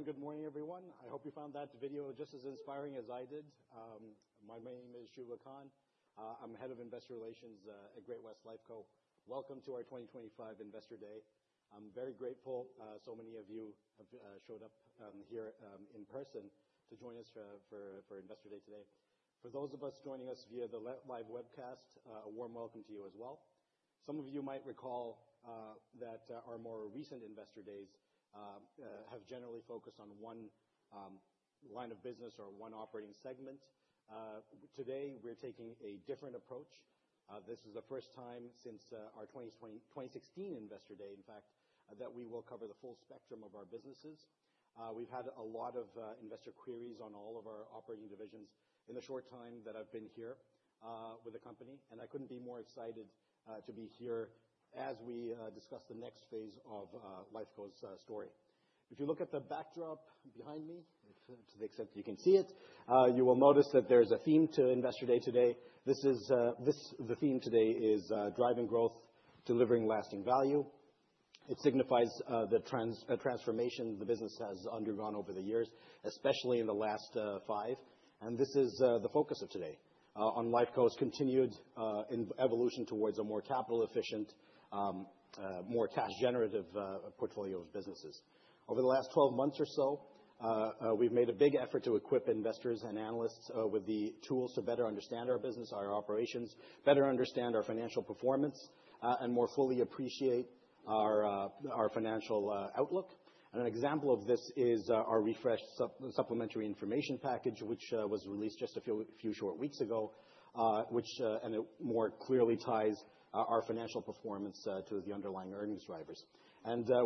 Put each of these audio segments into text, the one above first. Hello, and good morning, everyone. I hope you found that video just as inspiring as I did. My name is Shubha Khan. I'm Head of Investor Relations at Great-West Lifeco. Paul Mahon, welcome to our 2025 Investor Day. I'm very grateful so many of you have showed up here in person to join us for Investor Day today. For those of us joining us via the live webcast, a warm welcome to you as well. Some of you might recall that our more recent Investor Days have generally focused on one line of business or one operating segment. Today, we're taking a different approach. This is the first time since our 2016-2020 Investor Day, in fact, that we will cover the full spectrum of our businesses. We've had a lot of investor queries on all of our operating divisions in the short time that I've been here with the company, and I couldn't be more excited to be here as we discuss the next phase of Lifeco's story. If you look at the backdrop behind me, to the extent that you can see it, you will notice that there's a theme to Investor Day today. The theme today is driving growth, delivering lasting value. It signifies the transformation the business has undergone over the years, especially in the last five. This is the focus of today, on Lifeco's continued evolution towards a more capital-efficient, more cash-generative portfolio of businesses. Over the last 12 months or so, we've made a big effort to equip investors and analysts with the tools to better understand our business, our operations, better understand our financial performance, and more fully appreciate our financial outlook. An example of this is our refreshed supplementary information package, which was released just a few short weeks ago, and it more clearly ties our financial performance to the underlying earnings drivers.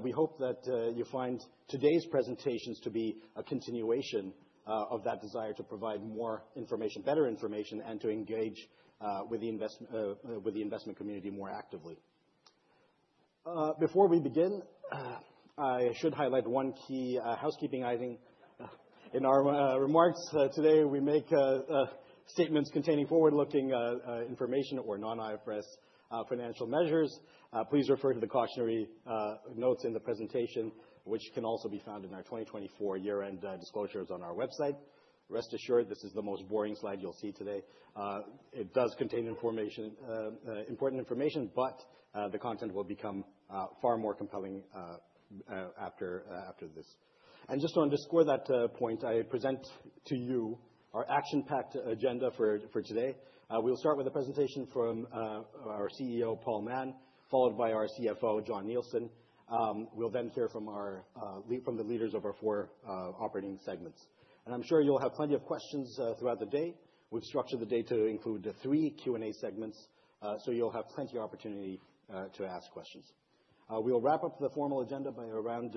We hope that you find today's presentations to be a continuation of that desire to provide more information, better information, and to engage with the investment community more actively. Before we begin, I should highlight one key housekeeping item in our remarks. Today, we make statements containing forward-looking information or non-IFRS financial measures. Please refer to the cautionary notes in the presentation, which can also be found in our 2024 year-end disclosures on our website. Rest assured, this is the most boring slide you'll see today. It does contain information, important information, but the content will become far more compelling after this. Just to underscore that point, I present to you our action-packed agenda for today. We'll start with a presentation from our CEO Paul Mahon, followed by our CFO, Jon Nielsen. We'll then hear from the leaders of our four operating segments. I'm sure you'll have plenty of questions throughout the day. We've structured the day to include three Q&A segments, so you'll have plenty of opportunity to ask questions. We'll wrap up the formal agenda by around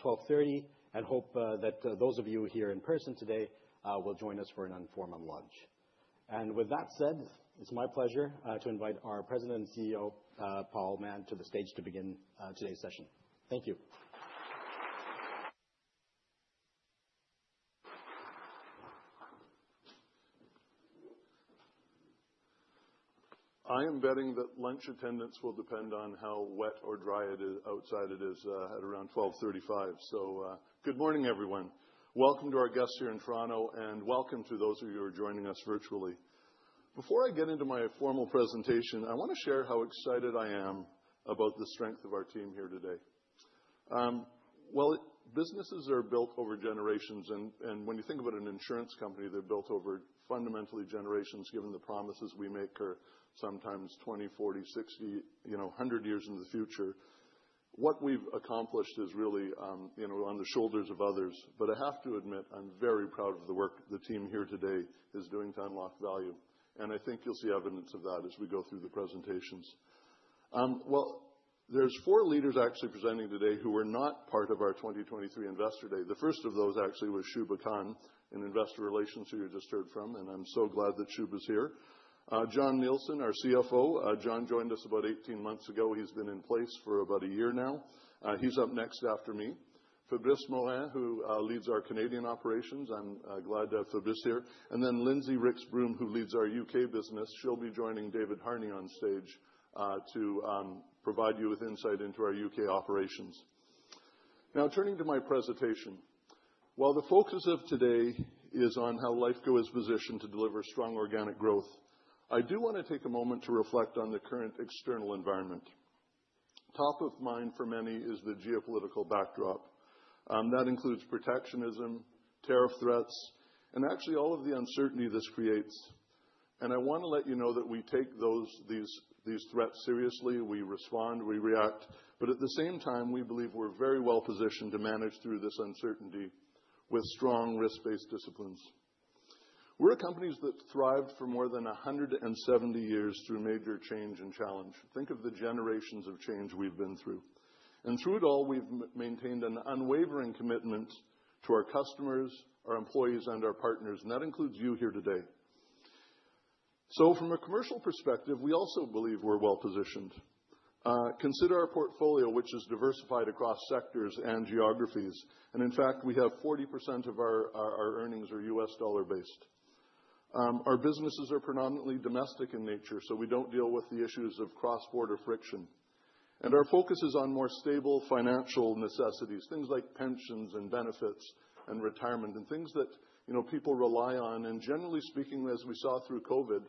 12:30 and hope that those of you here in person today will join us for an informal lunch. With that said, it's my pleasure to invite our President and CEO, Paul Mahon, to the stage to begin today's session. Thank you. I am betting that lunch attendance will depend on how wet or dry it is outside at around 12:35. Good morning, everyone. Welcome to our guests here in Toronto, and welcome to those of you who are joining us virtually. Before I get into my formal presentation, I want to share how excited I am about the strength of our team here today. Businesses are built over generations, and when you think about an insurance company, they're built over fundamentally generations, given the promises we make are sometimes 20, 40, 60, you know, 100 years in the future. What we've accomplished is really, you know, on the shoulders of others. I have to admit, I'm very proud of the work the team here today is doing to unlock value. I think you'll see evidence of that as we go through the presentations. There are four leaders actually presenting today who were not part of our 2023 Investor Day. The first of those actually was Shubha Khan, in investor relations, who you just heard from, and I'm so glad that Shubha's here. Jon Nielsen, our CFO, Jon joined us about 18 months ago. He's been in place for about a year now. He's up next after me. Fabrice Morin, who leads our Canadian operations. I'm glad to have Fabrice here. And then Lindsay Rix-Broom, who leads our U.K. business. She'll be joining David Harney on stage to provide you with insight into our U.K. operations. Now, turning to my presentation, while the focus of today is on how Lifeco is positioned to deliver strong organic growth, I do want to take a moment to reflect on the current external environment. Top of mind for many is the geopolitical backdrop. That includes protectionism, tariff threats, and actually all of the uncertainty this creates. I want to let you know that we take these threats seriously. We respond, we react. At the same time, we believe we're very well positioned to manage through this uncertainty with strong risk-based disciplines. We're a company that thrived for more than 170 years through major change and challenge. Think of the generations of change we've been through. Through it all, we've maintained an unwavering commitment to our customers, our employees, and our partners. That includes you here today. From a commercial perspective, we also believe we're well positioned. Consider our portfolio, which is diversified across sectors and geographies. In fact, 40% of our earnings are US dollar-based. Our businesses are predominantly domestic in nature, so we do not deal with the issues of cross-border friction. Our focus is on more stable financial necessities, things like pensions and benefits and retirement and things that, you know, people rely on. Generally speaking, as we saw through COVID,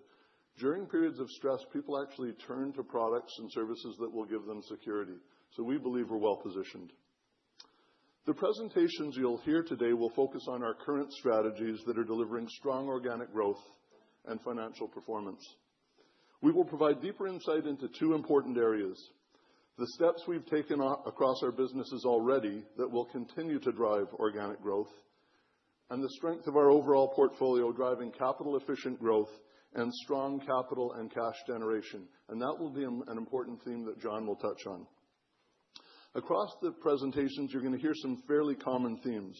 during periods of stress, people actually turn to products and services that will give them security. We believe we are well positioned. The presentations you will hear today will focus on our current strategies that are delivering strong organic growth and financial performance. We will provide deeper insight into two important areas: the steps we have taken across our businesses already that will continue to drive organic growth, and the strength of our overall portfolio driving capital-efficient growth and strong capital and cash generation. That will be an important theme that Jon will touch on. Across the presentations, you're going to hear some fairly common themes: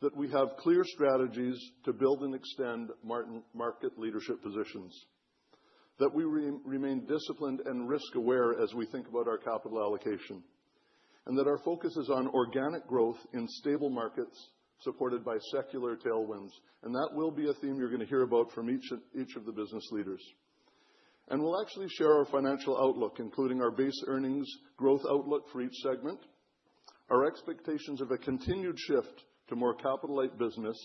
that we have clear strategies to build and extend market leadership positions, that we remain disciplined and risk-aware as we think about our capital allocation, and that our focus is on organic growth in stable markets supported by secular tailwinds. That will be a theme you're going to hear about from each of the business leaders. We'll actually share our financial outlook, including our base earnings growth outlook for each segment, our expectations of a continued shift to more capital-light business,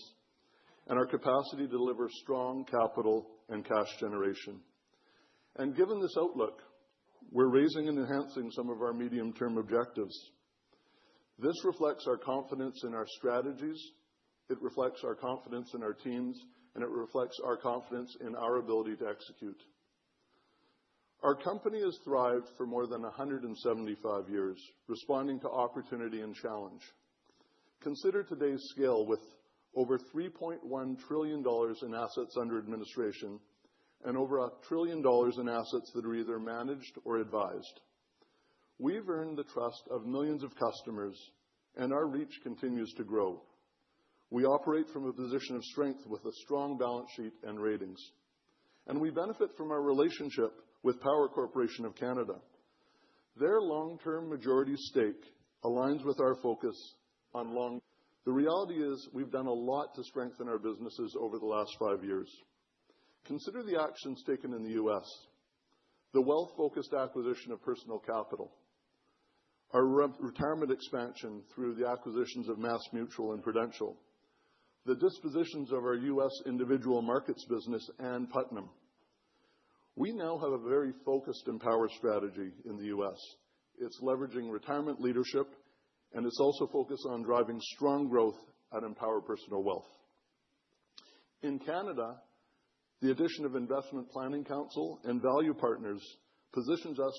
and our capacity to deliver strong capital and cash generation. Given this outlook, we're raising and enhancing some of our medium-term objectives. This reflects our confidence in our strategies. It reflects our confidence in our teams, and it reflects our confidence in our ability to execute. Our company has thrived for more than 175 years, responding to opportunity and challenge. Consider today's scale with over $3.1 trillion in assets under administration and over $1 trillion in assets that are either managed or advised. We've earned the trust of millions of customers, and our reach continues to grow. We operate from a position of strength with a strong balance sheet and ratings. We benefit from our relationship with Power Corporation of Canada. Their long-term majority stake aligns with our focus on long. The reality is we've done a lot to strengthen our businesses over the last five years. Consider the actions taken in the US: the wealth-focused acquisition of Personal Capital, our retirement expansion through the acquisitions of MassMutual and Prudential, the dispositions of our US individual markets business, and Putnam. We now have a very focused Empower strategy in the US. It's leveraging retirement leadership, and it's also focused on driving strong growth and Empower Personal Wealth. In Canada, the addition of Investment Planning Council and Value Partners positions us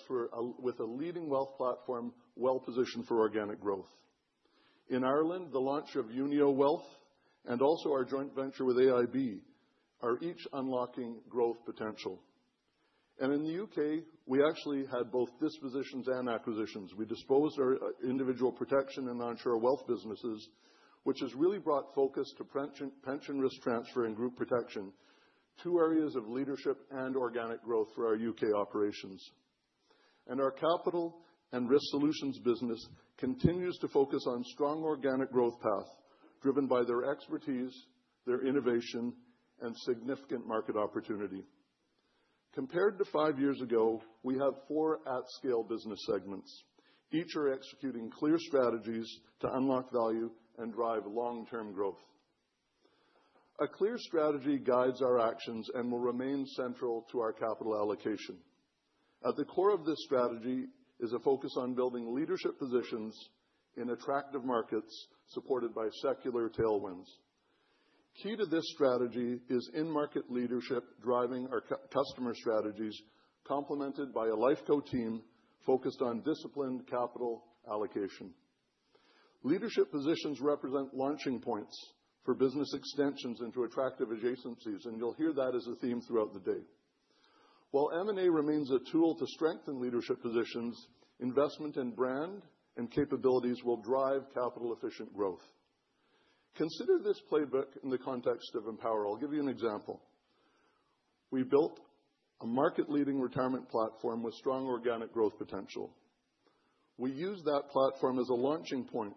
with a leading wealth platform well positioned for organic growth. In Ireland, the launch of Unio Wealth and also our joint venture with AIB are each unlocking growth potential. In the U.K., we actually had both dispositions and acquisitions. We disposed our individual protection and non-share wealth businesses, which has really brought focus to pension risk transfer and group protection, two areas of leadership and organic growth for our U.K. operations. Our Capital and Risk Solutions business continues to focus on strong organic growth paths driven by their expertise, their innovation, and significant market opportunity. Compared to five years ago, we have four at-scale business segments. Each are executing clear strategies to unlock value and drive long-term growth. A clear strategy guides our actions and will remain central to our capital allocation. At the core of this strategy is a focus on building leadership positions in attractive markets supported by secular tailwinds. Key to this strategy is in-market leadership driving our customer strategies, complemented by a Lifeco team focused on disciplined capital allocation. Leadership positions represent launching points for business extensions into attractive adjacencies, and you'll hear that as a theme throughout the day. While M&A remains a tool to strengthen leadership positions, investment in brand and capabilities will drive capital-efficient growth. Consider this playbook in the context of Empower. I'll give you an example. We built a market-leading retirement platform with strong organic growth potential. We used that platform as a launching point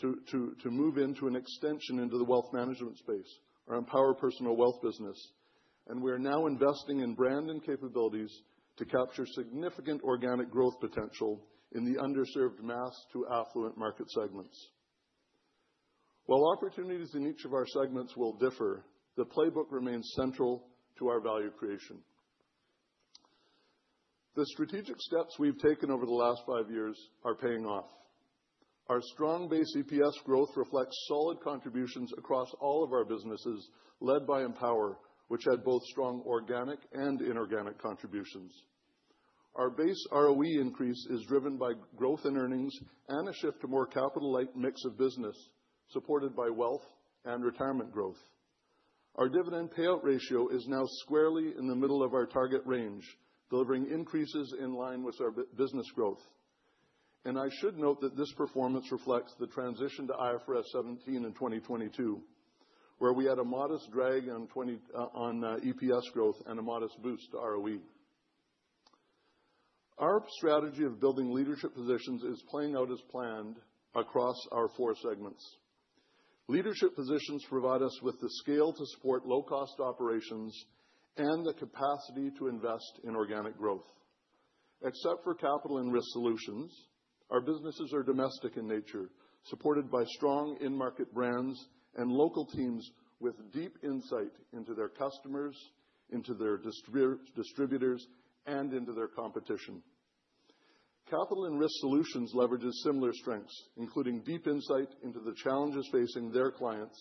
to move into an extension into the wealth management space, our Empower Personal Wealth business. We are now investing in brand and capabilities to capture significant organic growth potential in the underserved mass to affluent market segments. While opportunities in each of our segments will differ, the playbook remains central to our value creation. The strategic steps we have taken over the last five years are paying off. Our strong base EPS growth reflects solid contributions across all of our businesses led by Empower, which had both strong organic and inorganic contributions. Our base ROE increase is driven by growth in earnings and a shift to more capital-light mix of business supported by wealth and retirement growth. Our dividend payout ratio is now squarely in the middle of our target range, delivering increases in line with our business growth. I should note that this performance reflects the transition to IFRS 17 in 2022, where we had a modest drag on 2020, on, EPS growth and a modest boost to ROE. Our strategy of building leadership positions is playing out as planned across our four segments. Leadership positions provide us with the scale to support low-cost operations and the capacity to invest in organic growth. Except for capital and risk solutions, our businesses are domestic in nature, supported by strong in-market brands and local teams with deep insight into their customers, into their distributors, and into their competition. Capital and risk solutions leverage similar strengths, including deep insight into the challenges facing their clients,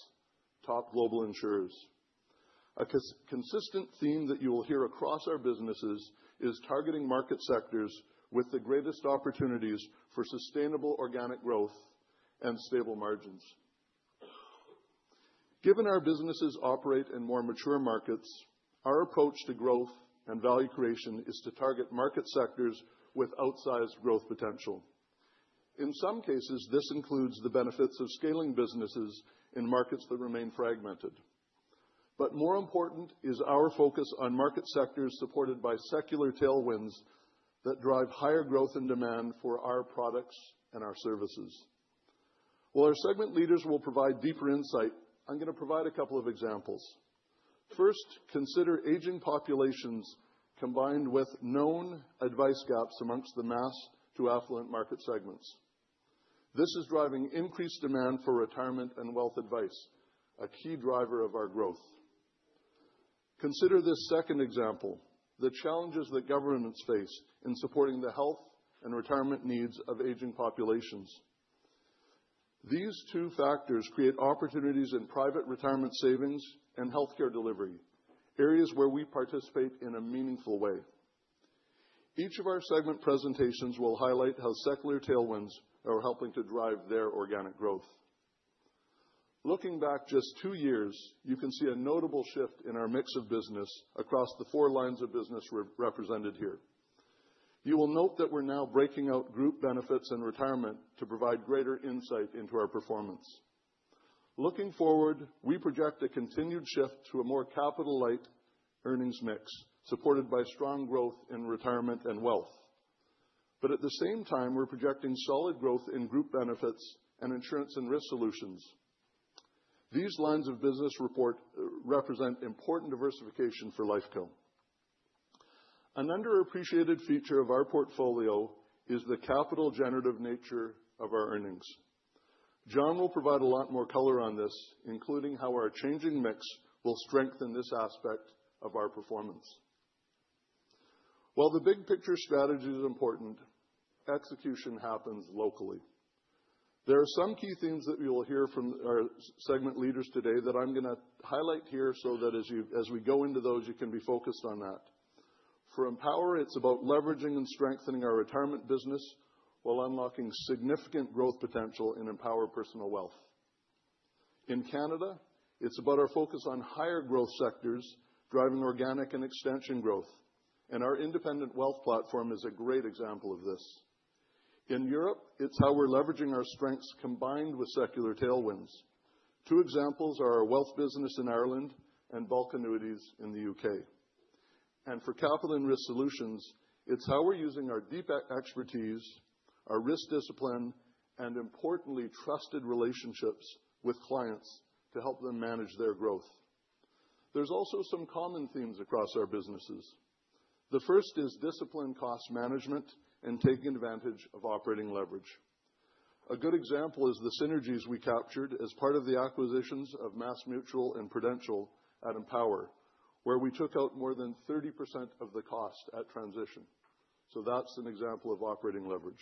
top global insurers. A consistent theme that you will hear across our businesses is targeting market sectors with the greatest opportunities for sustainable organic growth and stable margins. Given our businesses operate in more mature markets, our approach to growth and value creation is to target market sectors with outsized growth potential. In some cases, this includes the benefits of scaling businesses in markets that remain fragmented. More important is our focus on market sectors supported by secular tailwinds that drive higher growth and demand for our products and our services. While our segment leaders will provide deeper insight, I'm going to provide a couple of examples. First, consider aging populations combined with known advice gaps amongst the mass to affluent market segments. This is driving increased demand for retirement and wealth advice, a key driver of our growth. Consider this second example: the challenges that governments face in supporting the health and retirement needs of aging populations. These two factors create opportunities in private retirement savings and healthcare delivery, areas where we participate in a meaningful way. Each of our segment presentations will highlight how secular tailwinds are helping to drive their organic growth. Looking back just two years, you can see a notable shift in our mix of business across the four lines of business represented here. You will note that we're now breaking out group benefits and retirement to provide greater insight into our performance. Looking forward, we project a continued shift to a more capital-light earnings mix supported by strong growth in retirement and wealth. At the same time, we're projecting solid growth in group benefits and insurance and risk solutions. These lines of business represent important diversification for Lifeco. An underappreciated feature of our portfolio is the capital-generative nature of our earnings. Jon will provide a lot more color on this, including how our changing mix will strengthen this aspect of our performance. While the big-picture strategy is important, execution happens locally. There are some key themes that you will hear from our segment leaders today that I'm going to highlight here so that as you, as we go into those, you can be focused on that. For Empower, it's about leveraging and strengthening our retirement business while unlocking significant growth potential in Empower Personal Wealth. In Canada, it's about our focus on higher growth sectors driving organic and extension growth. Our independent wealth platform is a great example of this. In Europe, it's how we're leveraging our strengths combined with secular tailwinds. Two examples are our wealth business in Ireland and bulk annuities in the U.K. For capital and risk solutions, it's how we're using our deep expertise, our risk discipline, and importantly, trusted relationships with clients to help them manage their growth. There are also some common themes across our businesses. The first is disciplined cost management and taking advantage of operating leverage. A good example is the synergies we captured as part of the acquisitions of MassMutual and Prudential at Empower, where we took out more than 30% of the cost at transition. That is an example of operating leverage.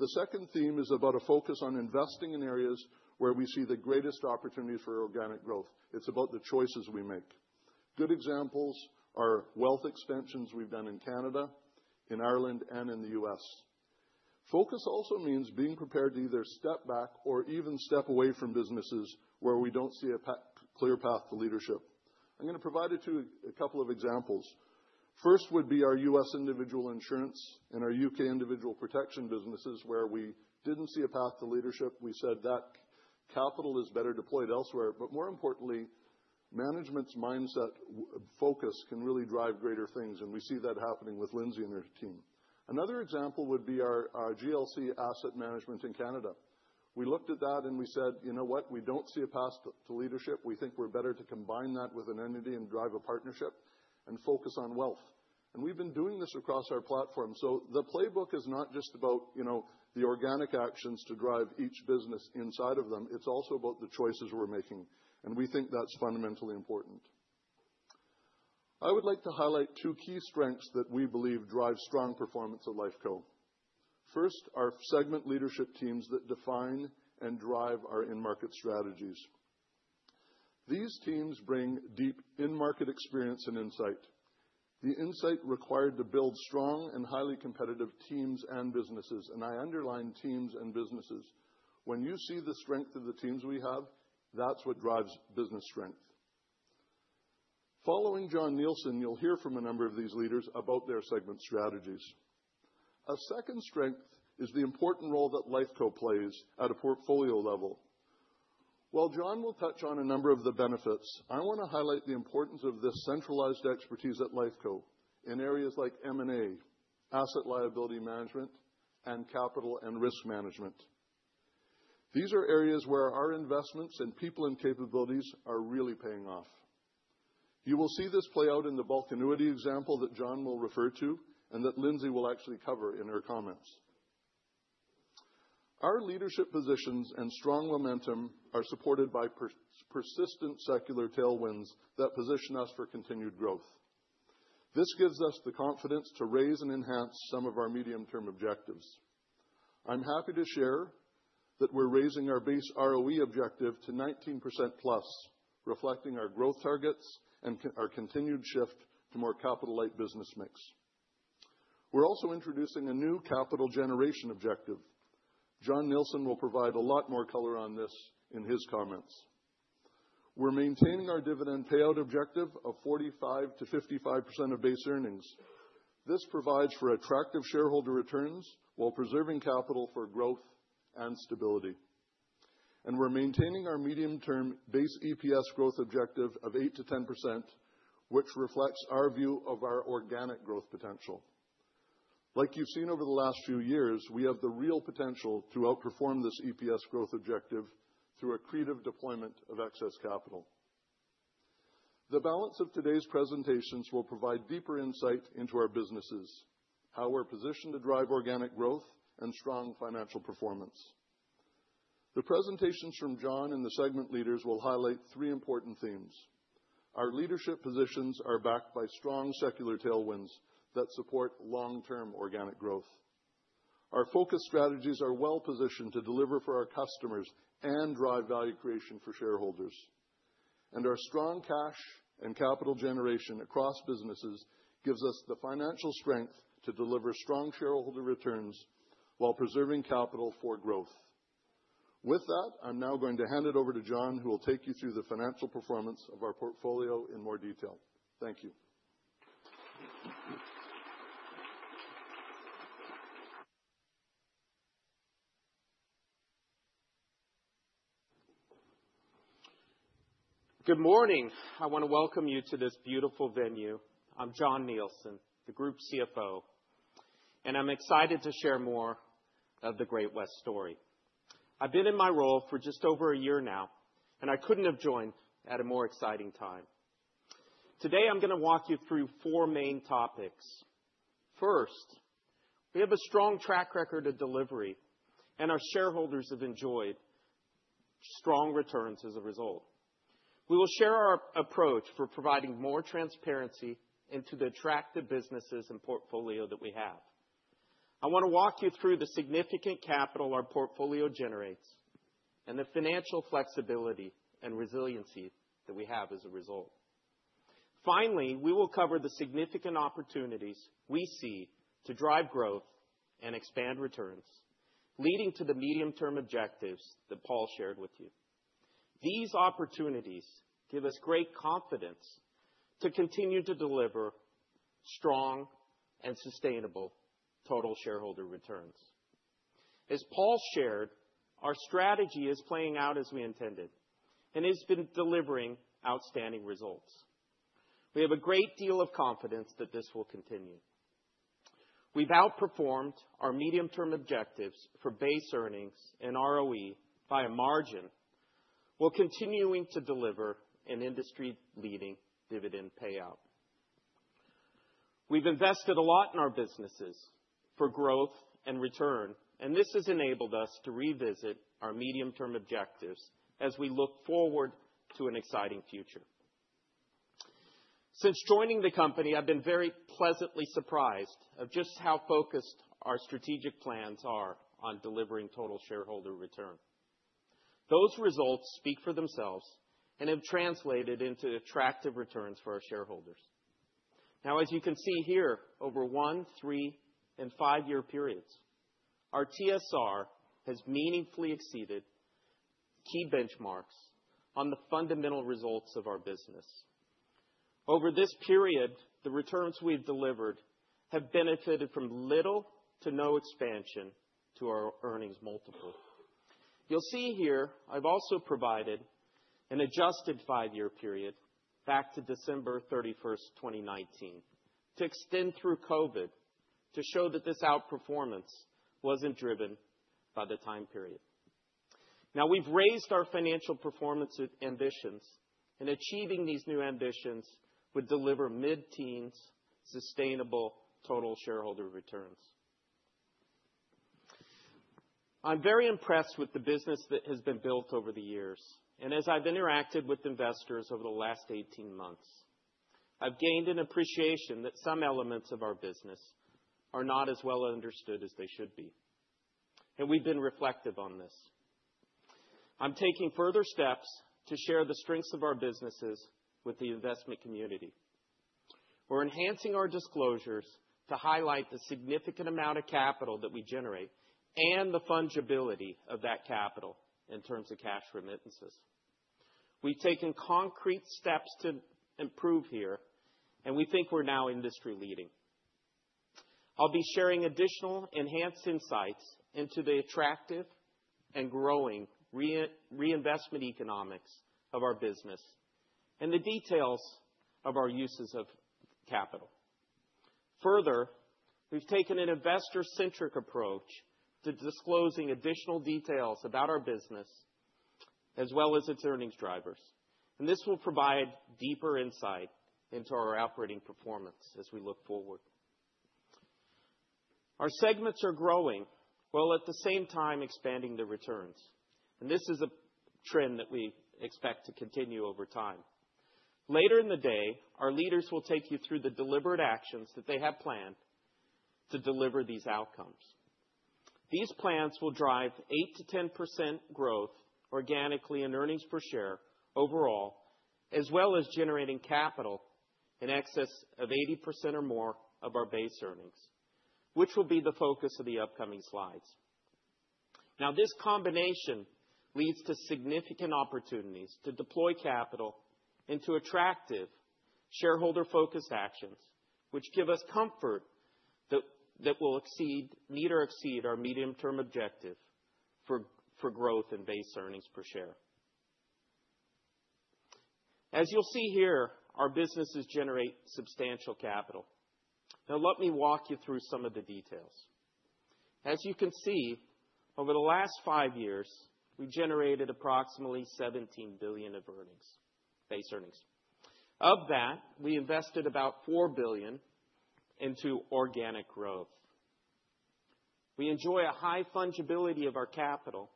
The second theme is about a focus on investing in areas where we see the greatest opportunities for organic growth. It's about the choices we make. Good examples are wealth extensions we've done in Canada, in Ireland, and in the U.S. Focus also means being prepared to either step back or even step away from businesses where we don't see a clear path to leadership. I'm going to provide you two a couple of examples. First would be our US individual insurance and our UK individual protection businesses, where we didn't see a path to leadership. We said that capital is better deployed elsewhere. More importantly, management's mindset focus can really drive greater things. We see that happening with Lindsay and her team. Another example would be our GLC asset management in Canada. We looked at that and we said, you know what? We don't see a path to leadership. We think we're better to combine that with an entity and drive a partnership and focus on wealth. We've been doing this across our platform. The playbook is not just about, you know, the organic actions to drive each business inside of them. It's also about the choices we're making. We think that's fundamentally important. I would like to highlight two key strengths that we believe drive strong performance at Lifeco. First, our segment leadership teams that define and drive our in-market strategies. These teams bring deep in-market experience and insight, the insight required to build strong and highly competitive teams and businesses. I underline teams and businesses. When you see the strength of the teams we have, that's what drives business strength. Following Jon Nielsen, you'll hear from a number of these leaders about their segment strategies. A second strength is the important role that Lifeco plays at a portfolio level. While Jon will touch on a number of the benefits, I want to highlight the importance of this centralized expertise at Lifeco in areas like M&A, asset liability management, and capital and risk management. These are areas where our investments and people and capabilities are really paying off. You will see this play out in the bulk annuity example that Jon will refer to and that Lindsay will actually cover in her comments. Our leadership positions and strong momentum are supported by persistent secular tailwinds that position us for continued growth. This gives us the confidence to raise and enhance some of our medium-term objectives. I'm happy to share that we're raising our base ROE objective to 19%+, reflecting our growth targets and our continued shift to more capital-light business mix. We're also introducing a new capital generation objective. Jon Nielsen will provide a lot more color on this in his comments. We are maintaining our dividend payout objective of 45-55% of base earnings. This provides for attractive shareholder returns while preserving capital for growth and stability. We are maintaining our medium-term base EPS growth objective of 8-10%, which reflects our view of our organic growth potential. Like you have seen over the last few years, we have the real potential to outperform this EPS growth objective through a creative deployment of excess capital. The balance of today's presentations will provide deeper insight into our businesses, how we are positioned to drive organic growth and strong financial performance. The presentations from Jon and the segment leaders will highlight three important themes. Our leadership positions are backed by strong secular tailwinds that support long-term organic growth. Our focus strategies are well-positioned to deliver for our customers and drive value creation for shareholders. Our strong cash and capital generation across businesses gives us the financial strength to deliver strong shareholder returns while preserving capital for growth. With that, I'm now going to hand it over to Jon, who will take you through the financial performance of our portfolio in more detail. Thank you. Good morning. I want to welcome you to this beautiful venue. I'm Jon Nielsen, the Group CFO, and I'm excited to share more of the Great-West story. I've been in my role for just over a year now, and I couldn't have joined at a more exciting time. Today, I'm going to walk you through four main topics. First, we have a strong track record of delivery, and our shareholders have enjoyed strong returns as a result. We will share our approach for providing more transparency into the attractive businesses and portfolio that we have. I want to walk you through the significant capital our portfolio generates and the financial flexibility and resiliency that we have as a result. Finally, we will cover the significant opportunities we see to drive growth and expand returns, leading to the medium-term objectives that Paul shared with you. These opportunities give us great confidence to continue to deliver strong and sustainable total shareholder returns. As Paul shared, our strategy is playing out as we intended and has been delivering outstanding results. We have a great deal of confidence that this will continue. We've outperformed our medium-term objectives for base earnings and ROE by a margin while continuing to deliver an industry-leading dividend payout. We've invested a lot in our businesses for growth and return, and this has enabled us to revisit our medium-term objectives as we look forward to an exciting future. Since joining the company, I've been very pleasantly surprised of just how focused our strategic plans are on delivering total shareholder return. Those results speak for themselves and have translated into attractive returns for our shareholders. Now, as you can see here, over one, three, and five-year periods, our TSR has meaningfully exceeded key benchmarks on the fundamental results of our business. Over this period, the returns we've delivered have benefited from little to no expansion to our earnings multiple. You'll see here, I've also provided an adjusted five-year period back to December 31, 2019, to extend through COVID to show that this outperformance wasn't driven by the time period. Now, we've raised our financial performance ambitions, and achieving these new ambitions would deliver mid-teens, sustainable total shareholder returns. I'm very impressed with the business that has been built over the years. As I've interacted with investors over the last 18 months, I've gained an appreciation that some elements of our business are not as well understood as they should be. We've been reflective on this. I'm taking further steps to share the strengths of our businesses with the investment community. We're enhancing our disclosures to highlight the significant amount of capital that we generate and the fungibility of that capital in terms of cash remittances. We've taken concrete steps to improve here, and we think we're now industry-leading. I'll be sharing additional enhanced insights into the attractive and growing reinvestment economics of our business and the details of our uses of capital. Further, we've taken an investor-centric approach to disclosing additional details about our business as well as its earnings drivers. This will provide deeper insight into our operating performance as we look forward. Our segments are growing while at the same time expanding their returns. This is a trend that we expect to continue over time. Later in the day, our leaders will take you through the deliberate actions that they have planned to deliver these outcomes. These plans will drive 8-10% growth organically in earnings per share overall, as well as generating capital in excess of 80% or more of our base earnings, which will be the focus of the upcoming slides. Now, this combination leads to significant opportunities to deploy capital into attractive shareholder-focused actions, which give us comfort that we will meet or exceed our medium-term objective for growth in base earnings per share. As you'll see here, our businesses generate substantial capital. Now, let me walk you through some of the details. As you can see, over the last five years, we generated approximately $17 billion of earnings, base earnings. Of that, we invested about $4 billion into organic growth. We enjoy a high fungibility of our capital,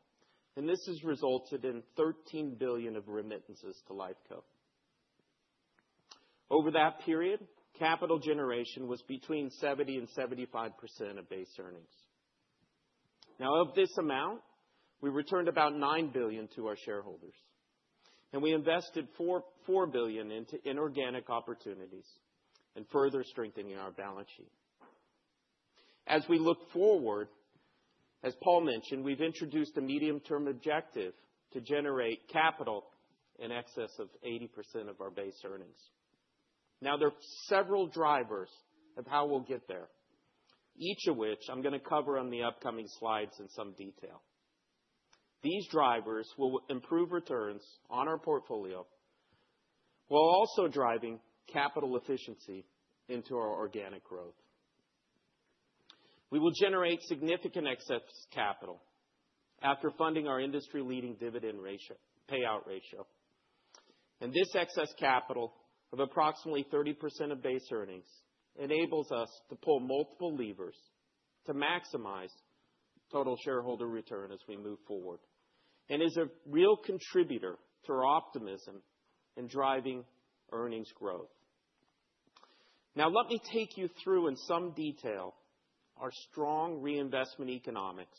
and this has resulted in $13 billion of remittances to Lifeco. Over that period, capital generation was between 70-75% of base earnings. Now, of this amount, we returned about $9 billion to our shareholders. We invested $4 billion into inorganic opportunities and further strengthening our balance sheet. As we look forward, as Paul mentioned, we've introduced a medium-term objective to generate capital in excess of 80% of our base earnings. Now, there are several drivers of how we'll get there, each of which I'm going to cover on the upcoming slides in some detail. These drivers will improve returns on our portfolio while also driving capital efficiency into our organic growth. We will generate significant excess capital after funding our industry-leading dividend payout ratio. This excess capital of approximately 30% of base earnings enables us to pull multiple levers to maximize total shareholder return as we move forward and is a real contributor to our optimism in driving earnings growth. Now, let me take you through in some detail our strong reinvestment economics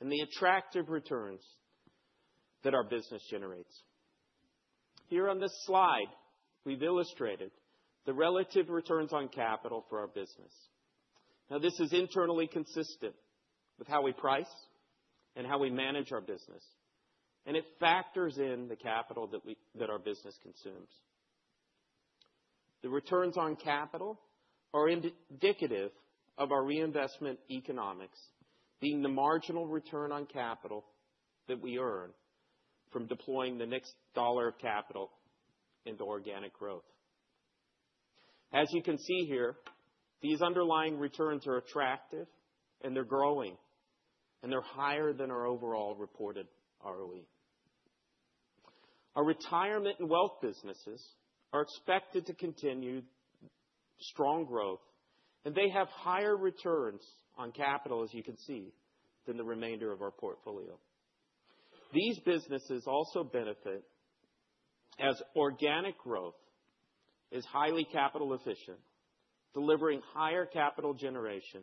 and the attractive returns that our business generates. Here on this slide, we've illustrated the relative returns on capital for our business. This is internally consistent with how we price and how we manage our business. It factors in the capital that our business consumes. The returns on capital are indicative of our reinvestment economics being the marginal return on capital that we earn from deploying the next dollar of capital into organic growth. As you can see here, these underlying returns are attractive, and they're growing, and they're higher than our overall reported ROE. Our retirement and wealth businesses are expected to continue strong growth, and they have higher returns on capital, as you can see, than the remainder of our portfolio. These businesses also benefit as organic growth is highly capital efficient, delivering higher capital generation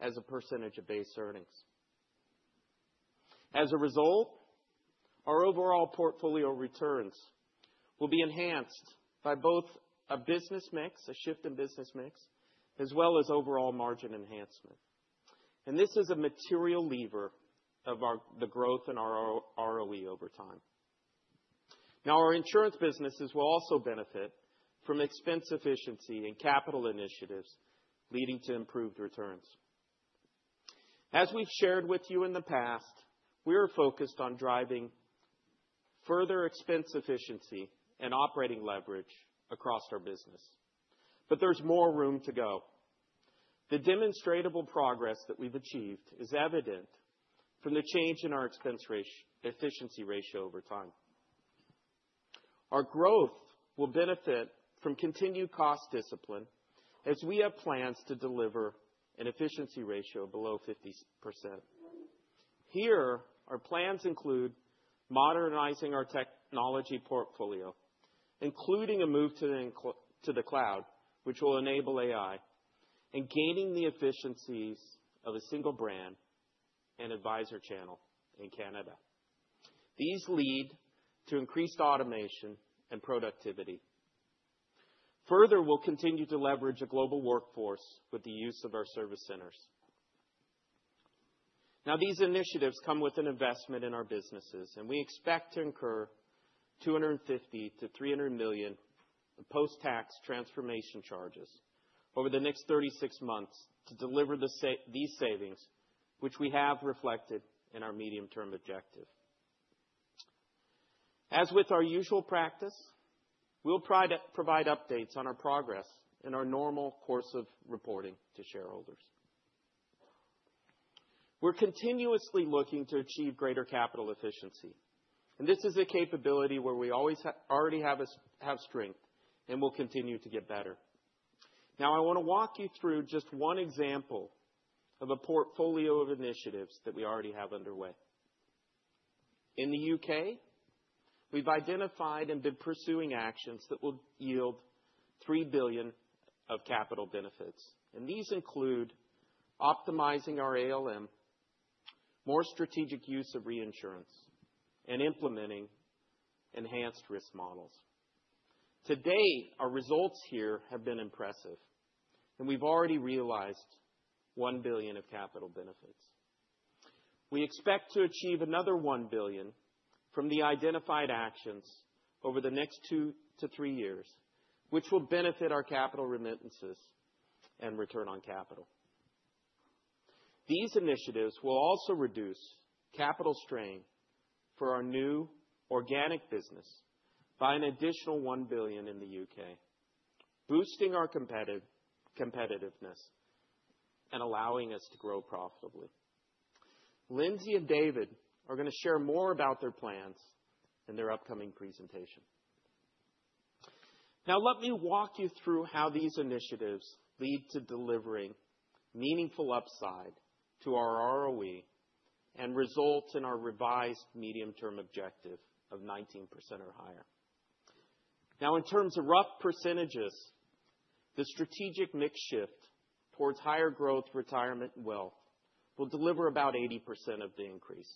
as a percentage of base earnings. As a result, our overall portfolio returns will be enhanced by both a business mix, a shift in business mix, as well as overall margin enhancement. This is a material lever of the growth in our ROE over time. Now, our insurance businesses will also benefit from expense efficiency and capital initiatives leading to improved returns. As we've shared with you in the past, we are focused on driving further expense efficiency and operating leverage across our business. There is more room to go. The demonstrable progress that we've achieved is evident from the change in our expense efficiency ratio over time. Our growth will benefit from continued cost discipline as we have plans to deliver an efficiency ratio below 50%. Here, our plans include modernizing our technology portfolio, including a move to the cloud, which will enable AI, and gaining the efficiencies of a single brand and advisor channel in Canada. These lead to increased automation and productivity. Further, we'll continue to leverage a global workforce with the use of our service centers. Now, these initiatives come with an investment in our businesses, and we expect to incur $250 million-$300 million in post-tax transformation charges over the next 36 months to deliver these savings, which we have reflected in our medium-term objective. As with our usual practice, we'll provide updates on our progress in our normal course of reporting to shareholders. We're continuously looking to achieve greater capital efficiency. This is a capability where we already have strength and will continue to get better. Now, I want to walk you through just one example of a portfolio of initiatives that we already have underway. In the U.K., we've identified and been pursuing actions that will yield $3 billion of capital benefits. These include optimizing our ALM, more strategic use of reinsurance, and implementing enhanced risk models. Today, our results here have been impressive, and we've already realized $1 billion of capital benefits. We expect to achieve another $1 billion from the identified actions over the next two to three years, which will benefit our capital remittances and return on capital. These initiatives will also reduce capital strain for our new organic business by an additional $1 billion in the U.K., boosting our competitiveness and allowing us to grow profitably. Lindsay and David are going to share more about their plans in their upcoming presentation. Now, let me walk you through how these initiatives lead to delivering meaningful upside to our ROE and result in our revised medium-term objective of 19% or higher. Now, in terms of rough percentages, the strategic mix shift towards higher growth, retirement, and wealth will deliver about 80% of the increase,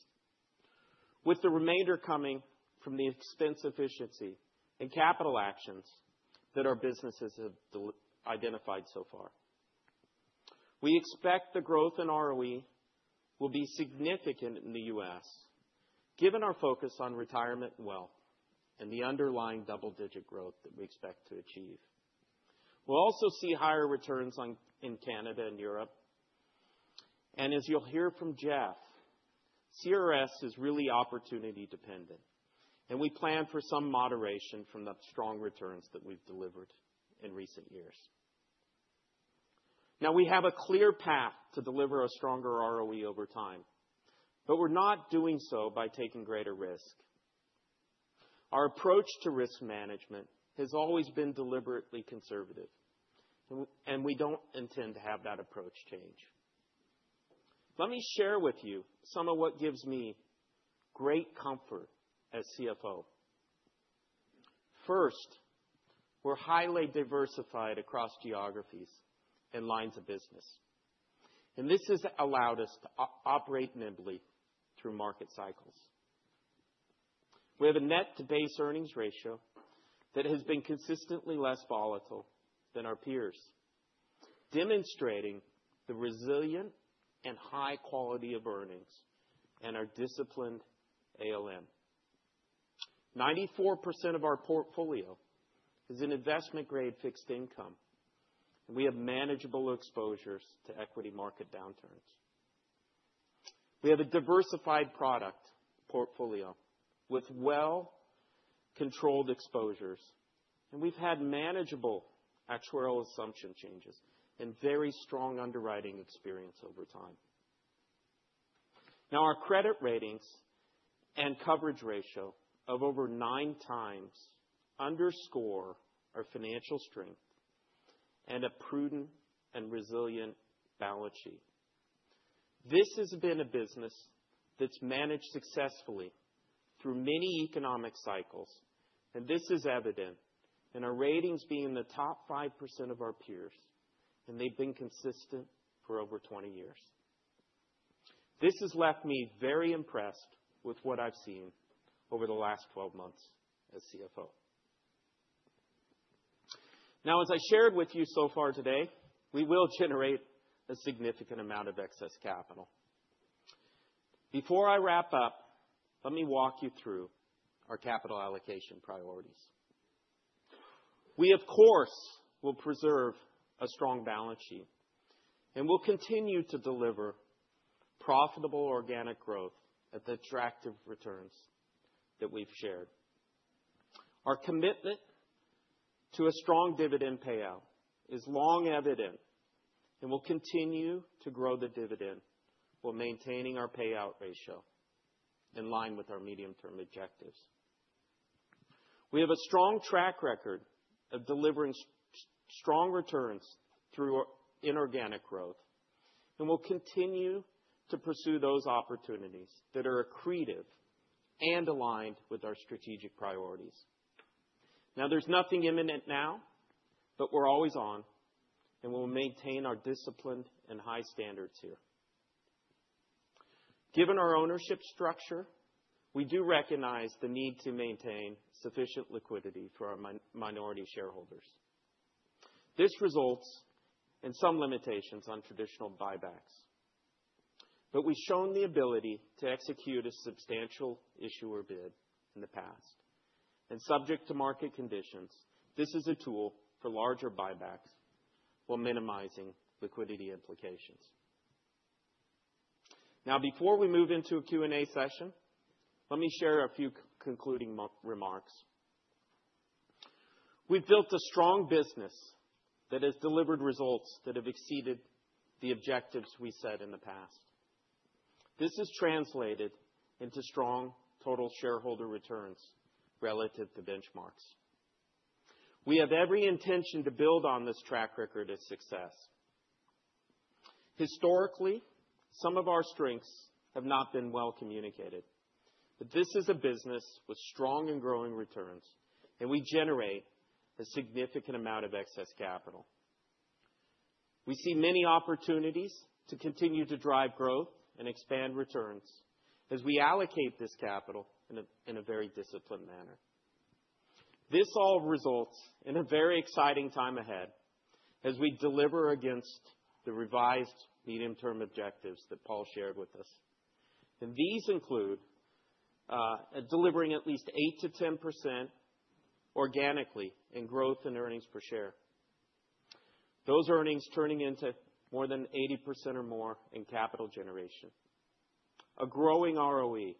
with the remainder coming from the expense efficiency and capital actions that our businesses have identified so far. We expect the growth in ROE will be significant in the U.S., given our focus on retirement and wealth and the underlying double-digit growth that we expect to achieve. We'll also see higher returns in Canada and Europe. As you'll hear from Jeff, CRS is really opportunity-dependent. We plan for some moderation from the strong returns that we've delivered in recent years. Now, we have a clear path to deliver a stronger ROE over time, but we're not doing so by taking greater risk. Our approach to risk management has always been deliberately conservative, and we don't intend to have that approach change. Let me share with you some of what gives me great comfort as CFO. First, we are highly diversified across geographies and lines of business. This has allowed us to operate nimbly through market cycles. We have a net-to-base earnings ratio that has been consistently less volatile than our peers, demonstrating the resilient and high quality of earnings and our disciplined ALM. 94% of our portfolio is in investment-grade fixed income, and we have manageable exposures to equity market downturns. We have a diversified product portfolio with well-controlled exposures, and we have had manageable actuarial assumption changes and very strong underwriting experience over time. Our credit ratings and coverage ratio of over nine times underscore our financial strength and a prudent and resilient balance sheet. This has been a business that's managed successfully through many economic cycles, and this is evident in our ratings being in the top 5% of our peers, and they've been consistent for over 20 years. This has left me very impressed with what I've seen over the last 12 months as CFO. Now, as I shared with you so far today, we will generate a significant amount of excess capital. Before I wrap up, let me walk you through our capital allocation priorities. We, of course, will preserve a strong balance sheet and will continue to deliver profitable organic growth at the attractive returns that we've shared. Our commitment to a strong dividend payout is long evident and will continue to grow the dividend while maintaining our payout ratio in line with our medium-term objectives. We have a strong track record of delivering strong returns through inorganic growth and will continue to pursue those opportunities that are accretive and aligned with our strategic priorities. Now, there's nothing imminent now, but we're always on and will maintain our discipline and high standards here. Given our ownership structure, we do recognize the need to maintain sufficient liquidity for our minority shareholders. This results in some limitations on traditional buybacks, but we've shown the ability to execute a substantial issuer bid in the past. Subject to market conditions, this is a tool for larger buybacks while minimizing liquidity implications. Now, before we move into a Q&A session, let me share a few concluding remarks. We've built a strong business that has delivered results that have exceeded the objectives we set in the past. This is translated into strong total shareholder returns relative to benchmarks. We have every intention to build on this track record of success. Historically, some of our strengths have not been well communicated, but this is a business with strong and growing returns, and we generate a significant amount of excess capital. We see many opportunities to continue to drive growth and expand returns as we allocate this capital in a very disciplined manner. This all results in a very exciting time ahead as we deliver against the revised medium-term objectives that Paul shared with us. These include delivering at least 8-10% organically in growth and earnings per share, those earnings turning into more than 80% or more in capital generation, a growing ROE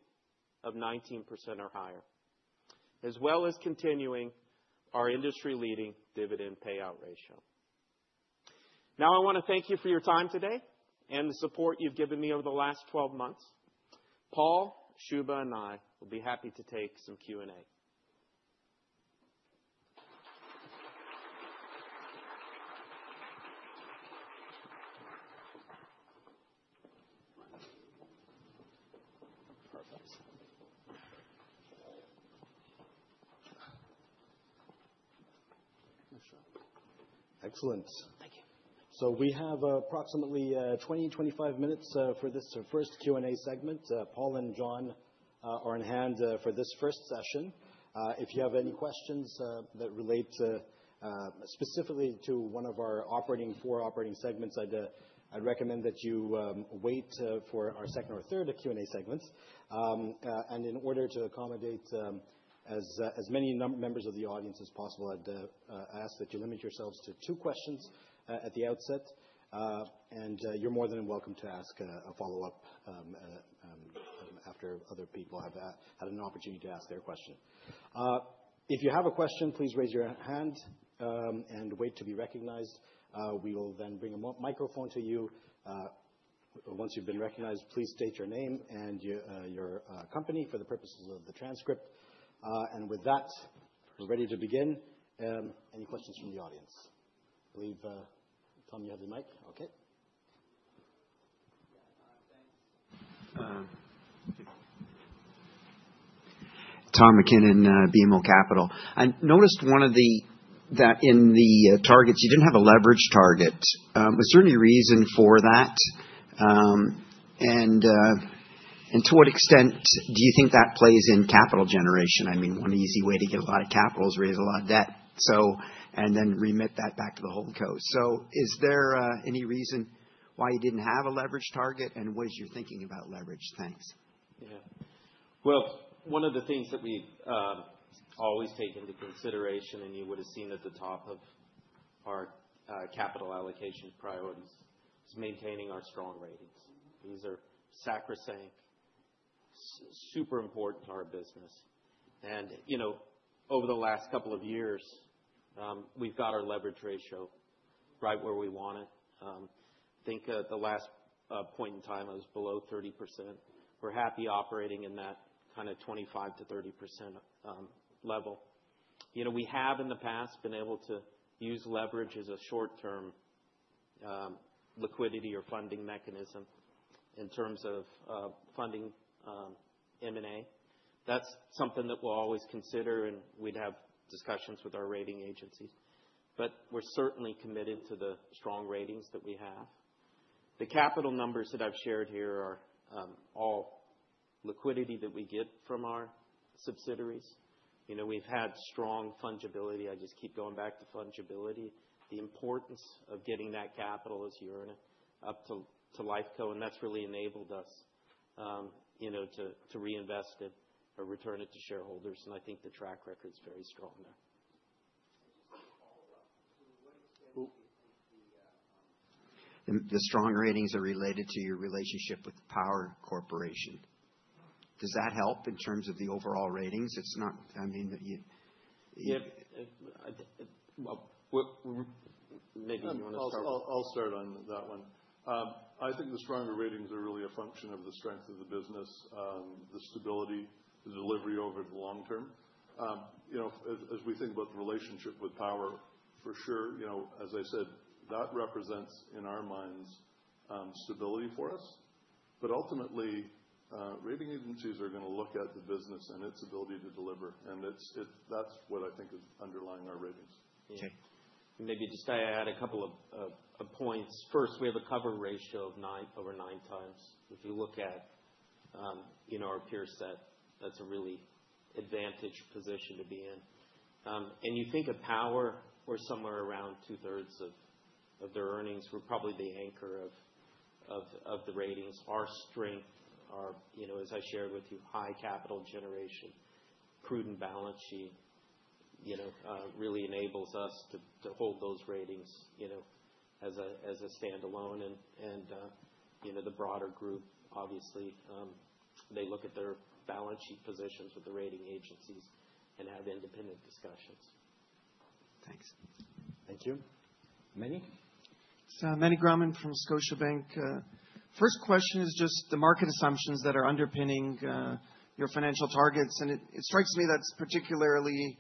of 19% or higher, as well as continuing our industry-leading dividend payout ratio. I want to thank you for your time today and the support you've given me over the last 12 months. Paul, Shubha, and I will be happy to take some Q&A. Perfect. Excellent. Thank you. We have approximately 20-25 minutes for this first Q&A segment. Paul and Jon are in hand for this first session. If you have any questions that relate specifically to one of our four operating segments, I recommend that you wait for our second or third Q&A segments. In order to accommodate as many members of the audience as possible, I ask that you limit yourselves to two questions at the outset. You are more than welcome to ask a follow-up after other people have had an opportunity to ask their question. If you have a question, please raise your hand and wait to be recognized. We will then bring a microphone to you. Once you have been recognized, please state your name and your company for the purposes of the transcript. With that, we're ready to begin. Any questions from the audience? I believe Tom, you have the mic. Okay. Thanks. Tom MacKinnon, BMO Capital. I noticed that in the targets, you did not have a leverage target. Was there any reason for that? To what extent do you think that plays in capital generation? I mean, one easy way to get a lot of capital is to raise a lot of debt, and then remit that back to the Holdco. Is there any reason why you did not have a leverage target, and what is your thinking about leverage? Thanks. Yeah. One of the things that we have always taken into consideration, and you would have seen at the top of our capital allocation priorities, is maintaining our strong ratings. These are sacrosanct, super important to our business. Over the last couple of years, we've got our leverage ratio right where we want it. I think at the last point in time, it was below 30%. We're happy operating in that kind of 25-30% level. We have, in the past, been able to use leverage as a short-term liquidity or funding mechanism in terms of funding M&A. That's something that we'll always consider, and we'd have discussions with our rating agencies. We're certainly committed to the strong ratings that we have. The capital numbers that I've shared here are all liquidity that we get from our subsidiaries. We've had strong fungibility. I just keep going back to fungibility. The importance of getting that capital as you're in it up to Lifeco, and that's really enabled us to reinvest it or return it to shareholders. I think the track record's very strong there. To what extent do you think the strong ratings are related to your relationship with Power Corporation? Does that help in terms of the overall ratings? I mean, maybe you want to start. I'll start on that one. I think the stronger ratings are really a function of the strength of the business, the stability, the delivery over the long term. As we think about the relationship with Power, for sure, as I said, that represents, in our minds, stability for us. Ultimately, rating agencies are going to look at the business and its ability to deliver. That's what I think is underlying our ratings. Okay. Maybe just add a couple of points. First, we have a cover ratio of over nine times. If you look at our peerset, that's a really advantageous position to be in. You think of Power where somewhere around two-thirds of their earnings were probably the anchor of the ratings, our strength, as I shared with you, high capital generation, prudent balance sheet really enables us to hold those ratings as a standalone. The broader group, obviously, they look at their balance sheet positions with the rating agencies and have independent discussions. Thanks. Thank you. Meny? Meny Grauman from Scotiabank. First question is just the market assumptions that are underpinning your financial targets. It strikes me that's particularly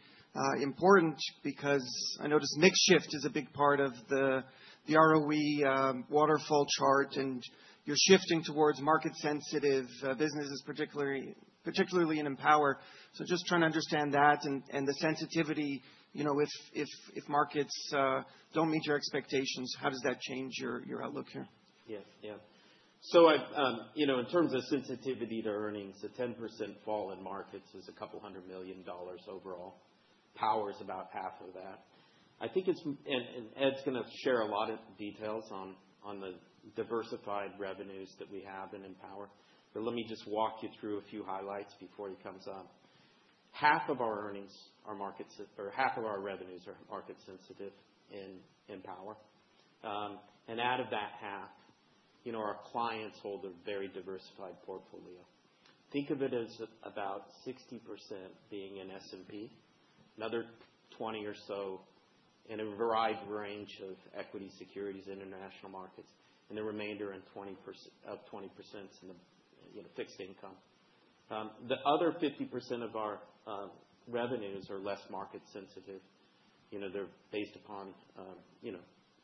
important because I noticed MixShift is a big part of the ROE waterfall chart, and you're shifting towards market-sensitive businesses, particularly in Power. Just trying to understand that and the sensitivity. If markets do not meet your expectations, how does that change your outlook here? Yes. Yeah. In terms of sensitivity to earnings, a 10% fall in markets is a couple hundred million dollars overall. Power is about half of that. I think Ed's going to share a lot of details on the diversified revenues that we have in Power. Let me just walk you through a few highlights before he comes on. Half of our earnings are market or half of our revenues are market-sensitive in Power. Out of that half, our clients hold a very diversified portfolio. Think of it as about 60% being in S&P, another 20 or so in a varied range of equity securities, international markets, and the remainder of 20% in fixed income. The other 50% of our revenues are less market-sensitive. They're based upon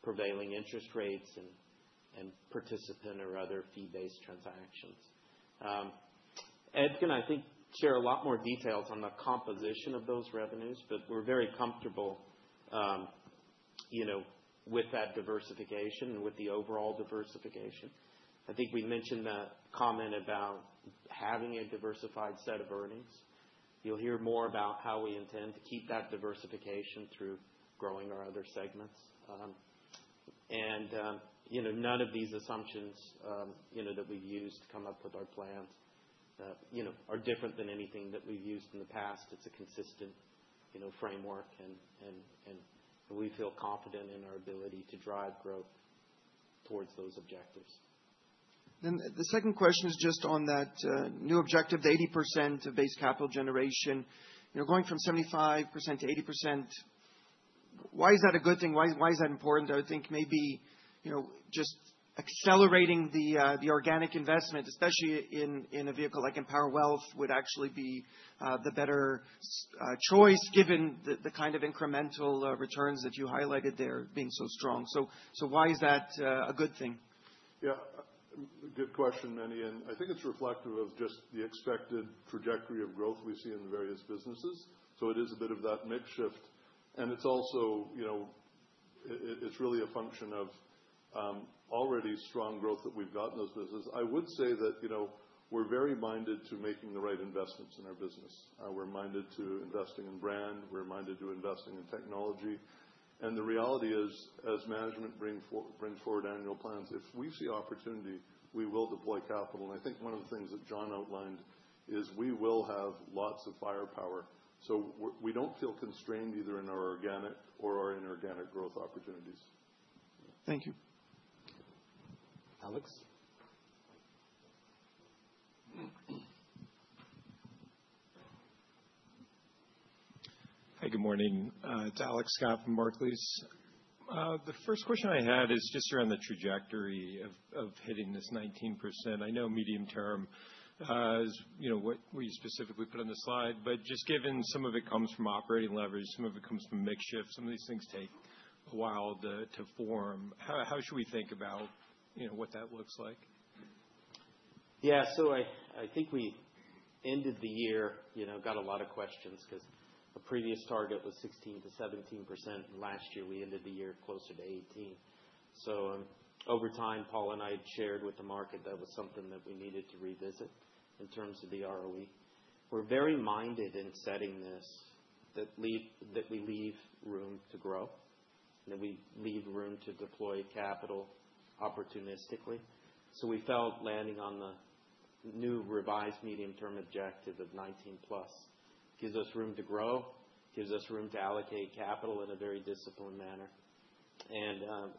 prevailing interest rates and participant or other fee-based transactions. Ed can I think share a lot more details on the composition of those revenues, but we're very comfortable with that diversification and with the overall diversification. I think we mentioned the comment about having a diversified set of earnings. You'll hear more about how we intend to keep that diversification through growing our other segments. None of these assumptions that we've used to come up with our plans are different than anything that we've used in the past. It's a consistent framework, and we feel confident in our ability to drive growth towards those objectives. The second question is just on that new objective, the 80% of base capital generation. Going from 75% to 80%, why is that a good thing? Why is that important? I think maybe just accelerating the organic investment, especially in a vehicle like Empower Wealth, would actually be the better choice given the kind of incremental returns that you highlighted there being so strong. Why is that a good thing? Yeah. Good question, Meny. I think it's reflective of just the expected trajectory of growth we see in various businesses. It is a bit of that mix shift. It's really a function of already strong growth that we've got in those businesses. I would say that we're very minded to making the right investments in our business. We're minded to investing in brand. We're minded to investing in technology. The reality is, as management brings forward annual plans, if we see opportunity, we will deploy capital. I think one of the things that Jon outlined is we will have lots of firepower. We do not feel constrained either in our organic or our inorganic growth opportunities. Thank you. Alex. Hi. Good morning. It is Alex Scott from Barclays. The first question I had is just around the trajectory of hitting this 19%. I know medium term is what we specifically put on the slide, but just given some of it comes from operating leverage, some of it comes from MixShift, some of these things take a while to form. How should we think about what that looks like? Yeah. I think we ended the year, got a lot of questions because a previous target was 16-17%. Last year, we ended the year closer to 18%. Over time, Paul and I had shared with the market that was something that we needed to revisit in terms of the ROE. We're very minded in setting this that we leave room to grow, that we leave room to deploy capital opportunistically. We felt landing on the new revised medium-term objective of 19% plus gives us room to grow, gives us room to allocate capital in a very disciplined manner.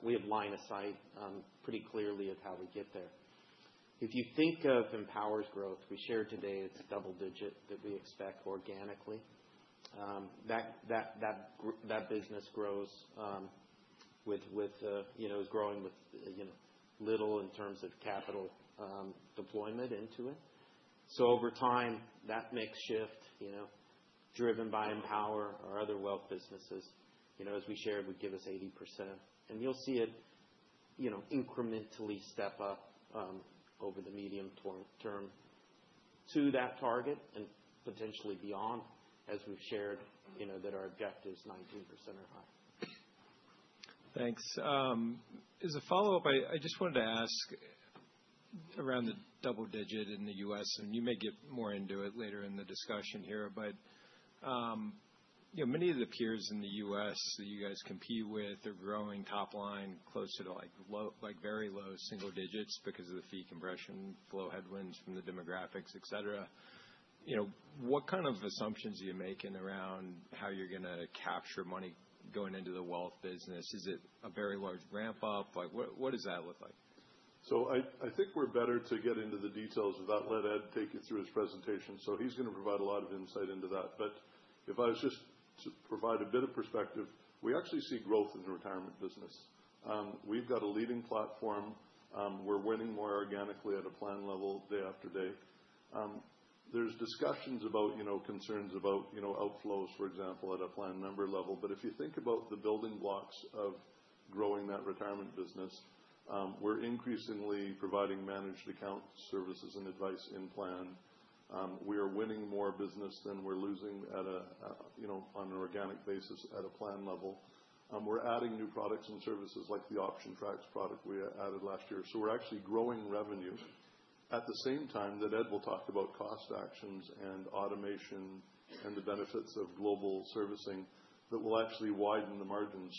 We have line of sight pretty clearly of how we get there. If you think of Empower's growth, we shared today it's double-digit that we expect organically. That business grows with is growing with little in terms of capital deployment into it. Over time, that MixShift, driven by Empower or other wealth businesses, as we shared, would give us 80%. You'll see it incrementally step up over the medium term to that target and potentially beyond as we've shared that our objectives, 19% or higher. Thanks. As a follow-up, I just wanted to ask around the double-digit in the US. You may get more into it later in the discussion here. Many of the peers in the US that you guys compete with are growing top line closer to very low single digits because of the fee compression, flow headwinds from the demographics, etc. What kind of assumptions are you making around how you're going to capture money going into the wealth business? Is it a very large ramp-up? What does that look like? I think we're better to get into the details of that. Let Ed take you through his presentation. He's going to provide a lot of insight into that. If I was just to provide a bit of perspective, we actually see growth in the retirement business. We've got a leading platform. We're winning more organically at a plan level day after day. There's discussions about concerns about outflows, for example, at a plan member level. If you think about the building blocks of growing that retirement business, we're increasingly providing managed account services and advice in plan. We are winning more business than we're losing on an organic basis at a plan level. We're adding new products and services like the Option Tracks product we added last year. We're actually growing revenues at the same time that Ed will talk about cost actions and automation and the benefits of global servicing that will actually widen the margins.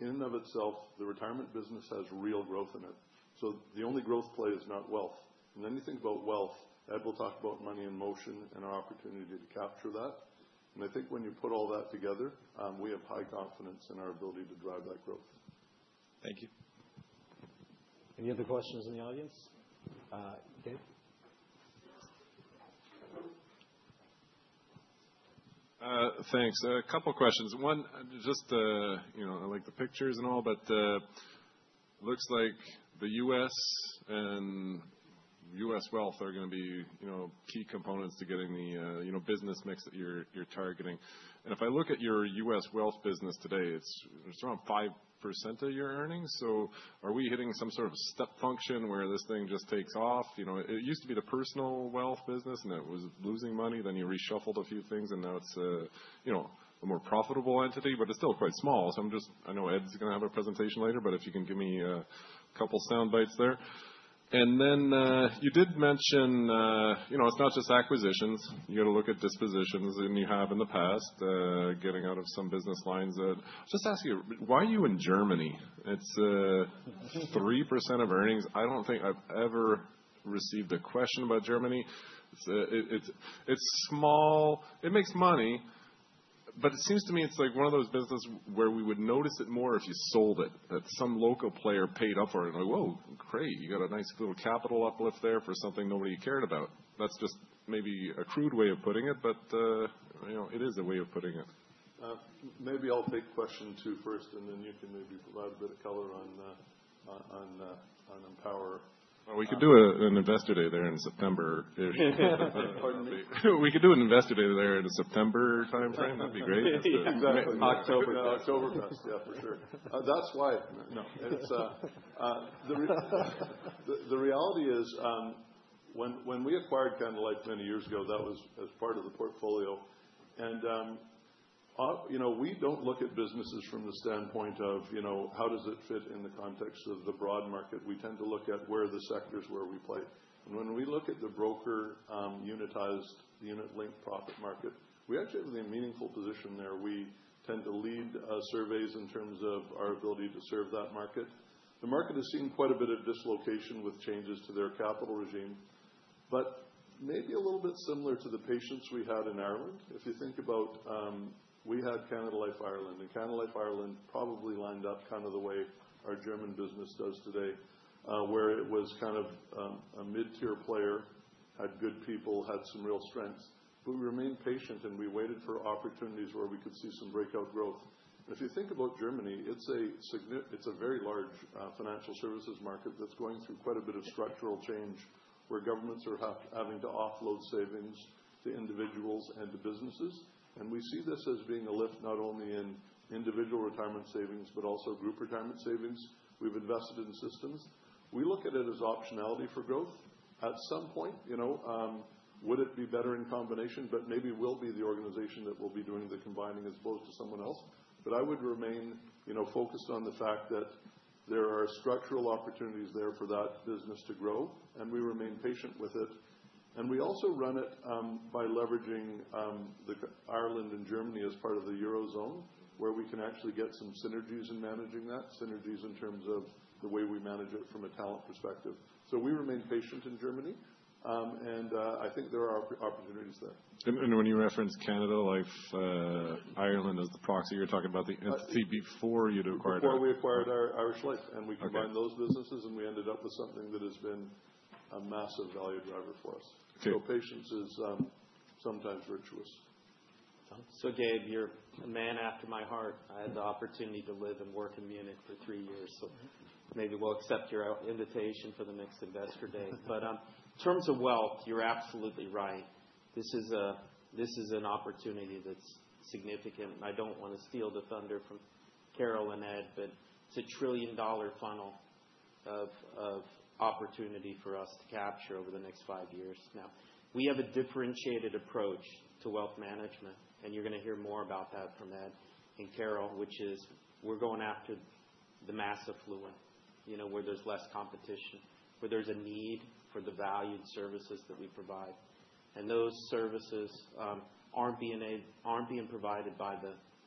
In and of itself, the retirement business has real growth in it. The only growth play is not wealth. You think about wealth. Ed will talk about money in motion and our opportunity to capture that. I think when you put all that together, we have high confidence in our ability to drive that growth. Thank you. Any other questions in the audience? Dave? Thanks. A couple of questions. One, just I like the pictures and all, but it looks like the U.S. and U.S. wealth are going to be key components to getting the business mix that you're targeting. If I look at your U.S. wealth business today, it's around 5% of your earnings. Are we hitting some sort of step function where this thing just takes off? It used to be the personal wealth business, and it was losing money. Then you reshuffled a few things, and now it's a more profitable entity. It's still quite small. I know Ed's going to have a presentation later, but if you can give me a couple of sound bites there. You did mention it's not just acquisitions. You got to look at dispositions that you have in the past, getting out of some business lines. Just ask you, why are you in Germany? It's 3% of earnings. I don't think I've ever received a question about Germany. It's small. It makes money. It seems to me it's like one of those businesses where we would notice it more if you sold it, that some local player paid up for it. Like, "Whoa, great. You got a nice little capital uplift there for something nobody cared about." That's just maybe a crude way of putting it, but it is a way of putting it. Maybe I'll take question two first, and then you can maybe provide a bit of color on Empower. We could do an investor day there in September. Pardon me. We could do an investor day there in the September timeframe. That'd be great. Exactly. October. October. Yeah, for sure. That's why. No. The reality is when we acquired Canada Life many years ago, that was as part of the portfolio. And we don't look at businesses from the standpoint of how does it fit in the context of the broad market. We tend to look at where the sectors where we play. And when we look at the broker unitized, unit-linked profit market, we actually have a meaningful position there. We tend to lead surveys in terms of our ability to serve that market. The market has seen quite a bit of dislocation with changes to their capital regime, but maybe a little bit similar to the patience we had in Ireland. If you think about we had Canada Life Ireland. Canada Life Ireland probably lined up kind of the way our German business does today, where it was kind of a mid-tier player, had good people, had some real strengths. We remained patient, and we waited for opportunities where we could see some breakout growth. If you think about Germany, it's a very large financial services market that's going through quite a bit of structural change where governments are having to offload savings to individuals and to businesses. We see this as being a lift not only in individual retirement savings but also group retirement savings. We've invested in systems. We look at it as optionality for growth. At some point, would it be better in combination? Maybe we'll be the organization that will be doing the combining as opposed to someone else. I would remain focused on the fact that there are structural opportunities there for that business to grow, and we remain patient with it. We also run it by leveraging Ireland and Germany as part of the Eurozone, where we can actually get some synergies in managing that, synergies in terms of the way we manage it from a talent perspective. We remain patient in Germany, and I think there are opportunities there. When you reference Canada Life Ireland as the proxy, you're talking about the entity before you acquired Ireland. Before we acquired Irish Life. We combined those businesses, and we ended up with something that has been a massive value driver for us. Patience is sometimes virtuous. Dave, you're a man after my heart. I had the opportunity to live and work in Munich for three years. Maybe we'll accept your invitation for the Mix Investor Day. In terms of wealth, you're absolutely right. This is an opportunity that's significant. I don't want to steal the thunder from Carol and Ed, but it's a trillion-dollar funnel of opportunity for us to capture over the next five years. We have a differentiated approach to wealth management, and you're going to hear more about that from Ed and Carol, which is we're going after the mass affluent where there's less competition, where there's a need for the valued services that we provide. Those services aren't being provided by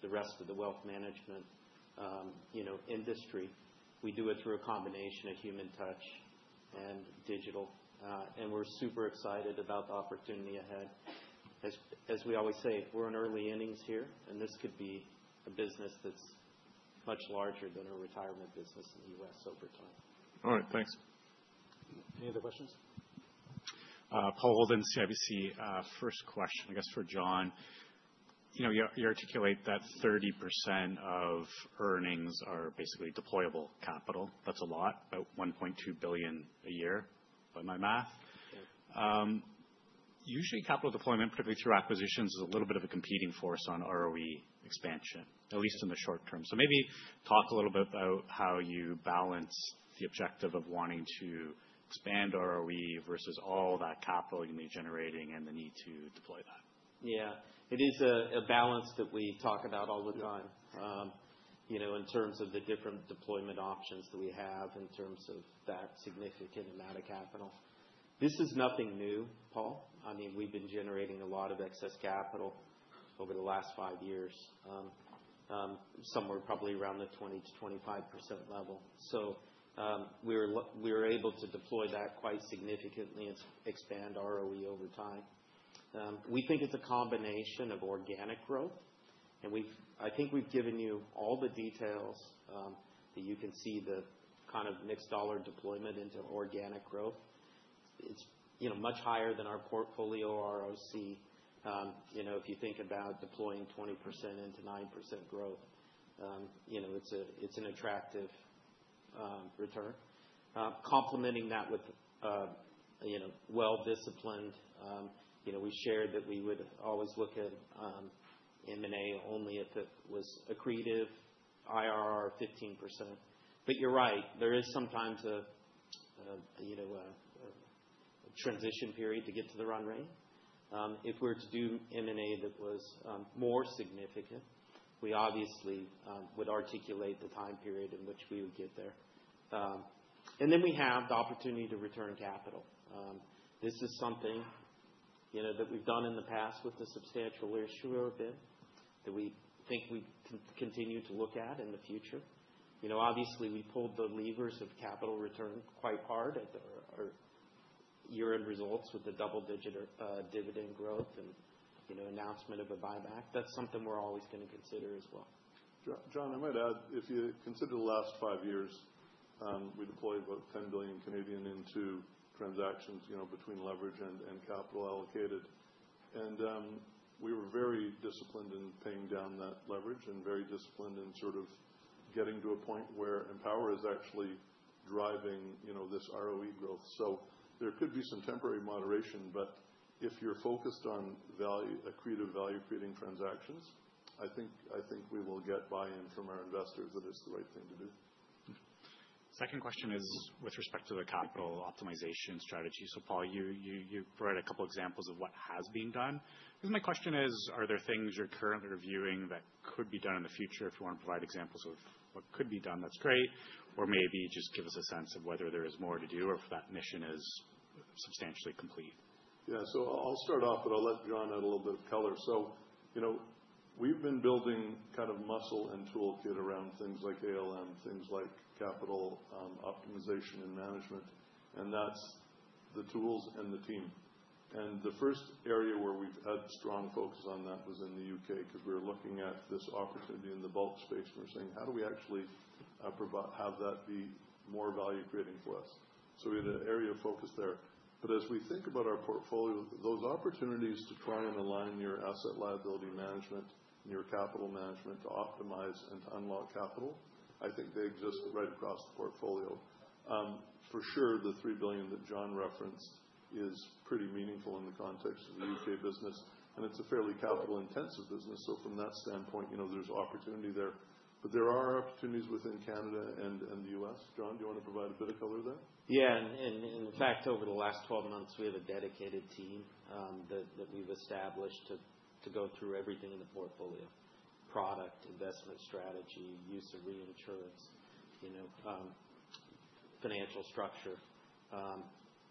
the rest of the wealth management industry. We do it through a combination of human touch and digital. We're super excited about the opportunity ahead. As we always say, we're in early innings here, and this could be a business that's much larger than a retirement business in the US over time. All right. Thanks. Any other questions? Paul Holden, CIBC. First question, I guess, for Jon. You articulate that 30% of earnings are basically deployable capital. That's a lot, about $1.2 billion a year by my math. Usually, capital deployment, particularly through acquisitions, is a little bit of a competing force on ROE expansion, at least in the short term. Maybe talk a little bit about how you balance the objective of wanting to expand ROE versus all that capital you may be generating and the need to deploy that. Yeah. It is a balance that we talk about all the time in terms of the different deployment options that we have in terms of that significant amount of capital. This is nothing new, Paul. I mean, we've been generating a lot of excess capital over the last five years, somewhere probably around the 20%-25% level. We were able to deploy that quite significantly and expand ROE over time. We think it's a combination of organic growth. I think we've given you all the details that you can see the kind of mixed dollar deployment into organic growth. It's much higher than our portfolio ROC. If you think about deploying 20% into 9% growth, it's an attractive return. Complementing that with well-disciplined, we shared that we would always look at M&A only if it was accretive, IRR 15%. You're right. There is sometimes a transition period to get to the run rate. If we were to do M&A that was more significant, we obviously would articulate the time period in which we would get there. We have the opportunity to return capital. This is something that we've done in the past with the substantial risk we've been that we think we continue to look at in the future. We pulled the levers of capital return quite hard at year-end results with the double-digit dividend growth and announcement of a buyback. That's something we're always going to consider as well. Jon, I might add, if you consider the last five years, we deployed about 10 billion into transactions between leverage and capital allocated. We were very disciplined in paying down that leverage and very disciplined in sort of getting to a point where Empower is actually driving this ROE growth. There could be some temporary moderation, but if you're focused on accretive value-creating transactions, I think we will get buy-in from our investors that it's the right thing to do. Second question is with respect to the capital optimization strategy. Paul, you provided a couple of examples of what has been done. My question is, are there things you're currently reviewing that could be done in the future? If you want to provide examples of what could be done, that's great. Or maybe just give us a sense of whether there is more to do or if that mission is substantially complete. Yeah. I'll start off, but I'll let Jon add a little bit of color. We've been building kind of muscle and toolkit around things like ALM, things like capital optimization and management. That's the tools and the team. The first area where we've had strong focus on that was in the U.K. because we were looking at this opportunity in the bulk space. We were saying, "How do we actually have that be more value-creating for us?" We had an area of focus there. As we think about our portfolio, those opportunities to try and align your asset liability management and your capital management to optimize and to unlock capital, I think they exist right across the portfolio. For sure, the $3 billion that Jon referenced is pretty meaningful in the context of the U.K. business. It is a fairly capital-intensive business. From that standpoint, there is opportunity there. There are opportunities within Canada and the U.S. Jon, do you want to provide a bit of color there? Yeah. In fact, over the last 12 months, we have a dedicated team that we've established to go through everything in the portfolio: product, investment strategy, use of reinsurance, financial structure.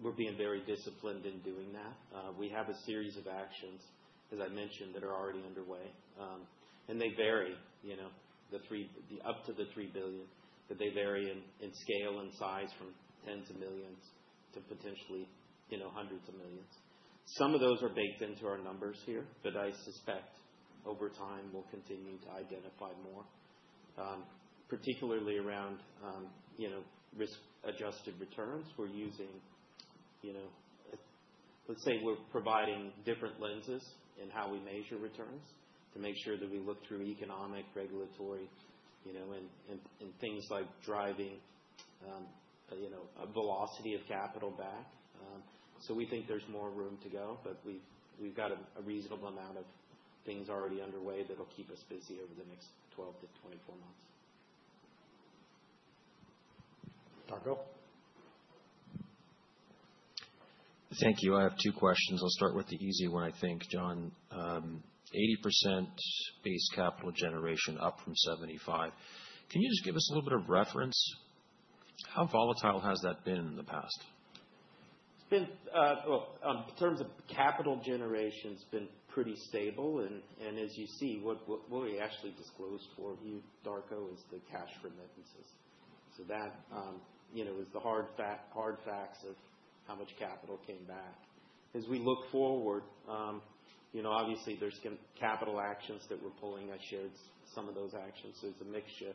We're being very disciplined in doing that. We have a series of actions, as I mentioned, that are already underway. They vary up to $3 billion, but they vary in scale and size from tens of millions to potentially hundreds of millions. Some of those are baked into our numbers here, but I suspect over time we'll continue to identify more, particularly around risk-adjusted returns. We're using—let's say we're providing different lenses in how we measure returns to make sure that we look through economic, regulatory, and things like driving a velocity of capital back. We think there's more room to go, but we've got a reasonable amount of things already underway that'll keep us busy over the next 12 to 24 months. Darko? Thank you. I have two questions. I'll start with the easy one, I think, Jon. 80% base capital generation up from 75%. Can you just give us a little bit of reference? How volatile has that been in the past? In terms of capital generation, it's been pretty stable. As you see, what we actually disclosed for you, Darko, is the cash remittances. That is the hard facts of how much capital came back. As we look forward, obviously, there's capital actions that we're pulling. I shared some of those actions. It's a mixture.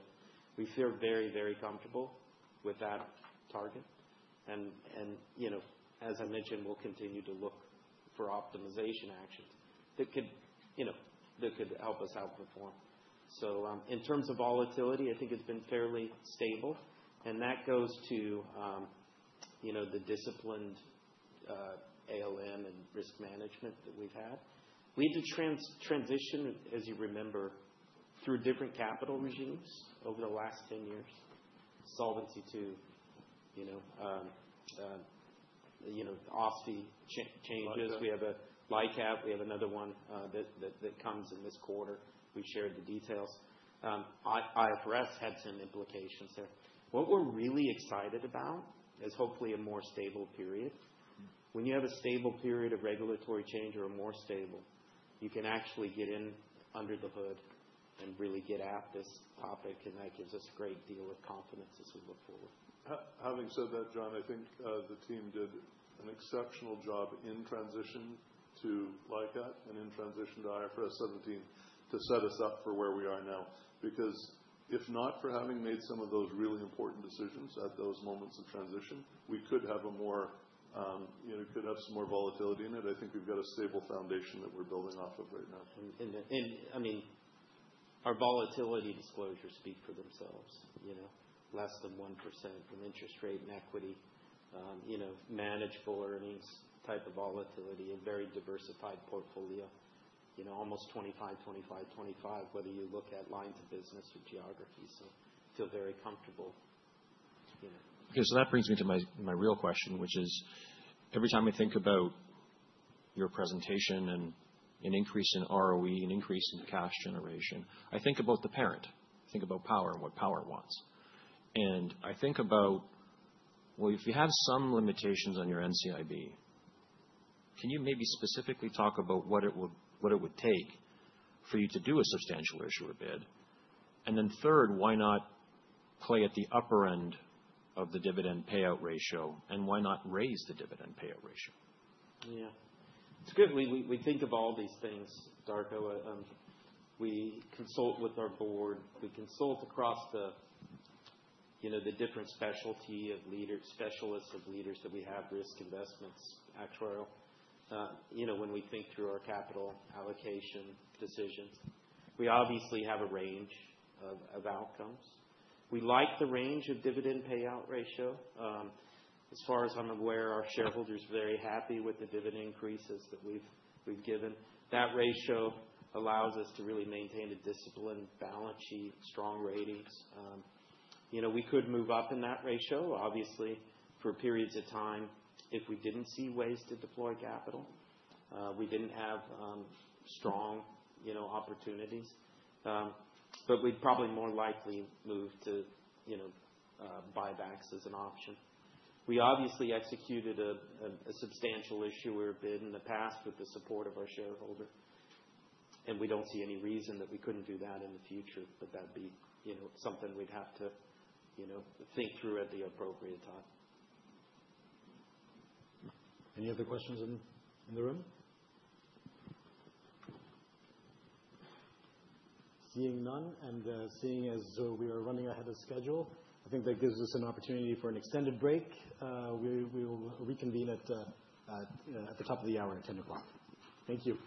We feel very, very comfortable with that target. As I mentioned, we'll continue to look for optimization actions that could help us outperform. In terms of volatility, I think it's been fairly stable. That goes to the disciplined ALM and risk management that we've had. We had to transition, as you remember, through different capital regimes over the last 10 years. Solvency II to OSFI changes. We have a LICAT. We have another one that comes in this quarter. We shared the details. IFRS had some implications there. What we're really excited about is hopefully a more stable period. When you have a stable period of regulatory change or a more stable, you can actually get in under the hood and really get at this topic. That gives us a great deal of confidence as we look forward. Having said that, Jon, I think the team did an exceptional job in transition to LICAT and in transition to IFRS 17 to set us up for where we are now. Because if not for having made some of those really important decisions at those moments of transition, we could have some more volatility in it. I think we've got a stable foundation that we're building off of right now. I mean, our volatility disclosures speak for themselves. Less than 1% from interest rate and equity, manageable earnings type of volatility, a very diversified portfolio, almost 25, 25, 25, whether you look at lines of business or geography. I feel very comfortable. Okay. That brings me to my real question, which is every time I think about your presentation and an increase in ROE and increase in cash generation, I think about the parent. I think about Power and what Power wants. I think about, if you have some limitations on your NCIB, can you maybe specifically talk about what it would take for you to do a substantial issue or bid? Third, why not play at the upper end of the dividend payout ratio? Why not raise the dividend payout ratio? Yeah. It's good. We think of all these things, Darko. We consult with our board. We consult across the different specialists of leaders that we have, risk, investments, actuarial, when we think through our capital allocation decisions. We obviously have a range of outcomes. We like the range of dividend payout ratio. As far as I'm aware, our shareholders are very happy with the dividend increases that we've given. That ratio allows us to really maintain a disciplined, balance sheet, strong ratings. We could move up in that ratio, obviously, for periods of time if we did not see ways to deploy capital. We did not have strong opportunities. We would probably more likely move to buybacks as an option. We obviously executed a substantial issuer bid in the past with the support of our shareholder. We do not see any reason that we could not do that in the future, but that would be something we would have to think through at the appropriate time. Any other questions in the room? Seeing none and seeing as we are running ahead of schedule, I think that gives us an opportunity for an extended break. We will reconvene at the top of the hour at 10:00 A.M. Thank you. Summer leaves. This place is so divine. I can hear the birds that you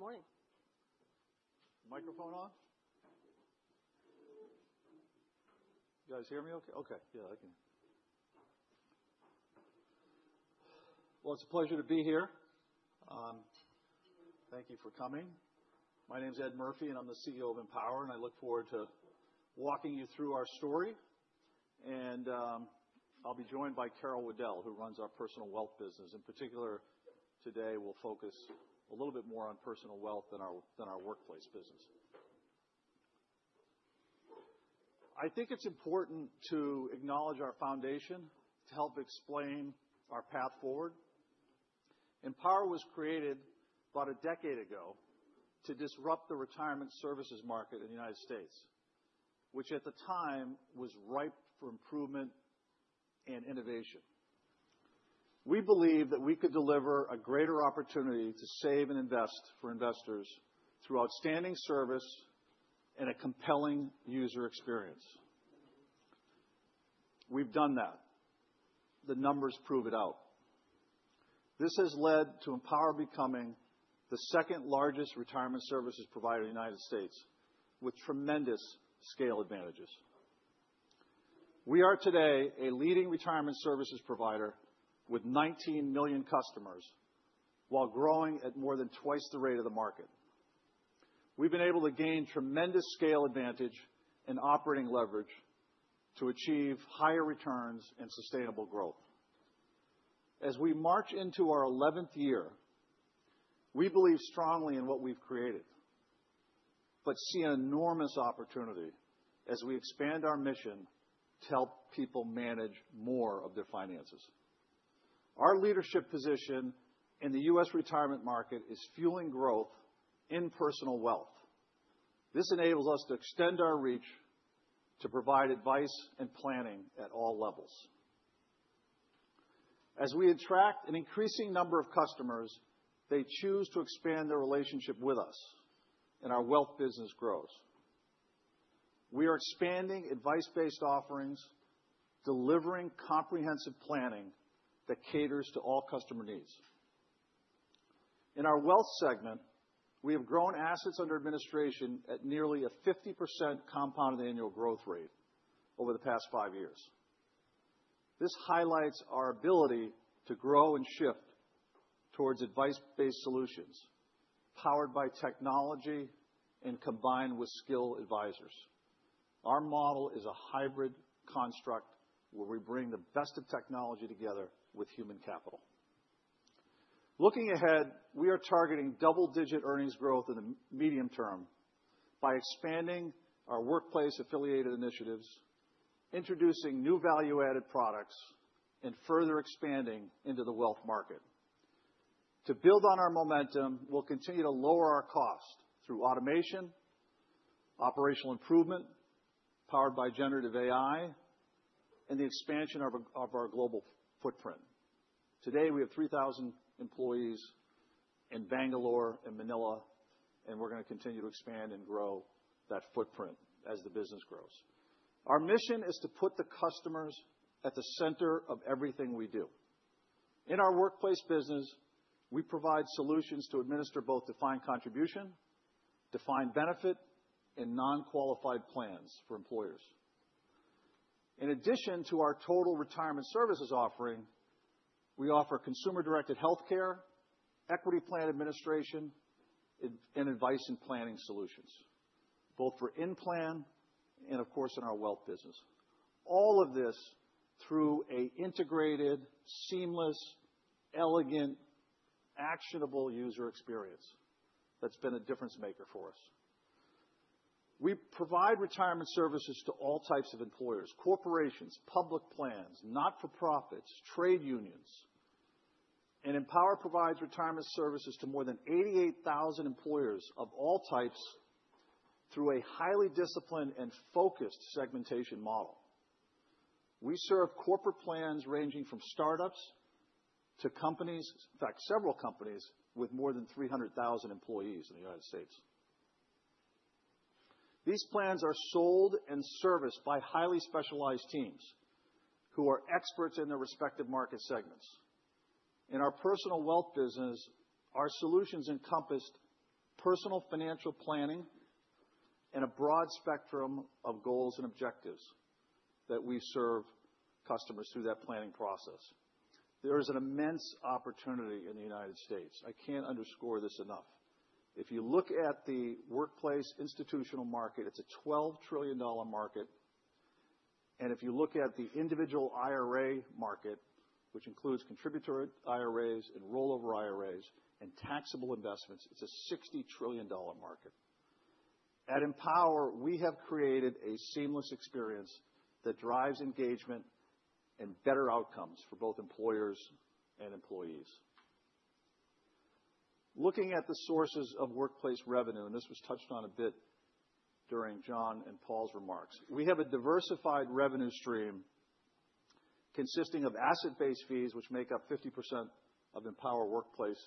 say that it will be fine. And daydreams. We focus on a view. Sit troubles for another day. Got nothing to lose. Blue skies. Our unprevented days. Forget about them old mistakes. Yeah, that's what I do. Sun going sighter when the wind's out going so cold. Feels like you're broken and you just want to sink like a stone. Sun leaves. I can hear the sirens in the night. Good morning. Microphone on? You guys hear me okay? Okay, yeah, I can. It is a pleasure to be here. Thank you for coming. My name's Ed Murphy, and I'm the CEO of Empower, and I look forward to walking you through our story. I'll be joined by Carol Waddell, who runs our personal wealth business. In particular, today we'll focus a little bit more on personal wealth than our workplace business. I think it's important to acknowledge our foundation to help explain our path forward. Empower was created about a decade ago to disrupt the retirement services market in the U.S., which at the time was ripe for improvement and innovation. We believe that we could deliver a greater opportunity to save and invest for investors through outstanding service and a compelling user experience. We've done that. The numbers prove it out. This has led to Empower becoming the second largest retirement services provider in the U.S., with tremendous scale advantages. We are today a leading retirement services provider with 19 million customers, while growing at more than twice the rate of the market. We've been able to gain tremendous scale advantage and operating leverage to achieve higher returns and sustainable growth. As we march into our 11th year, we believe strongly in what we've created, but see an enormous opportunity as we expand our mission to help people manage more of their finances. Our leadership position in the U.S. retirement market is fueling growth in personal wealth. This enables us to extend our reach to provide advice and planning at all levels. As we attract an increasing number of customers, they choose to expand their relationship with us, and our wealth business grows. We are expanding advice-based offerings, delivering comprehensive planning that caters to all customer needs. In our wealth segment, we have grown assets under administration at nearly a 50% compounded annual growth rate over the past five years. This highlights our ability to grow and shift towards advice-based solutions, powered by technology and combined with skilled advisors. Our model is a hybrid construct where we bring the best of technology together with human capital. Looking ahead, we are targeting double-digit earnings growth in the medium term by expanding our workplace-affiliated initiatives, introducing new value-added products, and further expanding into the wealth market. To build on our momentum, we will continue to lower our cost through automation, operational improvement powered by generative AI, and the expansion of our global footprint. Today, we have 3,000 employees in Bangalore and Manila, and we are going to continue to expand and grow that footprint as the business grows. Our mission is to put the customers at the center of everything we do. In our workplace business, we provide solutions to administer both defined contribution, defined benefit, and non-qualified plans for employers. In addition to our total retirement services offering, we offer consumer-directed healthcare, equity plan administration, and advice and planning solutions, both for in-plan and, of course, in our wealth business. All of this through an integrated, seamless, elegant, actionable user experience that has been a difference-maker for us. We provide retirement services to all types of employers: corporations, public plans, not-for-profits, trade unions. Empower provides retirement services to more than 88,000 employers of all types through a highly disciplined and focused segmentation model. We serve corporate plans ranging from startups to companies—in fact, several companies—with more than 300,000 employees in the United States. These plans are sold and serviced by highly specialized teams who are experts in their respective market segments. In our personal wealth business, our solutions encompass personal financial planning and a broad spectrum of goals and objectives that we serve customers through that planning process. There is an immense opportunity in the United States. I can't underscore this enough. If you look at the workplace institutional market, it's a $12 trillion market. If you look at the individual IRA market, which includes contributory IRAs and rollover IRAs and taxable investments, it's a $60 trillion market. At Empower, we have created a seamless experience that drives engagement and better outcomes for both employers and employees. Looking at the sources of workplace revenue—and this was touched on a bit during Jon and Paul's remarks—we have a diversified revenue stream consisting of asset-based fees, which make up 50% of Empower workplace,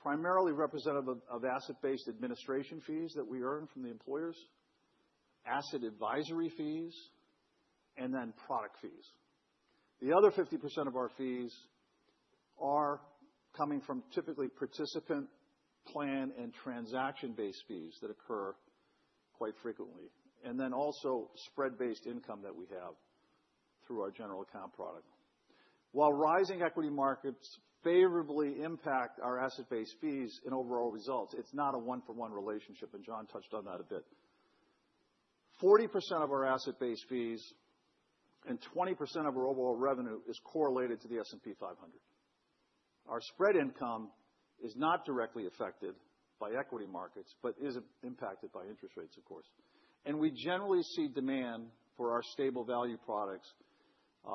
primarily representative of asset-based administration fees that we earn from the employers, asset advisory fees, and then product fees. The other 50% of our fees are coming from typically participant plan and transaction-based fees that occur quite frequently, and then also spread-based income that we have through our general account product. While rising equity markets favorably impact our asset-based fees and overall results, it's not a one-for-one relationship, and Jon touched on that a bit. 40% of our asset-based fees and 20% of our overall revenue is correlated to the S&P 500. Our spread income is not directly affected by equity markets but is impacted by interest rates, of course. We generally see demand for our stable value products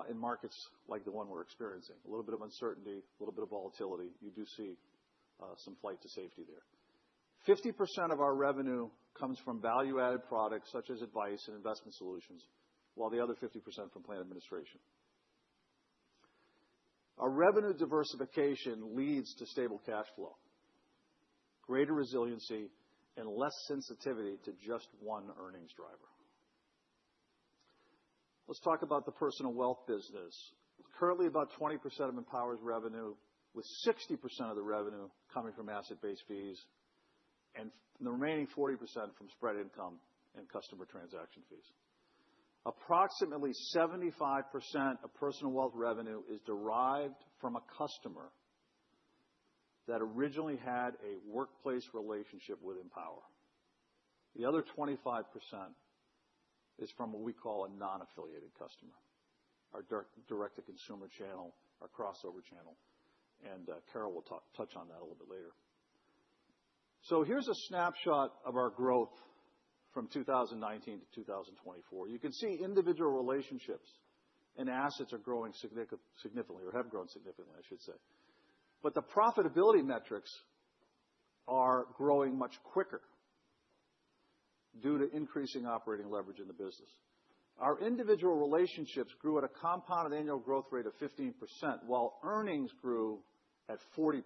in markets like the one we're experiencing. A little bit of uncertainty, a little bit of volatility. You do see some flight to safety there. 50% of our revenue comes from value-added products such as advice and investment solutions, while the other 50% from plan administration. Our revenue diversification leads to stable cash flow, greater resiliency, and less sensitivity to just one earnings driver. Let's talk about the personal wealth business. Currently, about 20% of Empower's revenue, with 60% of the revenue coming from asset-based fees and the remaining 40% from spread income and customer transaction fees. Approximately 75% of personal wealth revenue is derived from a customer that originally had a workplace relationship with Empower. The other 25% is from what we call a non-affiliated customer, our direct-to-consumer channel, our crossover channel. Carol will touch on that a little bit later. Here is a snapshot of our growth from 2019 to 2024. You can see individual relationships and assets are growing significantly or have grown significantly, I should say. The profitability metrics are growing much quicker due to increasing operating leverage in the business. Our individual relationships grew at a compounded annual growth rate of 15%, while earnings grew at 40%.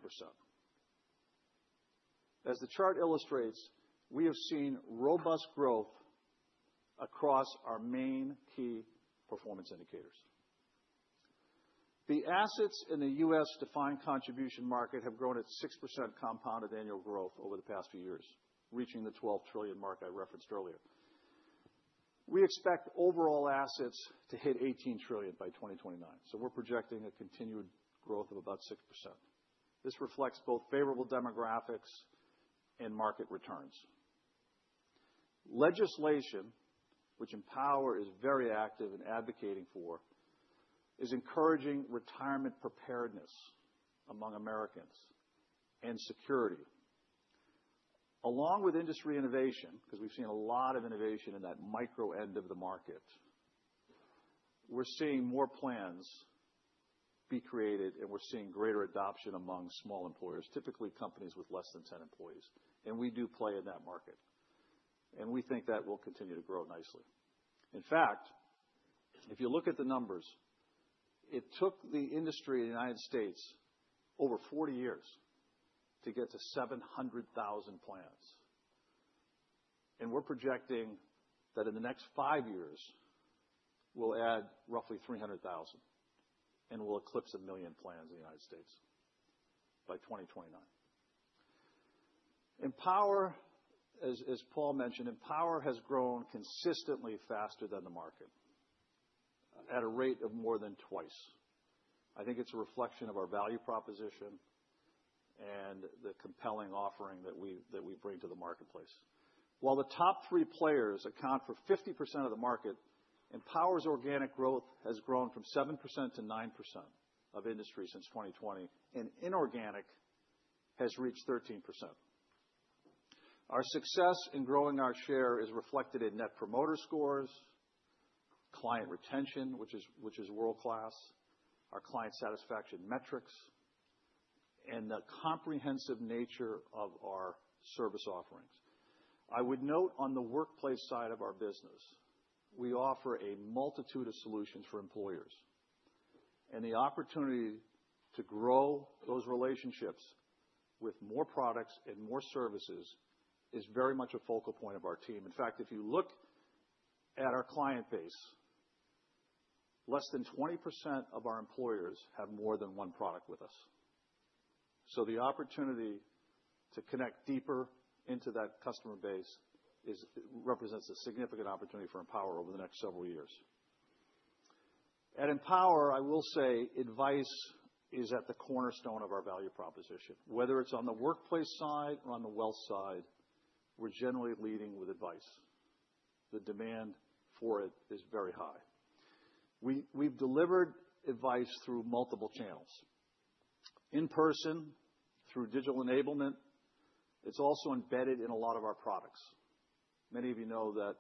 As the chart illustrates, we have seen robust growth across our main key performance indicators. The assets in the U.S. defined contribution market have grown at 6% compounded annual growth over the past few years, reaching the $12 trillion mark I referenced earlier. We expect overall assets to hit $18 trillion by 2029. We are projecting a continued growth of about 6%. This reflects both favorable demographics and market returns. Legislation, which Empower is very active in advocating for, is encouraging retirement preparedness among Americans and security. Along with industry innovation, because we have seen a lot of innovation in that micro end of the market, we are seeing more plans be created, and we are seeing greater adoption among small employers, typically companies with less than 10 employees. We do play in that market. We think that will continue to grow nicely. In fact, if you look at the numbers, it took the industry in the U.S. over 40 years to get to 700,000 plans. We are projecting that in the next five years, we will add roughly 300,000, and we will eclipse a million plans in the U.S. by 2029. Empower, as Paul mentioned, has grown consistently faster than the market at a rate of more than twice. I think it is a reflection of our value proposition and the compelling offering that we bring to the marketplace. While the top three players account for 50% of the market, Empower's organic growth has grown from 7% to 9% of industry since 2020, and inorganic has reached 13%. Our success in growing our share is reflected in net promoter scores, client retention, which is world-class, our client satisfaction metrics, and the comprehensive nature of our service offerings. I would note on the workplace side of our business, we offer a multitude of solutions for employers. The opportunity to grow those relationships with more products and more services is very much a focal point of our team. In fact, if you look at our client base, less than 20% of our employers have more than one product with us. The opportunity to connect deeper into that customer base represents a significant opportunity for Empower over the next several years. At Empower, I will say advice is at the cornerstone of our value proposition. Whether it's on the workplace side or on the wealth side, we're generally leading with advice. The demand for it is very high. We've delivered advice through multiple channels: in person, through digital enablement. It's also embedded in a lot of our products. Many of you know that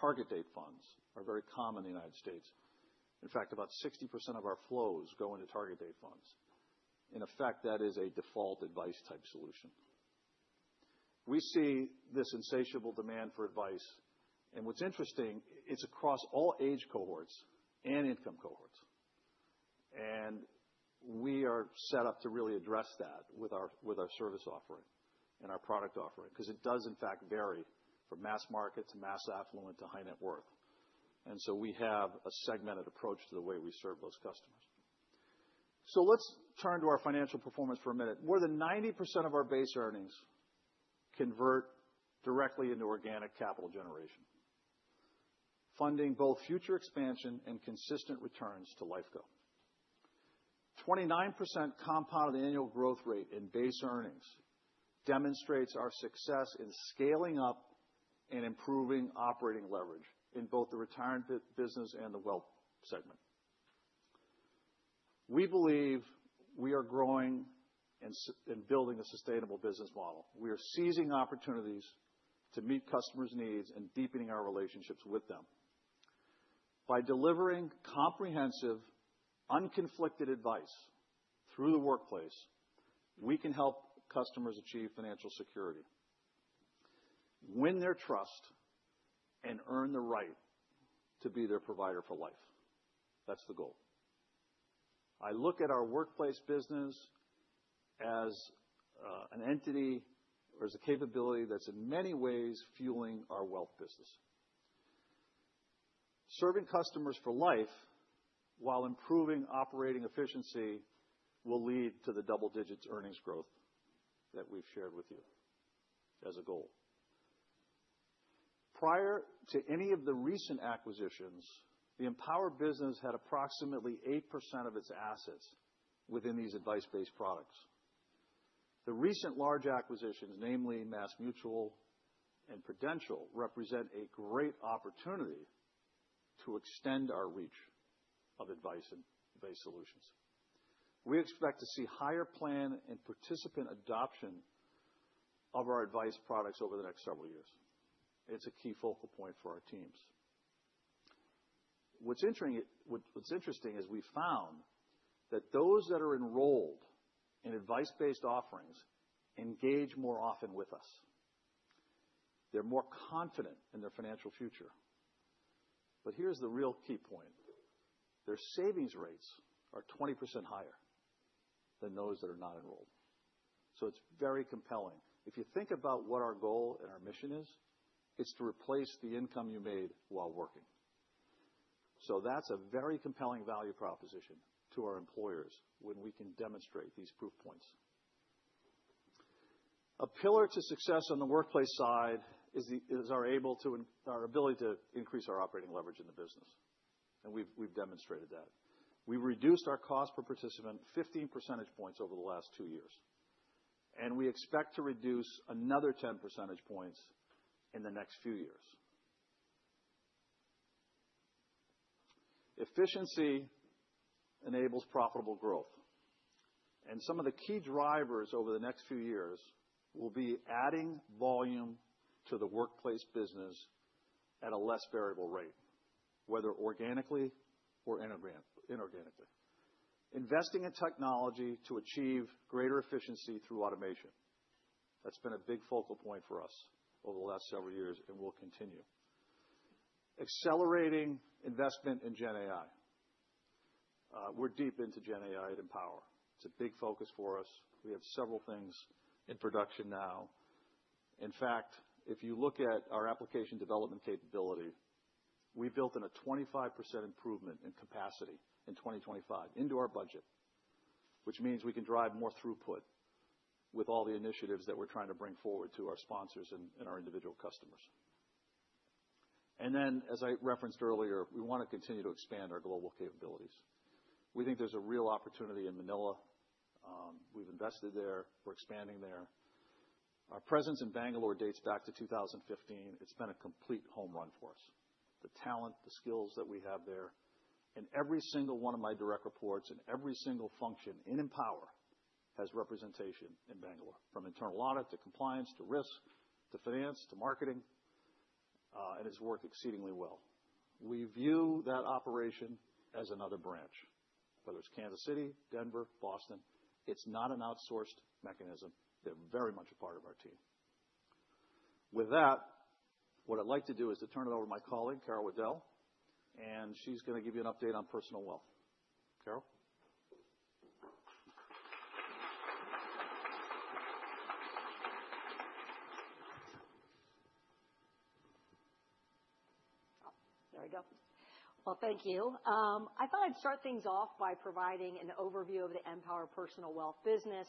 target date funds are very common in the United States. In fact, about 60% of our flows go into target date funds. In effect, that is a default advice-type solution. We see this insatiable demand for advice. What's interesting, it's across all age cohorts and income cohorts. We are set up to really address that with our service offering and our product offering because it does, in fact, vary from mass market to mass affluent to high net worth. We have a segmented approach to the way we serve those customers. Let's turn to our financial performance for a minute. More than 90% of our base earnings convert directly into organic capital generation, funding both future expansion and consistent returns to Lifeco. 29% compounded annual growth rate in base earnings demonstrates our success in scaling up and improving operating leverage in both the retirement business and the wealth segment. We believe we are growing and building a sustainable business model. We are seizing opportunities to meet customers' needs and deepening our relationships with them. By delivering comprehensive, unconflicted advice through the workplace, we can help customers achieve financial security, win their trust, and earn the right to be their provider for life. That's the goal. I look at our workplace business as an entity or as a capability that's, in many ways, fueling our wealth business. Serving customers for life while improving operating efficiency will lead to the double-digits earnings growth that we've shared with you as a goal. Prior to any of the recent acquisitions, the Empower business had approximately 8% of its assets within these advice-based products. The recent large acquisitions, namely MassMutual and Prudential, represent a great opportunity to extend our reach of advice and advice solutions. We expect to see higher plan and participant adoption of our advice products over the next several years. It is a key focal point for our teams. What is interesting is we found that those that are enrolled in advice-based offerings engage more often with us. They are more confident in their financial future. Here is the real key point: their savings rates are 20% higher than those that are not enrolled. It is very compelling. If you think about what our goal and our mission is, it is to replace the income you made while working. That is a very compelling value proposition to our employers when we can demonstrate these proof points. A pillar to success on the workplace side is our ability to increase our operating leverage in the business. We have demonstrated that. We have reduced our cost per participant 15 percentage points over the last two years. We expect to reduce another 10 percentage points in the next few years. Efficiency enables profitable growth. Some of the key drivers over the next few years will be adding volume to the workplace business at a less variable rate, whether organically or inorganically. Investing in technology to achieve greater efficiency through automation. That has been a big focal point for us over the last several years and will continue. Accelerating investment in GenAI. We are deep into GenAI at Empower. It is a big focus for us. We have several things in production now. In fact, if you look at our application development capability, we built in a 25% improvement in capacity in 2025 into our budget, which means we can drive more throughput with all the initiatives that we're trying to bring forward to our sponsors and our individual customers. As I referenced earlier, we want to continue to expand our global capabilities. We think there's a real opportunity in Manila. We've invested there. We're expanding there. Our presence in Bangalore dates back to 2015. It's been a complete home run for us. The talent, the skills that we have there, and every single one of my direct reports and every single function in Empower has representation in Bangalore, from internal audit to compliance to risk to finance to marketing. It's worked exceedingly well. We view that operation as another branch, whether it's Kansas City, Denver, Boston. It's not an outsourced mechanism. They're very much a part of our team. With that, what I'd like to do is to turn it over to my colleague, Carol Waddell, and she's going to give you an update on personal wealth. Carol? There we go. Thank you. I thought I'd start things off by providing an overview of the Empower personal wealth business,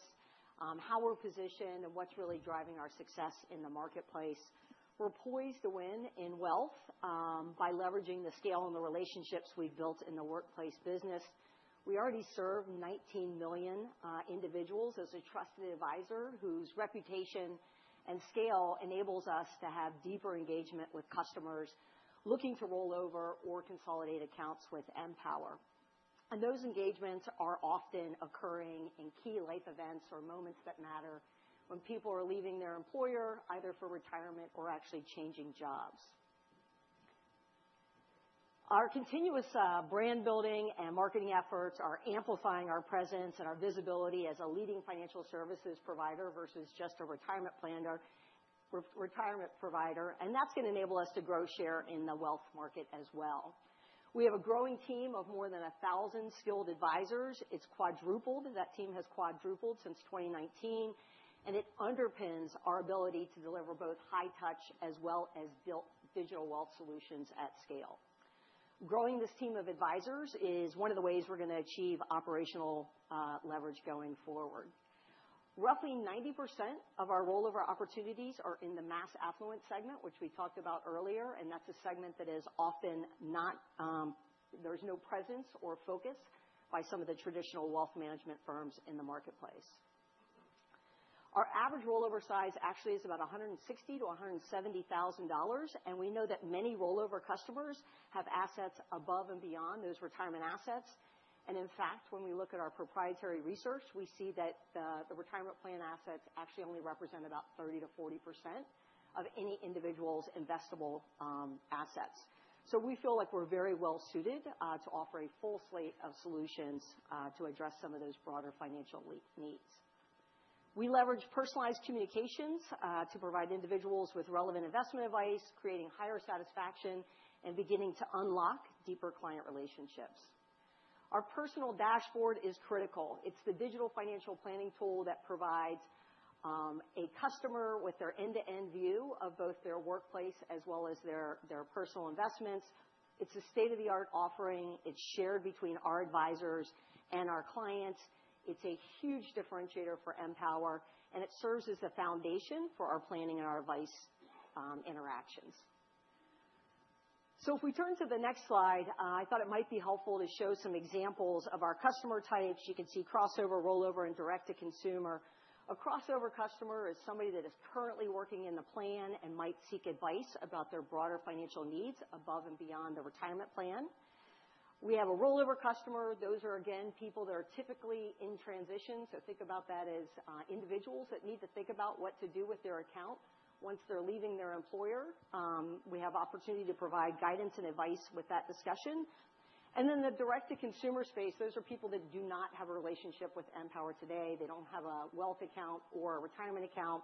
how we're positioned, and what's really driving our success in the marketplace. We're poised to win in wealth by leveraging the scale and the relationships we've built in the workplace business. We already serve 19 million individuals as a trusted advisor whose reputation and scale enables us to have deeper engagement with customers looking to roll over or consolidate accounts with Empower. Those engagements are often occurring in key life events or moments that matter when people are leaving their employer, either for retirement or actually changing jobs. Our continuous brand building and marketing efforts are amplifying our presence and our visibility as a leading financial services provider versus just a retirement planner. That is going to enable us to grow share in the wealth market as well. We have a growing team of more than 1,000 skilled advisors. It has quadrupled. That team has quadrupled since 2019. It underpins our ability to deliver both high-touch as well as built digital wealth solutions at scale. Growing this team of advisors is one of the ways we are going to achieve operational leverage going forward. Roughly 90% of our rollover opportunities are in the mass affluent segment, which we talked about earlier. That is a segment that is often not—there is no presence or focus by some of the traditional wealth management firms in the marketplace. Our average rollover size actually is about $160,000-$170,000. We know that many rollover customers have assets above and beyond those retirement assets. In fact, when we look at our proprietary research, we see that the retirement plan assets actually only represent about 30%-40% of any individual's investable assets. We feel like we are very well suited to offer a full slate of solutions to address some of those broader financial needs. We leverage personalized communications to provide individuals with relevant investment advice, creating higher satisfaction and beginning to unlock deeper client relationships. Our personal dashboard is critical. It is the digital financial planning tool that provides a customer with their end-to-end view of both their workplace as well as their personal investments. It's a state-of-the-art offering. It's shared between our advisors and our clients. It's a huge differentiator for Empower. It serves as a foundation for our planning and our advice interactions. If we turn to the next slide, I thought it might be helpful to show some examples of our customer types. You can see crossover, rollover, and direct-to-consumer. A crossover customer is somebody that is currently working in the plan and might seek advice about their broader financial needs above and beyond the retirement plan. We have a rollover customer. Those are, again, people that are typically in transition. Think about that as individuals that need to think about what to do with their account once they're leaving their employer. We have the opportunity to provide guidance and advice with that discussion. The direct-to-consumer space, those are people that do not have a relationship with Empower today. They do not have a wealth account or a retirement account.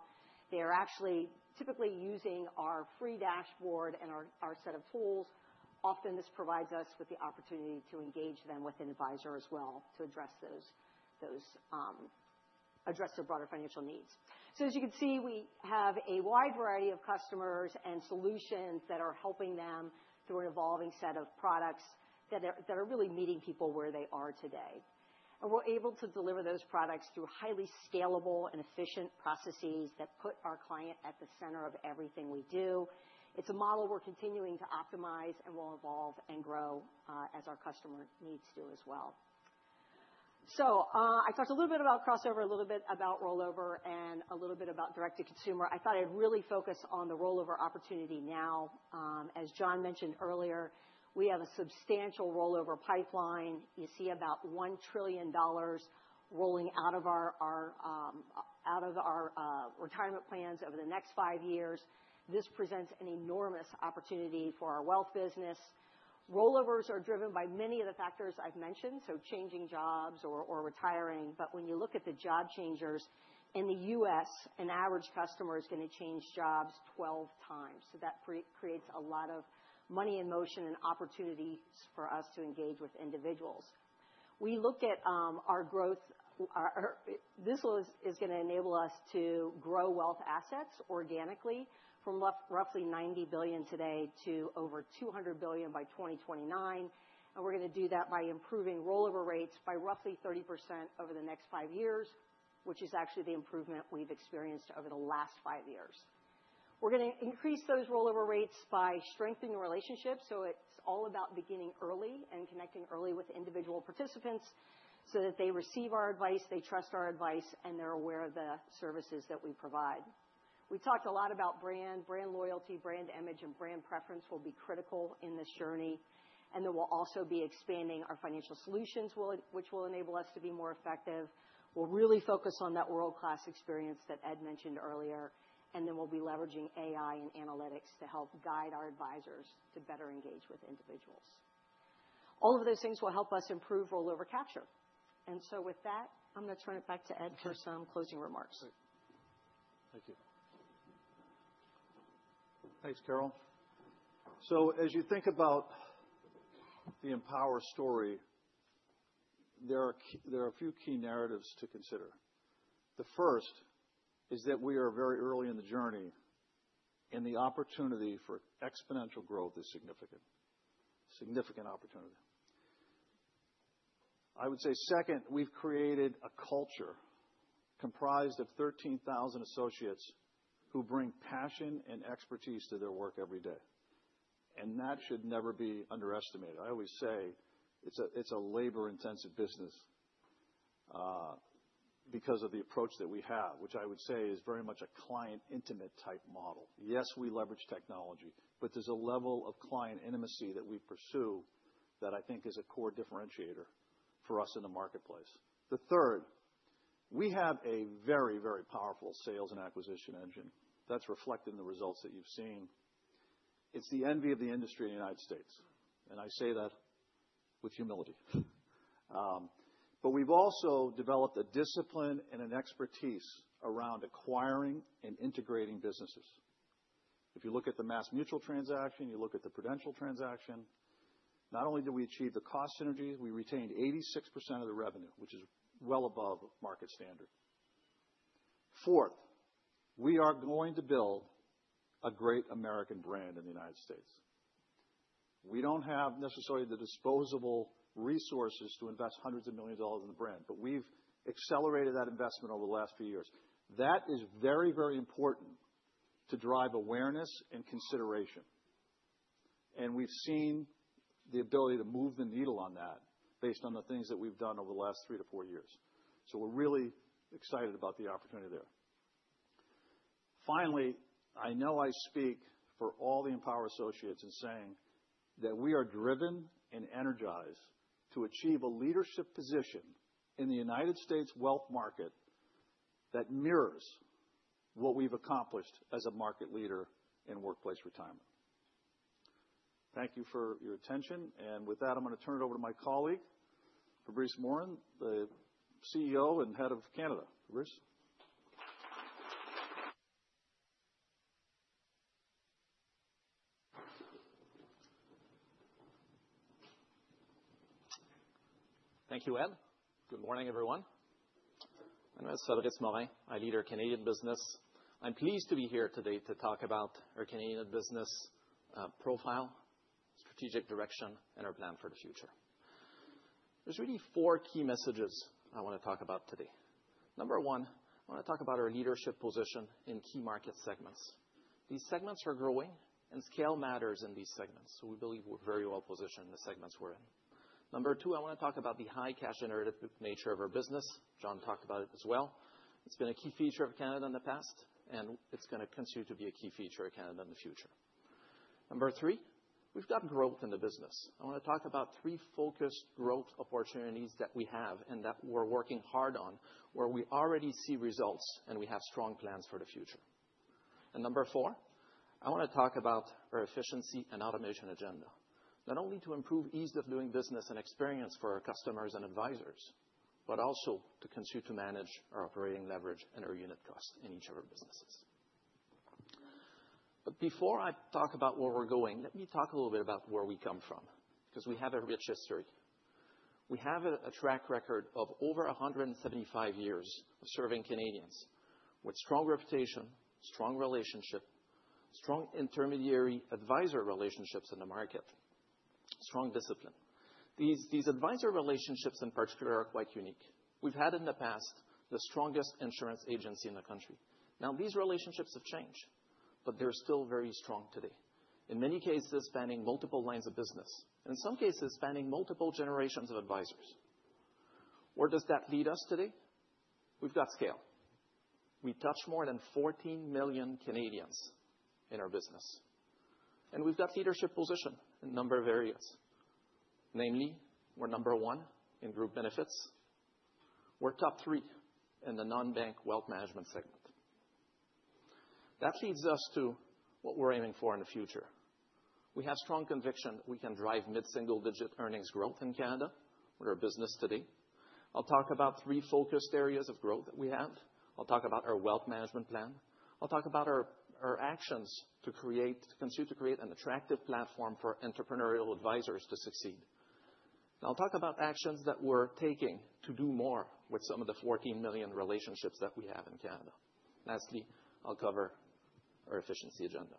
They are actually typically using our free dashboard and our set of tools. Often, this provides us with the opportunity to engage them with an advisor as well to address their broader financial needs. As you can see, we have a wide variety of customers and solutions that are helping them through an evolving set of products that are really meeting people where they are today. We are able to deliver those products through highly scalable and efficient processes that put our client at the center of everything we do. It is a model we are continuing to optimize and will evolve and grow as our customer needs do as well. I talked a little bit about crossover, a little bit about rollover, and a little bit about direct-to-consumer. I thought I'd really focus on the rollover opportunity now. As Jon mentioned earlier, we have a substantial rollover pipeline. You see about $1 trillion rolling out of our retirement plans over the next five years. This presents an enormous opportunity for our wealth business. Rollovers are driven by many of the factors I've mentioned, so changing jobs or retiring. When you look at the job changers in the U.S., an average customer is going to change jobs 12 times. That creates a lot of money in motion and opportunities for us to engage with individuals. We look at our growth. This is going to enable us to grow wealth assets organically from roughly $90 billion today to over $200 billion by 2029. We are going to do that by improving rollover rates by roughly 30% over the next five years, which is actually the improvement we have experienced over the last five years. We are going to increase those rollover rates by strengthening the relationship. It is all about beginning early and connecting early with individual participants so that they receive our advice, they trust our advice, and they are aware of the services that we provide. We talked a lot about brand. Brand loyalty, brand image, and brand preference will be critical in this journey. We will also be expanding our financial solutions, which will enable us to be more effective. We will really focus on that world-class experience that Ed mentioned earlier. We will be leveraging AI and analytics to help guide our advisors to better engage with individuals. All of those things will help us improve rollover capture. With that, I'm going to turn it back to Ed for some closing remarks. Thank you. Thanks, Carol. As you think about the Empower story, there are a few key narratives to consider. The first is that we are very early in the journey, and the opportunity for exponential growth is significant. Significant opportunity. I would say, second, we've created a culture comprised of 13,000 associates who bring passion and expertise to their work every day. That should never be underestimated. I always say it's a labor-intensive business because of the approach that we have, which I would say is very much a client-intimate type model. Yes, we leverage technology, but there's a level of client intimacy that we pursue that I think is a core differentiator for us in the marketplace. Third, we have a very, very powerful sales and acquisition engine that's reflected in the results that you've seen. It's the envy of the industry in the United States. I say that with humility. We have also developed a discipline and an expertise around acquiring and integrating businesses. If you look at the MassMutual transaction, you look at the Prudential transaction, not only did we achieve the cost synergies, we retained 86% of the revenue, which is well above market standard. Fourth, we are going to build a great American brand in the U.S. We do not have necessarily the disposable resources to invest hundreds of millions of dollars in the brand, but we have accelerated that investment over the last few years. That is very, very important to drive awareness and consideration. We have seen the ability to move the needle on that based on the things that we have done over the last three to four years. We are really excited about the opportunity there. Finally, I know I speak for all the Empower associates in saying that we are driven and energized to achieve a leadership position in the United States wealth market that mirrors what we have accomplished as a market leader in workplace retirement. Thank you for your attention. With that, I am going to turn it over to my colleague, Fabrice Morin, the CEO and head of Canada. Fabrice? Thank you, Ed. Good morning, everyone. My name is Fabrice Morin. I lead our Canadian business. I'm pleased to be here today to talk about our Canadian business profile, strategic direction, and our plan for the future. There are really four key messages I want to talk about today. Number one, I want to talk about our leadership position in key market segments. These segments are growing, and scale matters in these segments. We believe we're very well positioned in the segments we're in. Number two, I want to talk about the high-cash-generative nature of our business. Jon talked about it as well. It's been a key feature of Canada in the past, and it's going to continue to be a key feature of Canada in the future. Number three, we've got growth in the business. I want to talk about three focused growth opportunities that we have and that we're working hard on, where we already see results and we have strong plans for the future. Number four, I want to talk about our efficiency and automation agenda, not only to improve the ease of doing business and experience for our customers and advisors, but also to continue to manage our operating leverage and our unit cost in each of our businesses. Before I talk about where we're going, let me talk a little bit about where we come from, because we have a rich history. We have a track record of over 175 years of serving Canadians with a strong reputation, strong relationship, strong intermediary advisor relationships in the market, and strong discipline. These advisor relationships, in particular, are quite unique. We've had in the past the strongest insurance agency in the country. Now, these relationships have changed, but they're still very strong today, in many cases spanning multiple lines of business and, in some cases, spanning multiple generations of advisors. Where does that lead us today? We've got scale. We touch more than 14 million Canadians in our business. And we've got leadership positions in a number of areas. Namely, we're number one in group benefits. We're top three in the non-bank wealth management segment. That leads us to what we're aiming for in the future. We have strong conviction that we can drive mid-single-digit earnings growth in Canada. We're a business today. I'll talk about three focused areas of growth that we have. I'll talk about our wealth management plan. I'll talk about our actions to continue to create an attractive platform for entrepreneurial advisors to succeed. I'll talk about actions that we're taking to do more with some of the 14 million relationships that we have in Canada. Lastly, I'll cover our efficiency agenda.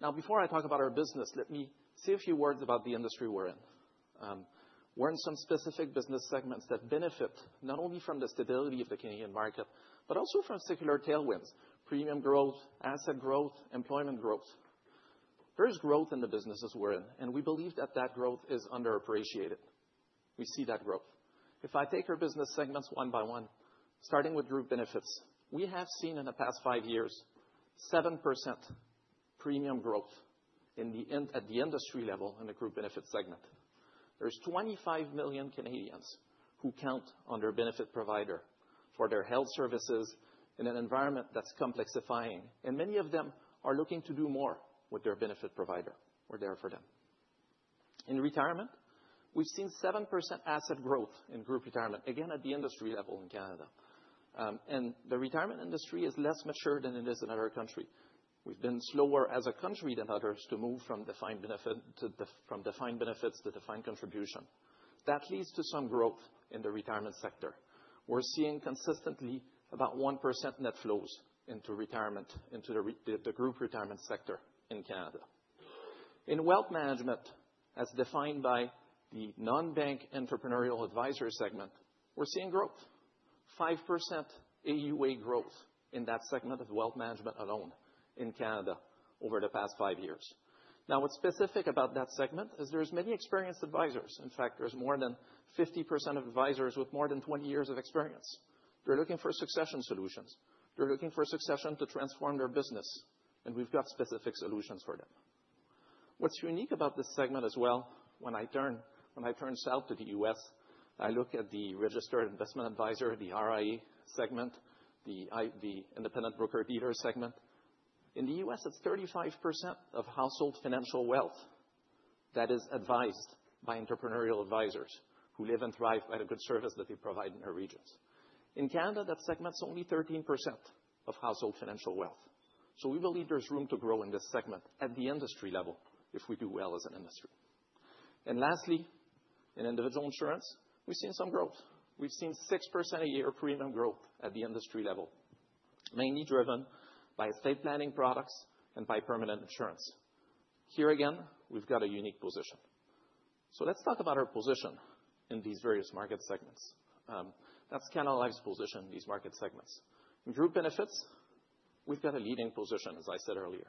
Now, before I talk about our business, let me say a few words about the industry we're in. We're in some specific business segments that benefit not only from the stability of the Canadian market, but also from secular tailwinds, premium growth, asset growth, and employment growth. There is growth in the businesses we're in, and we believe that that growth is underappreciated. We see that growth. If I take our business segments one by one, starting with group benefits, we have seen in the past five years 7% premium growth at the industry level in the group benefits segment. There are 25 million Canadians who count on their benefit provider for their health services in an environment that's complexifying. Many of them are looking to do more with their benefit provider. We're there for them. In retirement, we've seen 7% asset growth in group retirement, again at the industry level in Canada. The retirement industry is less mature than it is in other countries. We've been slower as a country than others to move from defined benefits to defined contribution. That leads to some growth in the retirement sector. We're seeing consistently about 1% net flows into retirement, into the group retirement sector in Canada. In wealth management, as defined by the non-bank entrepreneurial advisor segment, we're seeing growth, 5% AUA growth in that segment of wealth management alone in Canada over the past five years. Now, what's specific about that segment is there are many experienced advisors. In fact, there are more than 50% of advisors with more than 20 years of experience. They're looking for succession solutions. They're looking for succession to transform their business. And we've got specific solutions for them. What's unique about this segment as well, when I turn south to the U.S., I look at the registered investment advisor, the RIA segment, the independent broker dealer segment. In the U.S., it's 35% of household financial wealth that is advised by entrepreneurial advisors who live and thrive by the good service that they provide in their regions. In Canada, that segment's only 13% of household financial wealth. We believe there's room to grow in this segment at the industry level if we do well as an industry. Lastly, in individual insurance, we've seen some growth. We've seen 6% a year premium growth at the industry level, mainly driven by estate planning products and by permanent insurance. Here again, we've got a unique position. Let's talk about our position in these various market segments. That's Canada Life's position in these market segments. In group benefits, we've got a leading position, as I said earlier.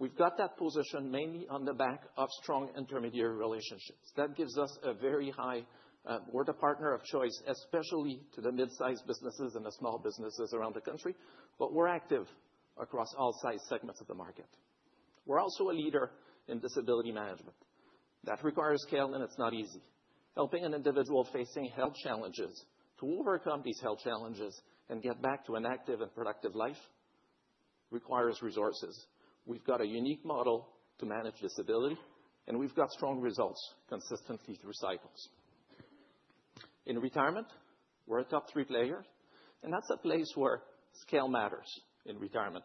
We've got that position mainly on the back of strong intermediary relationships. That gives us a very high—we're the partner of choice, especially to the mid-sized businesses and the small businesses around the country. We're active across all size segments of the market. We're also a leader in disability management. That requires scale, and it's not easy. Helping an individual facing health challenges to overcome these health challenges and get back to an active and productive life requires resources. We've got a unique model to manage disability, and we've got strong results consistently through cycles. In retirement, we're a top three player, and that's a place where scale matters in retirement.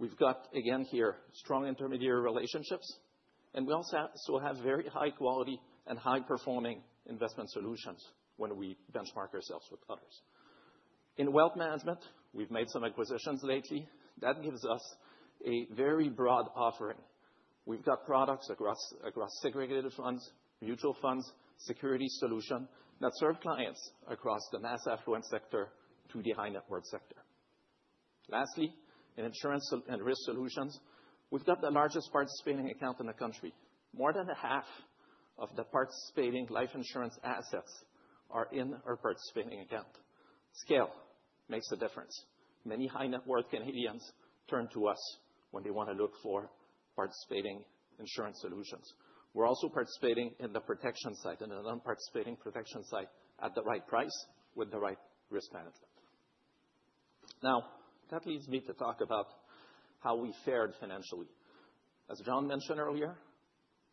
We've got, again here, strong intermediary relationships, and we also have very high-quality and high-performing investment solutions when we benchmark ourselves with others. In wealth management, we've made some acquisitions lately. That gives us a very broad offering. We've got products across segregated funds, mutual funds, security solutions that serve clients across the mass affluent sector to the high net worth sector. Lastly, in insurance and risk solutions, we've got the largest participating account in the country. More than half of the participating life insurance assets are in our participating account. Scale makes a difference. Many high-net-worth Canadians turn to us when they want to look for participating insurance solutions. We're also participating in the protection side and the non-participating protection side at the right price with the right risk management. Now, that leads me to talk about how we fared financially. As Jon mentioned earlier,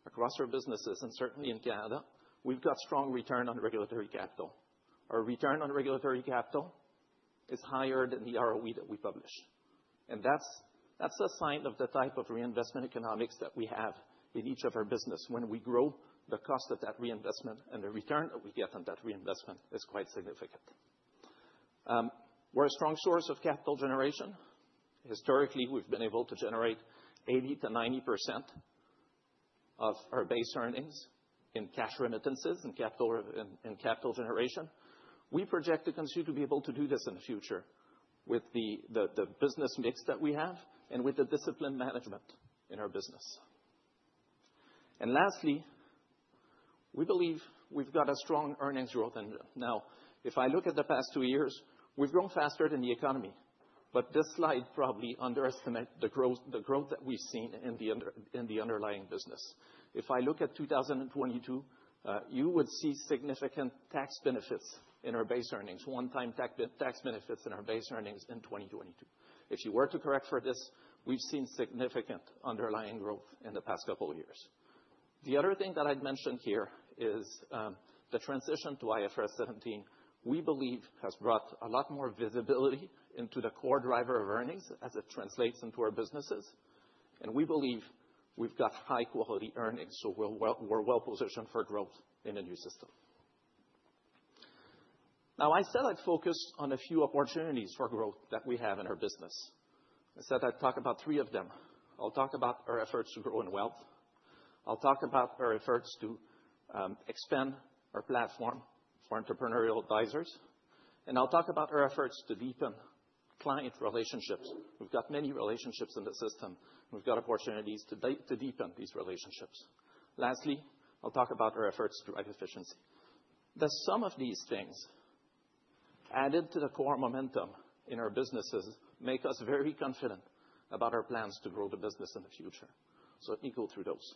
across our businesses, and certainly in Canada, we've got strong return on regulatory capital. Our return on regulatory capital is higher than the ROE that we publish. That's a sign of the type of reinvestment economics that we have in each of our businesses. When we grow, the cost of that reinvestment and the return that we get on that reinvestment is quite significant. We're a strong source of capital generation. Historically, we've been able to generate 80%-90% of our base earnings in cash remittances and capital generation. We project to continue to be able to do this in the future with the business mix that we have and with the discipline management in our business. Lastly, we believe we've got a strong earnings growth engine. Now, if I look at the past two years, we've grown faster than the economy. This slide probably underestimates the growth that we've seen in the underlying business. If I look at 2022, you would see significant tax benefits in our base earnings, one-time tax benefits in our base earnings in 2022. If you were to correct for this, we've seen significant underlying growth in the past couple of years. The other thing that I'd mention here is the transition to IFRS 17, we believe, has brought a lot more visibility into the core driver of earnings as it translates into our businesses. We believe we've got high-quality earnings, so we're well-positioned for growth in a new system. I said I'd focus on a few opportunities for growth that we have in our business. I said I'd talk about three of them. I'll talk about our efforts to grow in wealth. I'll talk about our efforts to expand our platform for entrepreneurial advisors. I'll talk about our efforts to deepen client relationships. We've got many relationships in the system, and we've got opportunities to deepen these relationships. Lastly, I'll talk about our efforts to drive efficiency. The sum of these things, added to the core momentum in our businesses, makes us very confident about our plans to grow the business in the future. Let me go through those.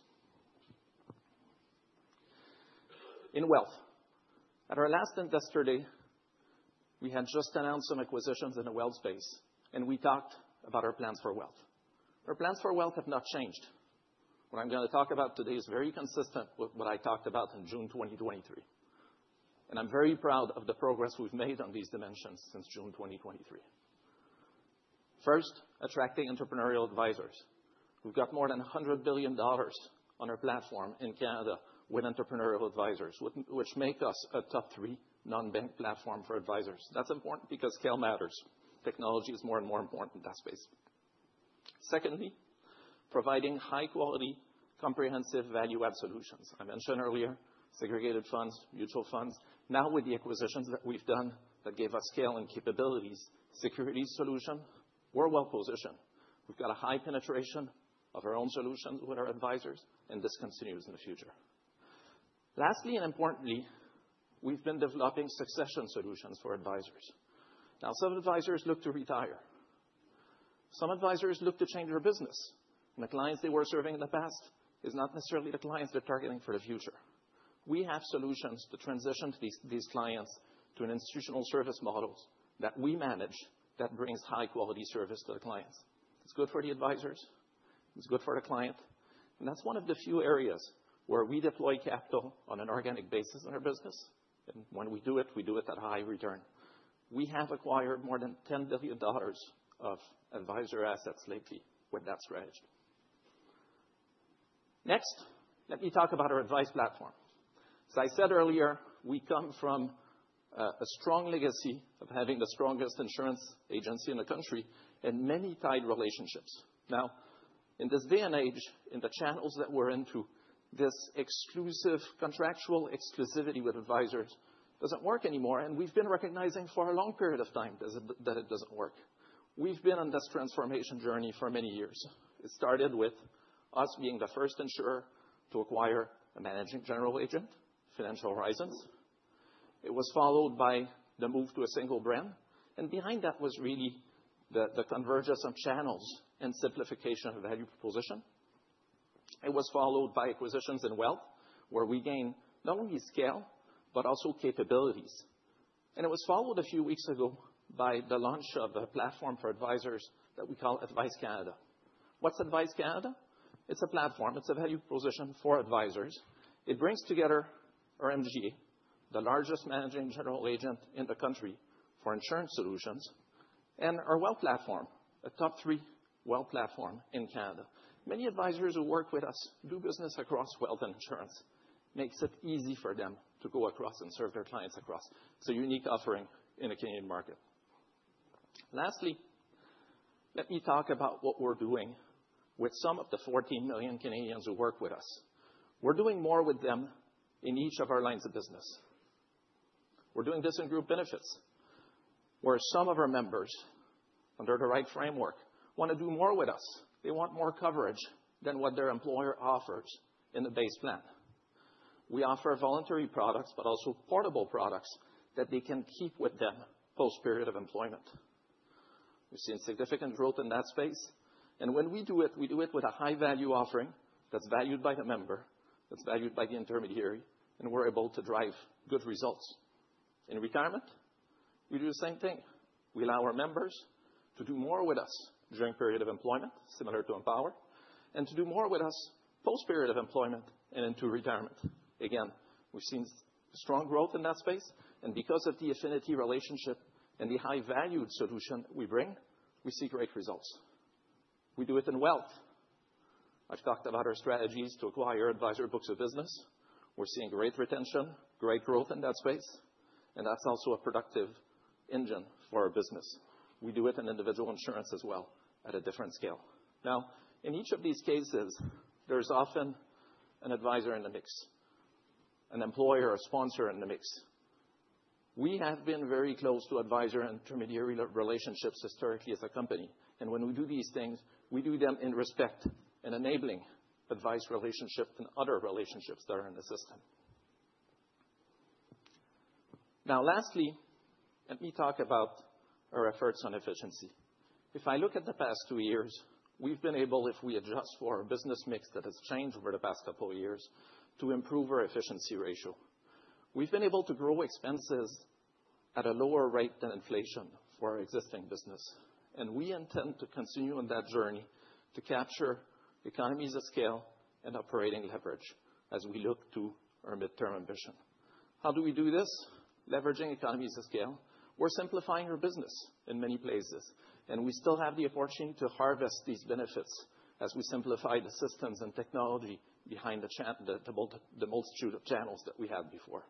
In wealth, at our last investor day, we had just announced some acquisitions in the wealth space, and we talked about our plans for wealth. Our plans for wealth have not changed. What I'm going to talk about today is very consistent with what I talked about in June 2023. I'm very proud of the progress we've made on these dimensions since June 2023. First, attracting entrepreneurial advisors. We've got more than $100 billion on our platform in Canada with entrepreneurial advisors, which makes us a top three non-bank platform for advisors. That's important because scale matters. Technology is more and more important in that space. Secondly, providing high-quality, comprehensive value-add solutions. I mentioned earlier, segregated funds, mutual funds. Now, with the acquisitions that we've done that gave us scale and capabilities, security solution, we're well-positioned. We've got a high penetration of our own solutions with our advisors and this continues in the future. Lastly, and importantly, we've been developing succession solutions for advisors. Now, some advisors look to retire. Some advisors look to change their business. And the clients they were serving in the past are not necessarily the clients they're targeting for the future. We have solutions to transition these clients to institutional service models that we manage that bring high-quality service to the clients. It's good for the advisors. It's good for the client. That is one of the few areas where we deploy capital on an organic basis in our business. When we do it, we do it at a high return. We have acquired more than $10 billion of advisor assets lately with that strategy. Next, let me talk about our advice platform. As I said earlier, we come from a strong legacy of having the strongest insurance agency in the country and many tied relationships. Now, in this day and age, in the channels that we're into, this exclusive contractual exclusivity with advisors doesn't work anymore. We have been recognizing for a long period of time that it doesn't work. We have been on this transformation journey for many years. It started with us being the first insurer to acquire a managing general agent, Financial Horizons. It was followed by the move to a single brand. Behind that was really the convergence of channels and simplification of value proposition. It was followed by acquisitions in wealth, where we gain not only scale, but also capabilities. It was followed a few weeks ago by the launch of a platform for advisors that we call Advice Canada. What's Advice Canada? It's a platform. It's a value proposition for advisors. It brings together our MGA, the largest managing general agent in the country for insurance solutions, and our wealth platform, a top three wealth platform in Canada. Many advisors who work with us do business across wealth and insurance. It makes it easy for them to go across and serve their clients across. It's a unique offering in the Canadian market. Lastly, let me talk about what we're doing with some of the 14 million Canadians who work with us. We're doing more with them in each of our lines of business. We're doing this in group benefits, where some of our members, under the right framework, want to do more with us. They want more coverage than what their employer offers in the base plan. We offer voluntary products, but also portable products that they can keep with them post-period of employment. We've seen significant growth in that space. When we do it, we do it with a high-value offering that's valued by the member, that's valued by the intermediary, and we're able to drive good results. In retirement, we do the same thing. We allow our members to do more with us during the period of employment, similar to Empower, and to do more with us post-period of employment and into retirement. Again, we have seen strong growth in that space. Because of the affinity relationship and the high-valued solution we bring, we see great results. We do it in wealth. I have talked about our strategies to acquire advisor books of business. We are seeing great retention, great growth in that space. That is also a productive engine for our business. We do it in individual insurance as well at a different scale. In each of these cases, there is often an advisor in the mix, an employer or sponsor in the mix. We have been very close to advisor and intermediary relationships historically as a company. When we do these things, we do them in respect and enabling advice relationships and other relationships that are in the system. Lastly, let me talk about our efforts on efficiency. If I look at the past two years, we've been able, if we adjust for our business mix that has changed over the past couple of years, to improve our efficiency ratio. We've been able to grow expenses at a lower rate than inflation for our existing business. We intend to continue on that journey to capture economies of scale and operating leverage as we look to our midterm ambition. How do we do this? Leveraging economies of scale. We're simplifying our business in many places. We still have the opportunity to harvest these benefits as we simplify the systems and technology behind the multitude of channels that we had before.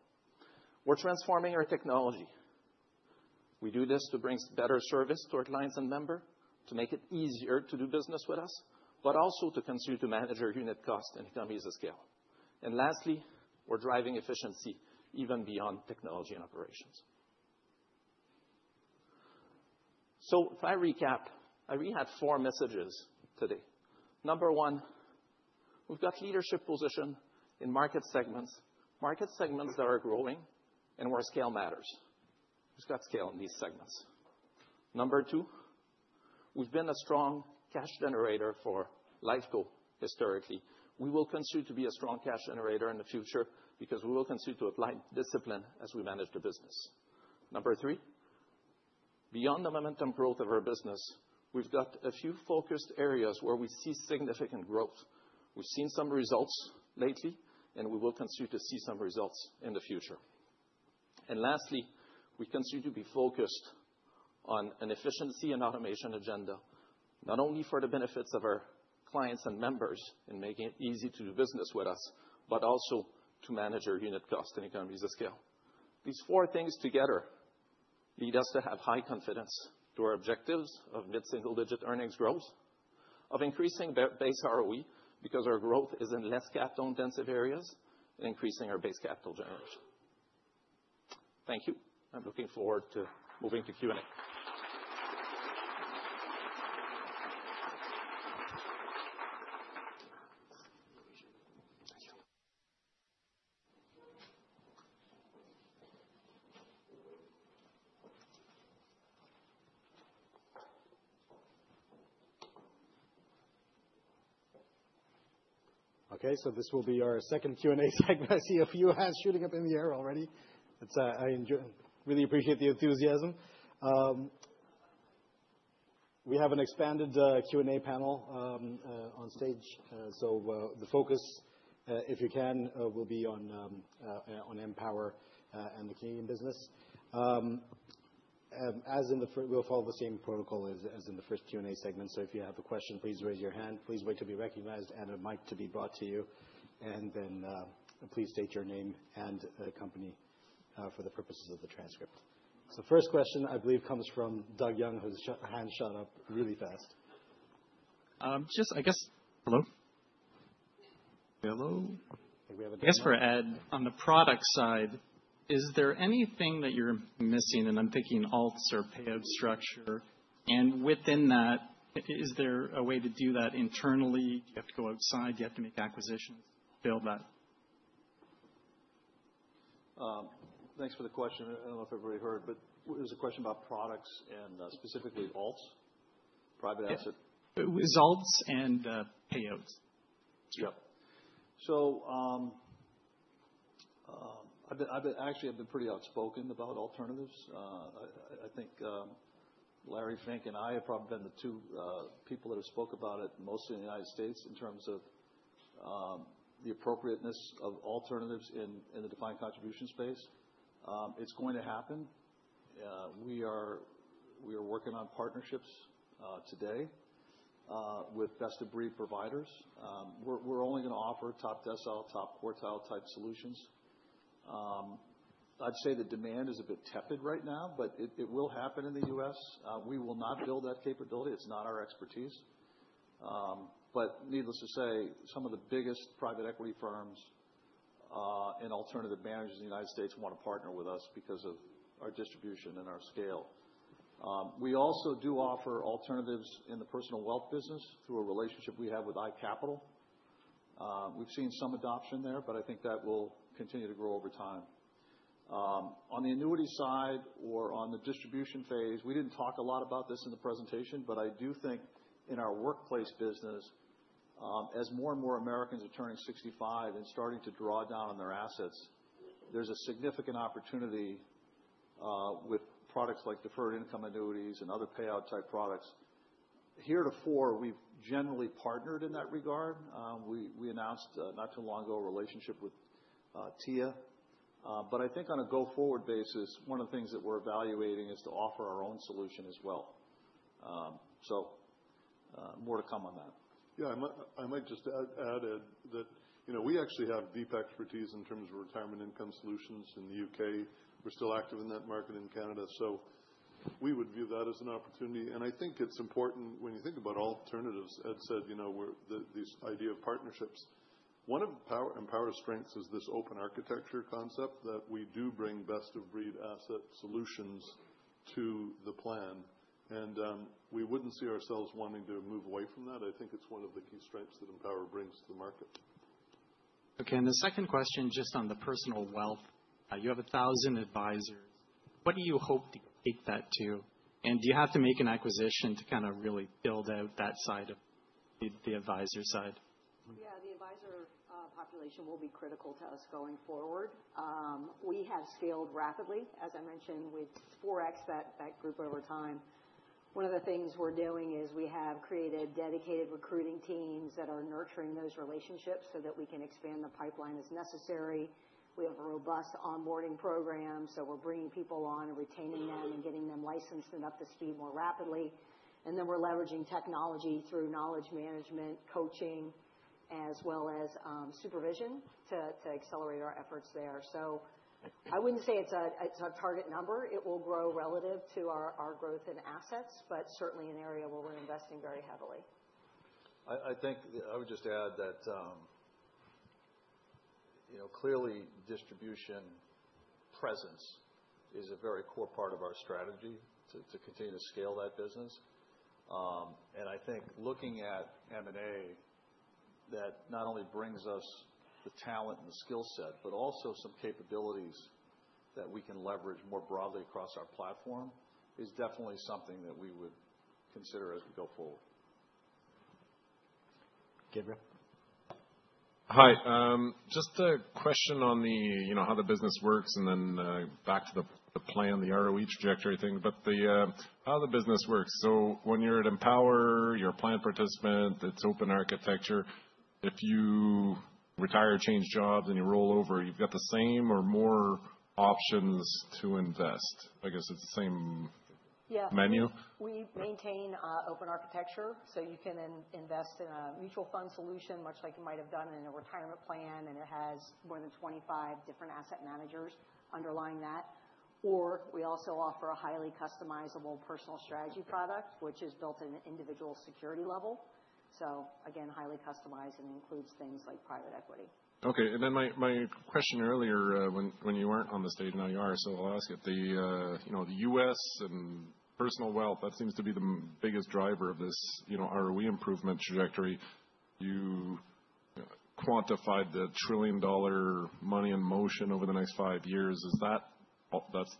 We're transforming our technology. We do this to bring better service to our clients and members, to make it easier to do business with us, but also to continue to manage our unit cost and economies of scale. Lastly, we're driving efficiency even beyond technology and operations. If I recap, I really had four messages today. Number one, we've got leadership position in market segments, market segments that are growing and where scale matters. We've got scale in these segments. Number two, we've been a strong cash generator for Lifeco historically. We will continue to be a strong cash generator in the future because we will continue to apply discipline as we manage the business. Number three, beyond the momentum growth of our business, we've got a few focused areas where we see significant growth. We've seen some results lately, and we will continue to see some results in the future. We continue to be focused on an efficiency and automation agenda, not only for the benefits of our clients and members in making it easy to do business with us, but also to manage our unit cost and economies of scale. These four things together lead us to have high confidence to our objectives of mid-single-digit earnings growth, of increasing base ROE because our growth is in less capital-intensive areas, and increasing our base capital generation. Thank you. I'm looking forward to moving to Q&A. Thank you. Okay, this will be our second Q&A segment. I see a few hands shooting up in the air already. I really appreciate the enthusiasm. We have an expanded Q&A panel on stage. The focus, if you can, will be on Empower and the Canadian business. As in the first, we'll follow the same protocol as in the first Q&A segment. If you have a question, please raise your hand. Please wait to be recognized and a mic to be brought to you. Then please state your name and company for the purposes of the transcript. The first question, I believe, comes from Doug Young, whose hand shot up really fast. Just, I guess. Hello. Hello. I think we have a question. I guess for Ed, on the product side, is there anything that you're missing? I'm thinking alts or payout structure. Within that, is there a way to do that internally? Do you have to go outside? Do you have to make acquisitions to build that? Thanks for the question. I don't know if everybody heard, but it was a question about products and specifically alts, private asset. It was alts and payouts. Yeah. Actually, I've been pretty outspoken about alternatives. I think Larry Fink and I have probably been the two people that have spoke about it mostly in the United States in terms of the appropriateness of alternatives in the defined contribution space. It's going to happen. We are working on partnerships today with best-of-breed providers. We're only going to offer top decile, top quartile type solutions. I'd say the demand is a bit tepid right now, but it will happen in the US. We will not build that capability. It's not our expertise. Needless to say, some of the biggest private equity firms and alternative managers in the United States want to partner with us because of our distribution and our scale. We also do offer alternatives in the personal wealth business through a relationship we have with iCapital. We've seen some adoption there, but I think that will continue to grow over time. On the annuity side or on the distribution phase, we didn't talk a lot about this in the presentation, but I do think in our workplace business, as more and more Americans are turning 65 and starting to draw down on their assets, there's a significant opportunity with products like deferred income annuities and other payout-type products. Here at Empower, we've generally partnered in that regard. We announced not too long ago a relationship with TIAA. I think on a go-forward basis, one of the things that we're evaluating is to offer our own solution as well. More to come on that. I might just add that we actually have deep expertise in terms of retirement income solutions in the U.K. We're still active in that market in Canada. We would view that as an opportunity. I think it's important when you think about alternatives, Ed said, this idea of partnerships. One of Empower's strengths is this open architecture concept that we do bring best-of-breed asset solutions to the plan. We wouldn't see ourselves wanting to move away from that. I think it's one of the key strengths that Empower brings to the market. Okay, and the second question just on the personal wealth. You have 1,000 advisors. What do you hope to take that to? Do you have to make an acquisition to kind of really build out that side of the advisor side? Yeah, the advisor population will be critical to us going forward. We have scaled rapidly. As I mentioned, we've four-exped that group over time. One of the things we're doing is we have created dedicated recruiting teams that are nurturing those relationships so that we can expand the pipeline as necessary. We have a robust onboarding program. We are bringing people on and retaining them and getting them licensed and up to speed more rapidly. We are leveraging technology through knowledge management, coaching, as well as supervision to accelerate our efforts there. I would not say it is a target number. It will grow relative to our growth in assets, but certainly an area where we are investing very heavily. I think I would just add that clearly distribution presence is a very core part of our strategy to continue to scale that business. I think looking at M&A, that not only brings us the talent and the skill set, but also some capabilities that we can leverage more broadly across our platform is definitely something that we would consider as we go forward. Gabriel. Hi. Just a question on how the business works and then back to the plan, the ROE trajectory thing. How the business works. When you're at Empower, you're a plan participant, it's open architecture. If you retire, change jobs, and you roll over, you've got the same or more options to invest. I guess it's the same menu. Yeah. We maintain open architecture. You can invest in a mutual fund solution, much like you might have done in a retirement plan, and it has more than 25 different asset managers underlying that. We also offer a highly customizable personal strategy product, which is built at an individual security level. Again, highly customized and includes things like private equity. Okay. My question earlier, when you were not on the stage and now you are, so I will ask it. The US and personal wealth, that seems to be the biggest driver of this ROE improvement trajectory. You quantified the trillion-dollar money in motion over the next five years. Is that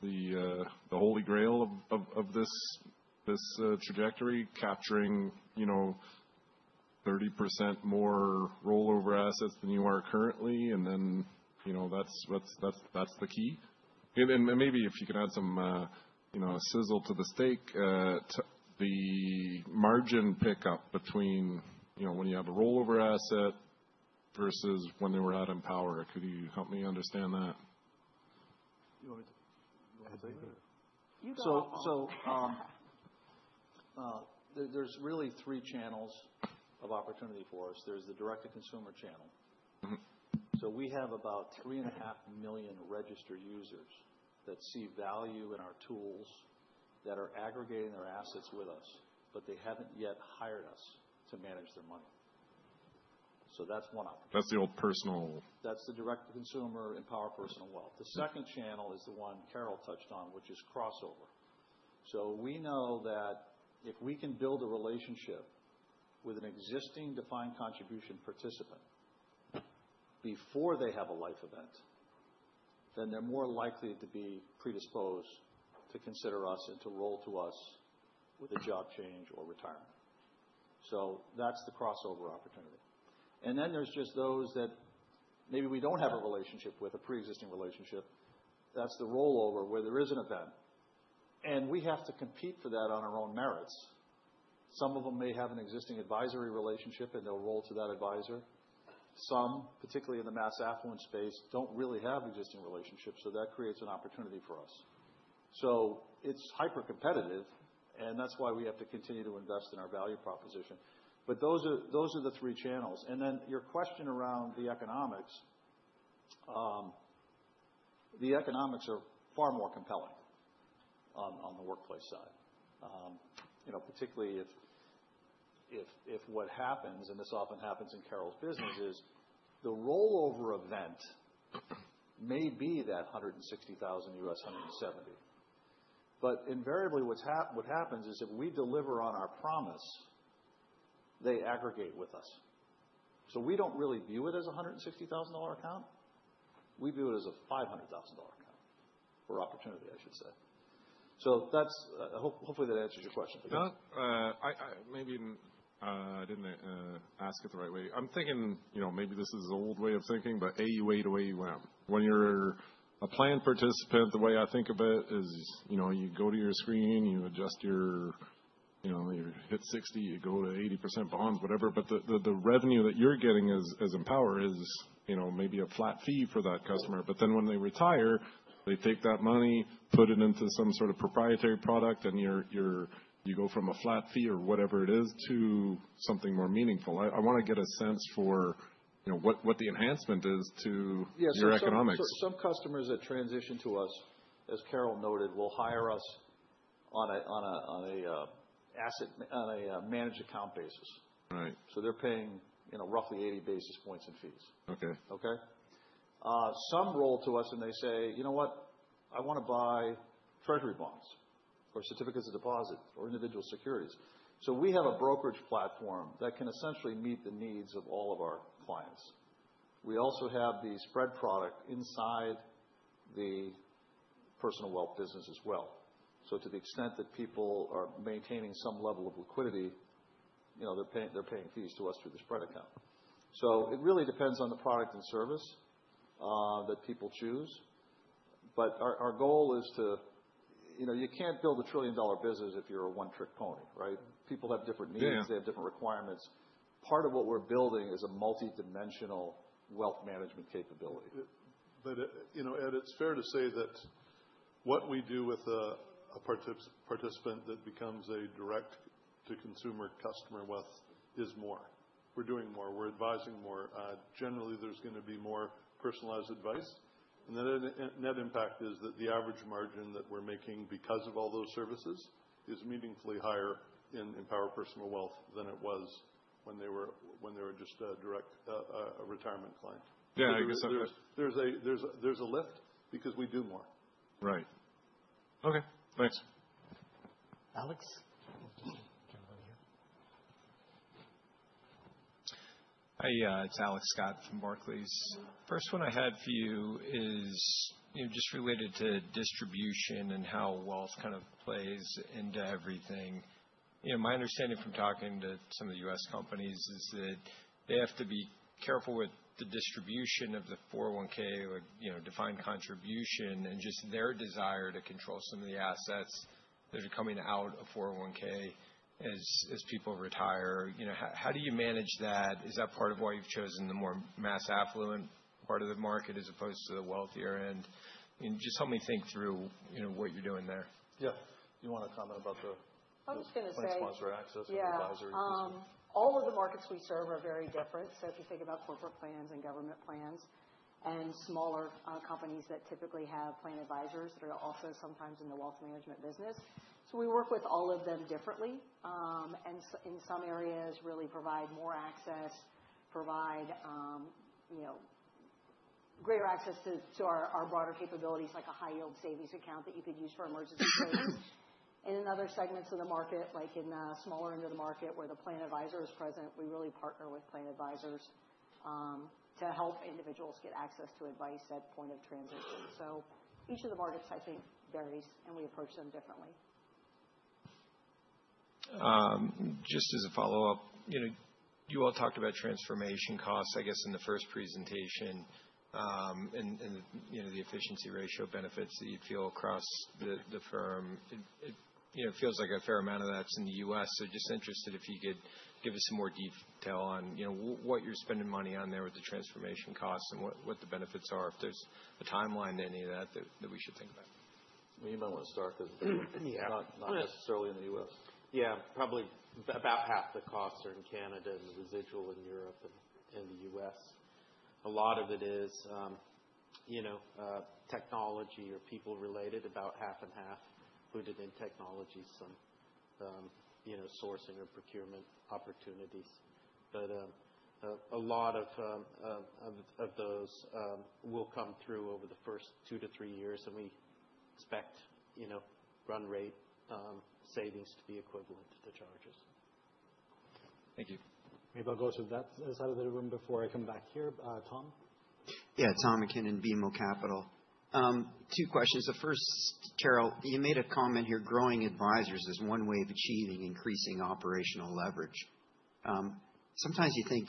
the holy grail of this trajectory, capturing 30% more rollover assets than you are currently? That is the key. Maybe if you can add some sizzle to the steak, the margin pickup between when you have a rollover asset versus when they were at Empower. Could you help me understand that? You want me to say it? You go ahead. There are really three channels of opportunity for us. There's the direct-to-consumer channel. We have about 3.5 million registered users that see value in our tools that are aggregating their assets with us, but they have not yet hired us to manage their money. That is one opportunity. That is the old personal. That is the direct-to-consumer Empower personal wealth. The second channel is the one Carol touched on, which is crossover. We know that if we can build a relationship with an existing defined contribution participant before they have a life event, they are more likely to be predisposed to consider us and to roll to us with a job change or retirement. That is the crossover opportunity. There are also those that maybe we do not have a relationship with, a pre-existing relationship. That is the rollover where there is an event. We have to compete for that on our own merits. Some of them may have an existing advisory relationship, and they'll roll to that advisor. Some, particularly in the mass affluence space, don't really have existing relationships. That creates an opportunity for us. It is hyper-competitive, and that's why we have to continue to invest in our value proposition. Those are the three channels. Your question around the economics, the economics are far more compelling on the workplace side. Particularly if what happens, and this often happens in Carol's business, is the rollover event may be that $160,000, $170,000. Invariably, what happens is if we deliver on our promise, they aggregate with us. We don't really view it as a $160,000 account. We view it as a $500,000 account for opportunity, I should say. Hopefully that answers your question. Maybe I didn't ask it the right way. I'm thinking maybe this is an old way of thinking, but AUA to AUM. When you're a plan participant, the way I think of it is you go to your screen, you adjust, you hit 60, you go to 80% bonds, whatever. The revenue that you're getting as Empower is maybe a flat fee for that customer. When they retire, they take that money, put it into some sort of proprietary product, and you go from a flat fee or whatever it is to something more meaningful. I want to get a sense for what the enhancement is to your economics. Some customers that transition to us, as Carol noted, will hire us on a managed account basis. They're paying roughly 80 basis points in fees. Okay. Some roll to us and they say, "You know what? I want to buy Treasury bonds or certificates of deposit or individual securities. We have a brokerage platform that can essentially meet the needs of all of our clients. We also have the spread product inside the personal wealth business as well. To the extent that people are maintaining some level of liquidity, they're paying fees to us through the spread account. It really depends on the product and service that people choose. Our goal is you can't build a trillion-dollar business if you're a one-trick pony, right? People have different needs. They have different requirements. Part of what we're building is a multidimensional wealth management capability. Ed, it's fair to say that what we do with a participant that becomes a direct-to-consumer customer is more. We're doing more. We're advising more. Generally, there's going to be more personalized advice. The net impact is that the average margin that we're making because of all those services is meaningfully higher in Empower personal wealth than it was when they were just a direct retirement client. Yeah, I guess there's a lift because we do more. Right. Okay. Thanks. Alex. Can I have you? Hi, it's Alex Scott from Barclays. First one I had for you is just related to distribution and how wealth kind of plays into everything. My understanding from talking to some of the US companies is that they have to be careful with the distribution of the 401(k) or defined contribution and just their desire to control some of the assets that are coming out of 401(k) as people retire. How do you manage that? Is that part of why you've chosen the more mass affluent part of the market as opposed to the wealthier end? Just help me think through what you're doing there. Yeah. Do you want to comment about the response or access or advisory? Yeah. All of the markets we serve are very different. If you think about corporate plans and government plans and smaller companies that typically have plan advisors that are also sometimes in the wealth management business. We work with all of them differently. In some areas, really provide more access, provide greater access to our broader capabilities, like a high-yield savings account that you could use for emergency savings. In other segments of the market, like in the smaller end of the market where the plan advisor is present, we really partner with plan advisors to help individuals get access to advice at point of transition. Each of the markets, I think, varies, and we approach them differently. Just as a follow-up, you all talked about transformation costs, I guess, in the first presentation and the efficiency ratio benefits that you'd feel across the firm. It feels like a fair amount of that's in the U.S. So just interested if you could give us some more detail on what you're spending money on there with the transformation costs and what the benefits are, if there's a timeline to any of that that we should think about. You might want to start because it's not necessarily in the U.S. Yeah. Probably about half the costs are in Canada as a residual in Europe and the U.S. A lot of it is technology or people-related, about half and half, included in technology, some sourcing or procurement opportunities. A lot of those will come through over the first two to three years. We expect run rate savings to be equivalent to charges. Thank you. Maybe I'll go to that side of the room before I come back here. Tom? Yeah, Tom MacKinnon, BMO Capital. Two questions. The first, Carol, you made a comment here. Growing advisors is one way of achieving increasing operational leverage. Sometimes you think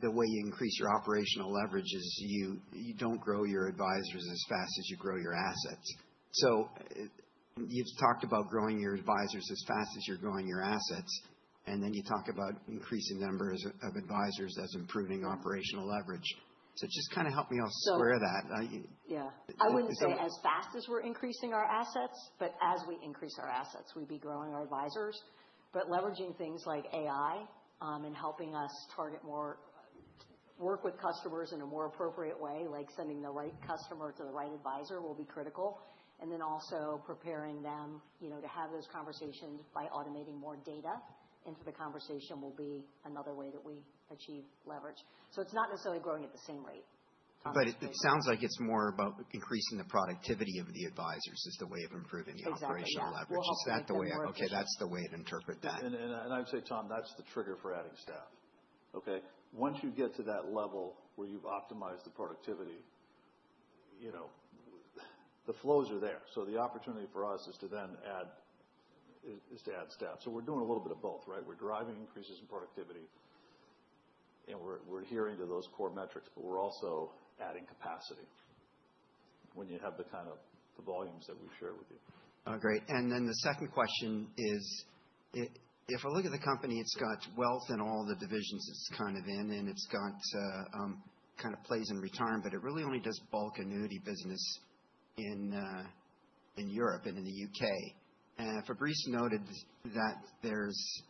the way you increase your operational leverage is you do not grow your advisors as fast as you grow your assets. You have talked about growing your advisors as fast as you are growing your assets. And then you talk about increasing numbers of advisors as improving operational leverage. Just kind of help me square that. Yeah. I would not say as fast as we are increasing our assets, but as we increase our assets, we would be growing our advisors. Leveraging things like AI and helping us target more work with customers in a more appropriate way, like sending the right customer to the right advisor, will be critical. Also, preparing them to have those conversations by automating more data into the conversation will be another way that we achieve leverage. It's not necessarily growing at the same rate. It sounds like it's more about increasing the productivity of the advisors as the way of improving operational leverage. Is that the way? Okay. That's the way to interpret that. I would say, Tom, that's the trigger for adding staff. Okay? Once you get to that level where you've optimized the productivity, the flows are there. The opportunity for us is to then add staff. We're doing a little bit of both, right? We're driving increases in productivity, and we're adhering to those core metrics, but we're also adding capacity when you have the kind of volumes that we've shared with you. Great. The second question is, if I look at the company, it's got wealth in all the divisions it's kind of in, and it kind of plays in retirement, but it really only does bulk annuity business in Europe and in the U.K. Fabrice noted that there's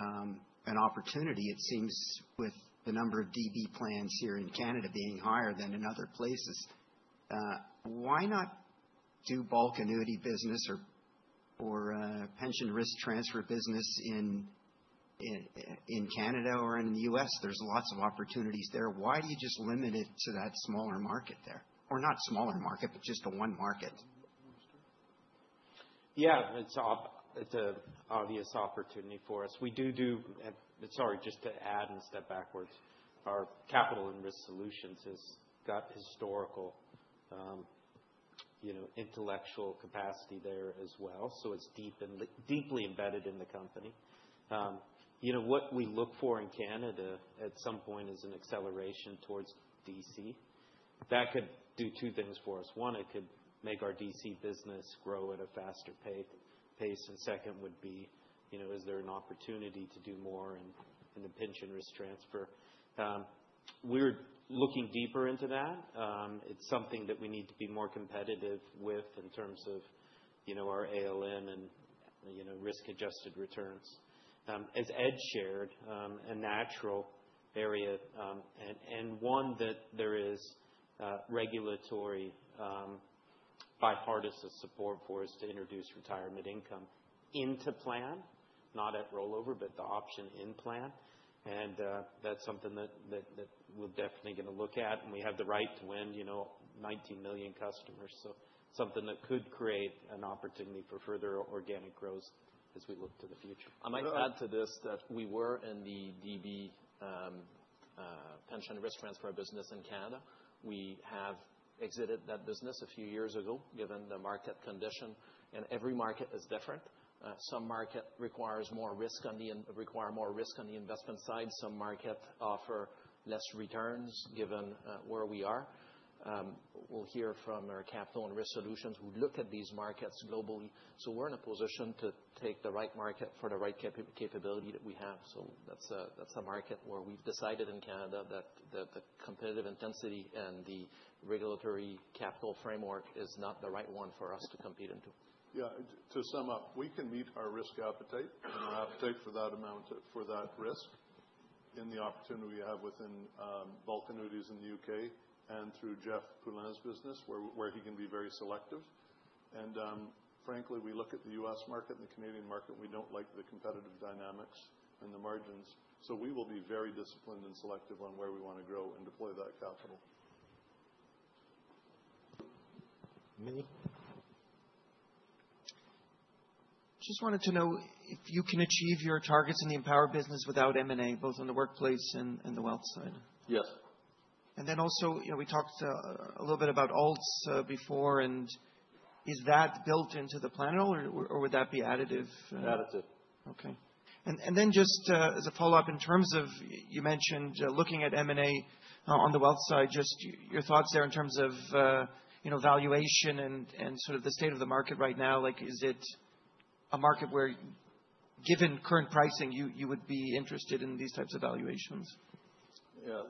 an opportunity, it seems, with the number of DB plans here in Canada being higher than in other places. Why not do bulk annuity business or pension risk transfer business in Canada or in the U.S.? There's lots of opportunities there. Why do you just limit it to that smaller market there? Or not smaller market, but just a one market? Yeah. It's an obvious opportunity for us. We do, sorry, just to add and step backwards, our capital and risk solutions has got historical intellectual capacity there as well. So it's deeply embedded in the company. What we look for in Canada at some point is an acceleration towards DC. That could do two things for us. One, it could make our DC business grow at a faster pace. And second would be, is there an opportunity to do more in the pension risk transfer? We're looking deeper into that. It's something that we need to be more competitive with in terms of our ALM and risk-adjusted returns. As Ed shared, a natural area, and one that there is regulatory by hardest of support for us to introduce retirement income into plan, not at rollover, but the option in plan. That's something that we're definitely going to look at. We have the right to win 19 million customers. Something that could create an opportunity for further organic growth as we look to the future. I might add to this that we were in the DB pension risk transfer business in Canada. We have exited that business a few years ago given the market condition. Every market is different. Some market requires more risk on the investment side. Some markets offer less returns given where we are. We will hear from our capital and risk solutions. We look at these markets globally. We are in a position to take the right market for the right capability that we have. That is a market where we have decided in Canada that the competitive intensity and the regulatory capital framework is not the right one for us to compete into. Yeah. To sum up, we can meet our risk appetite and our appetite for that amount for that risk in the opportunity we have within bulk annuities in the U.K. and through Jeff Poulin's business, where he can be very selective. Frankly, we look at the U.S. market and the Canadian market. We do not like the competitive dynamics and the margins. We will be very disciplined and selective on where we want to grow and deploy that capital. Meny? Just wanted to know if you can achieve your targets in the Empower business without M&A, both on the workplace and the wealth side. Yes. Also, we talked a little bit about alts before. Is that built into the plan at all, or would that be additive? Additive. Okay. Just as a follow-up, in terms of you mentioned looking at M&A on the wealth side, just your thoughts there in terms of valuation and sort of the state of the market right now. Is it a market where, given current pricing, you would be interested in these types of valuations? Yeah.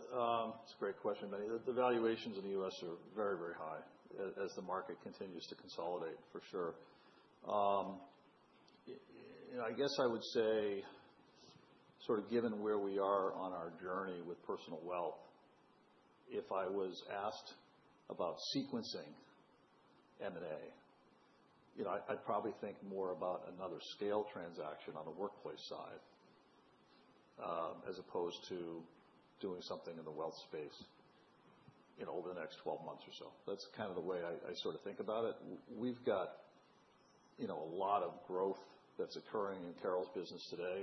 It's a great question, buddy. The valuations in the US are very, very high as the market continues to consolidate, for sure. I guess I would say, sort of given where we are on our journey with personal wealth, if I was asked about sequencing M&A, I'd probably think more about another scale transaction on the workplace side as opposed to doing something in the wealth space over the next 12 months or so. That's kind of the way I sort of think about it. We've got a lot of growth that's occurring in Carol's business today.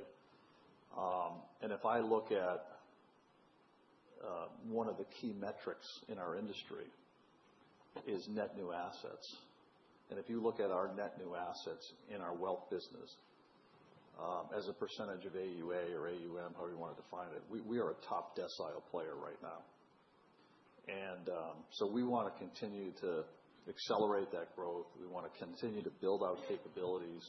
If I look at one of the key metrics in our industry, it is net new assets. If you look at our net new assets in our wealth business as a percentage of AUA or AUM, however you want to define it, we are a top decile player right now. We want to continue to accelerate that growth. We want to continue to build our capabilities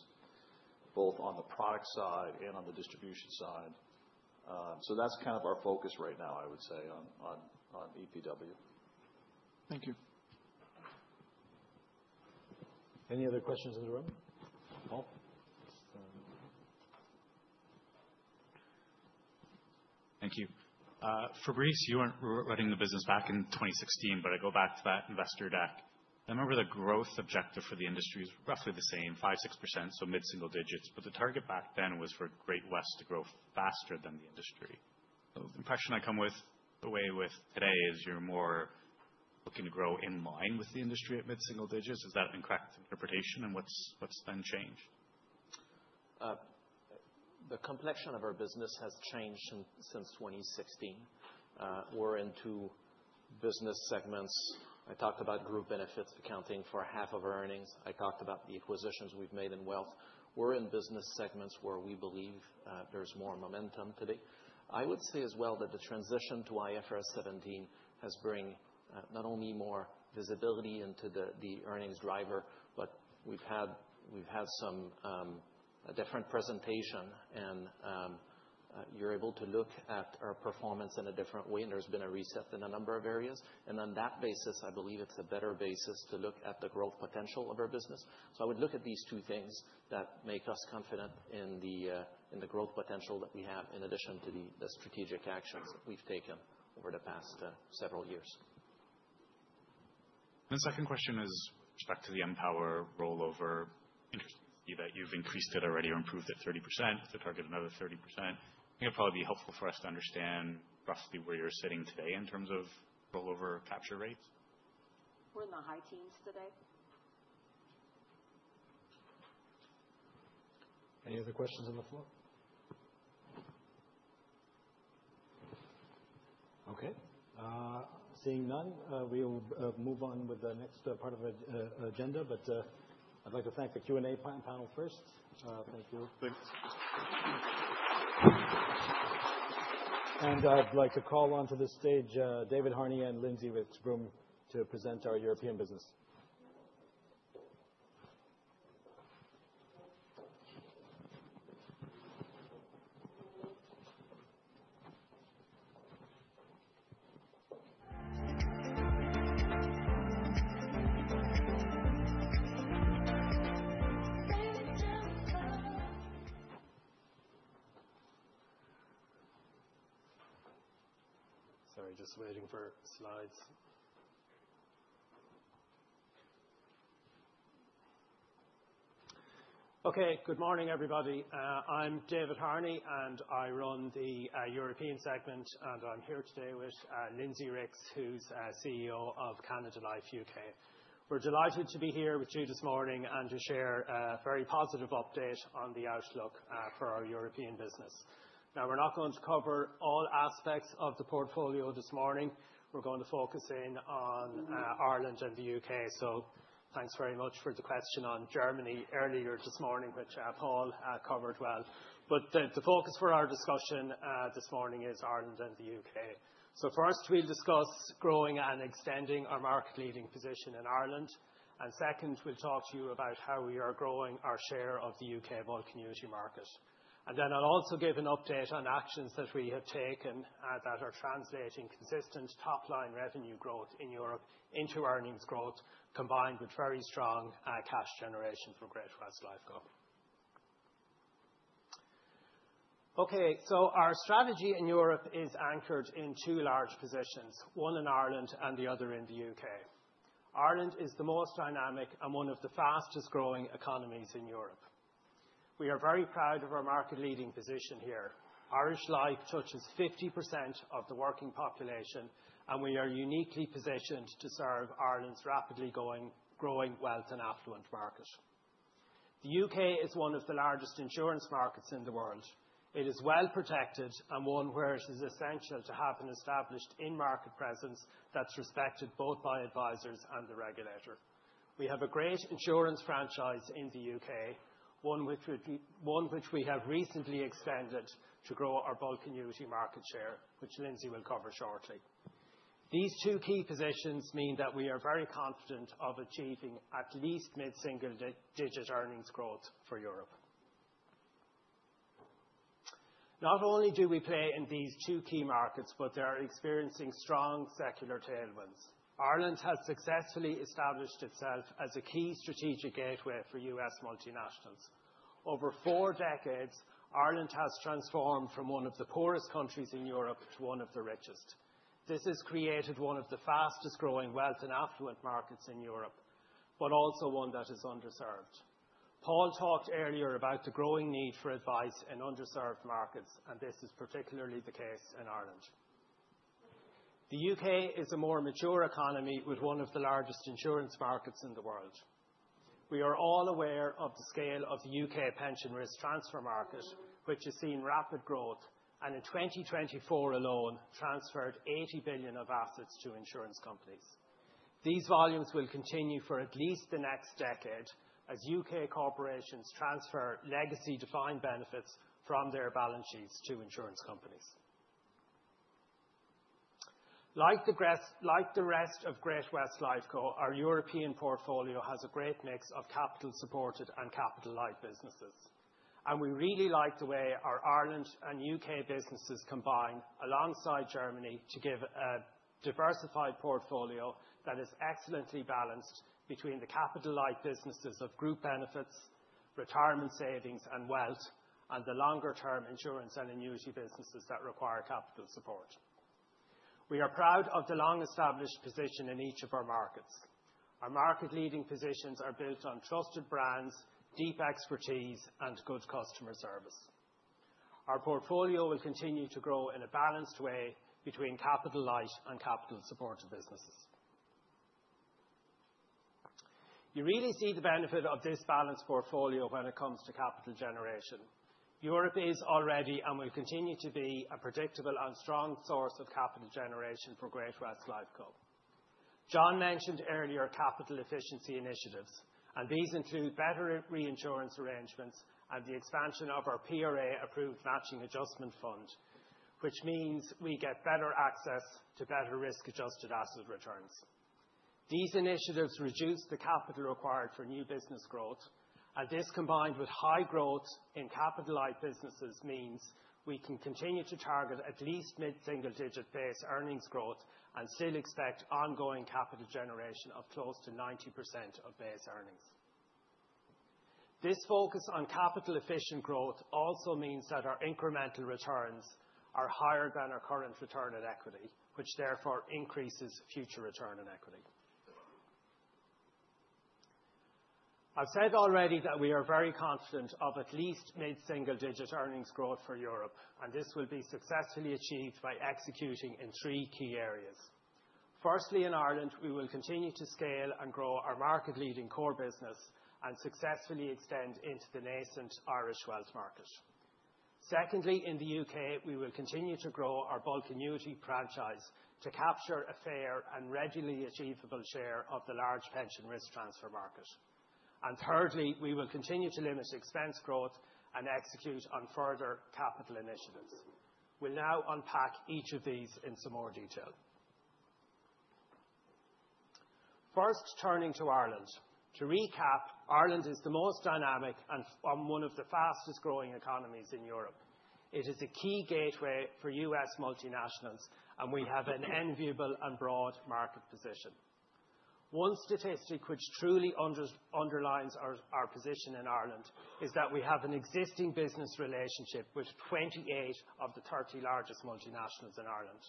both on the product side and on the distribution side. That is kind of our focus right now, I would say, on EPW. Thank you. Any other questions in the room? Paul? Thank you. Fabrice, you were not running the business back in 2016, but I go back to that investor deck. I remember the growth objective for the industry was roughly the same, 5%-6%, so mid-single digits. The target back then was for Great-West Lifeco to grow faster than the industry. The impression I come away with today is you're more looking to grow in line with the industry at mid-single digits. Is that an incorrect interpretation? What's then changed? The complexion of our business has changed since 2016. We're into business segments. I talked about group benefits accounting for half of our earnings. I talked about the acquisitions we've made in wealth. We're in business segments where we believe there's more momentum today. I would say as well that the transition to IFRS 17 has brought not only more visibility into the earnings driver, but we've had some different presentation. You're able to look at our performance in a different way. There's been a reset in a number of areas. On that basis, I believe it's a better basis to look at the growth potential of our business. I would look at these two things that make us confident in the growth potential that we have in addition to the strategic actions that we've taken over the past several years. The second question is with respect to the Empower rollover. Interesting to see that you've increased it already or improved it 30% to target another 30%. I think it'd probably be helpful for us to understand roughly where you're sitting today in terms of rollover capture rates. We're in the high teens today. Any other questions on the floor? Okay. Seeing none, we'll move on with the next part of our agenda. I'd like to thank the Q&A panel first. Thank you. Thanks. I'd like to call onto the stage David Harney and Lindsay Rix-Broom to present our European business. Sorry, just waiting for slides. Okay. Good morning, everybody. I'm David Harney, and I run the European segment. I'm here today with Lindsay Rix-Broom, who's CEO of Canada Life UK. We're delighted to be here with you this morning and to share a very positive update on the outlook for our European business. We're not going to cover all aspects of the portfolio this morning. We're going to focus in on Ireland and the UK. Thanks very much for the question on Germany earlier this morning, which Paul covered well. The focus for our discussion this morning is Ireland and the UK. First, we'll discuss growing and extending our market-leading position in Ireland. Second, we'll talk to you about how we are growing our share of the U.K. bulk annuity market. I'll also give an update on actions that we have taken that are translating consistent top-line revenue growth in Europe into earnings growth combined with very strong cash generation for Great-West Lifeco. Our strategy in Europe is anchored in two large positions, one in Ireland and the other in the U.K. Ireland is the most dynamic and one of the fastest-growing economies in Europe. We are very proud of our market-leading position here. Irish Life touches 50% of the working population, and we are uniquely positioned to serve Ireland's rapidly growing wealth and affluent market. The U.K. is one of the largest insurance markets in the world. It is well protected and one where it is essential to have an established in-market presence that's respected both by advisors and the regulator. We have a great insurance franchise in the U.K., one which we have recently extended to grow our bulk annuity market share, which Lindsay will cover shortly. These two key positions mean that we are very confident of achieving at least mid-single digit earnings growth for Europe. Not only do we play in these two key markets, but they are experiencing strong secular tailwinds. Ireland has successfully established itself as a key strategic gateway for U.S. multinationals. Over four decades, Ireland has transformed from one of the poorest countries in Europe to one of the richest. This has created one of the fastest-growing wealth and affluent markets in Europe, but also one that is underserved. Paul talked earlier about the growing need for advice in underserved markets, and this is particularly the case in Ireland. The U.K. is a more mature economy with one of the largest insurance markets in the world. We are all aware of the scale of the U.K. pension risk transfer market, which has seen rapid growth and in 2024 alone transferred 80 billion of assets to insurance companies. These volumes will continue for at least the next decade as U.K. corporations transfer legacy defined benefits from their balance sheets to insurance companies. Like the rest of Great-West Lifeco, our European portfolio has a great mix of capital-supported and capital-light businesses. We really like the way our Ireland and U.K. businesses combine alongside Germany to give a diversified portfolio that is excellently balanced between the capital-light businesses of group benefits, retirement savings, and wealth, and the longer-term insurance and annuity businesses that require capital support. We are proud of the long-established position in each of our markets. Our market-leading positions are built on trusted brands, deep expertise, and good customer service. Our portfolio will continue to grow in a balanced way between capital-light and capital-supported businesses. You really see the benefit of this balanced portfolio when it comes to capital generation. Europe is already and will continue to be a predictable and strong source of capital generation for Great-West Lifeco. Jon mentioned earlier capital efficiency initiatives, and these include better reinsurance arrangements and the expansion of our PRA-approved matching adjustment fund, which means we get better access to better risk-adjusted asset returns. These initiatives reduce the capital required for new business growth. This combined with high growth in capital-light businesses means we can continue to target at least mid-single digit base earnings growth and still expect ongoing capital generation of close to 90% of base earnings. This focus on capital-efficient growth also means that our incremental returns are higher than our current return on equity, which therefore increases future return on equity. I've said already that we are very confident of at least mid-single digit earnings growth for Europe, and this will be successfully achieved by executing in three key areas. Firstly, in Ireland, we will continue to scale and grow our market-leading core business and successfully extend into the nascent Irish wealth market. Secondly, in the U.K., we will continue to grow our bulk annuity franchise to capture a fair and readily achievable share of the large pension risk transfer market. Thirdly, we will continue to limit expense growth and execute on further capital initiatives. We'll now unpack each of these in some more detail. First, turning to Ireland. To recap, Ireland is the most dynamic and one of the fastest-growing economies in Europe. It is a key gateway for U.S. multinationals, and we have an enviable and broad market position. One statistic which truly underlines our position in Ireland is that we have an existing business relationship with 28 of the 30 largest multinationals in Ireland.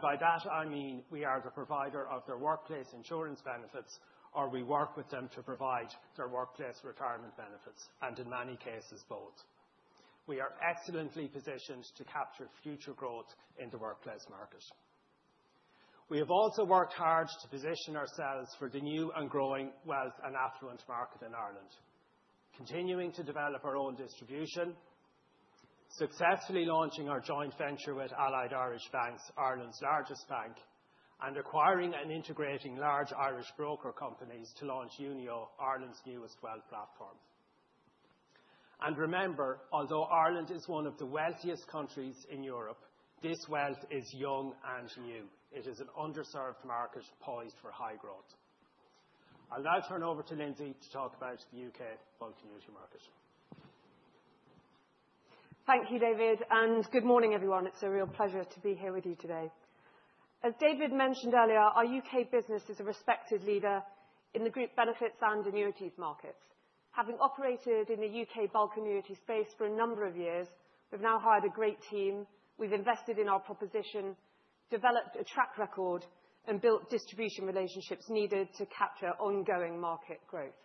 By that, I mean we are the provider of their workplace insurance benefits, or we work with them to provide their workplace retirement benefits, and in many cases, both. We are excellently positioned to capture future growth in the workplace market. We have also worked hard to position ourselves for the new and growing wealth and affluent market in Ireland, continuing to develop our own distribution, successfully launching our joint venture with AIB, Ireland's largest bank, and acquiring and integrating large Irish broker companies to launch Unio, Ireland's newest wealth platform. Remember, although Ireland is one of the wealthiest countries in Europe, this wealth is young and new. It is an underserved market poised for high growth. I'll now turn over to Lindsay to talk about the U.K. bulk annuity market. Thank you, David. Good morning, everyone. It's a real pleasure to be here with you today. As David mentioned earlier, our U.K. business is a respected leader in the group benefits and annuities markets. Having operated in the U.K. bulk annuity space for a number of years, we've now hired a great team. We've invested in our proposition, developed a track record, and built distribution relationships needed to capture ongoing market growth.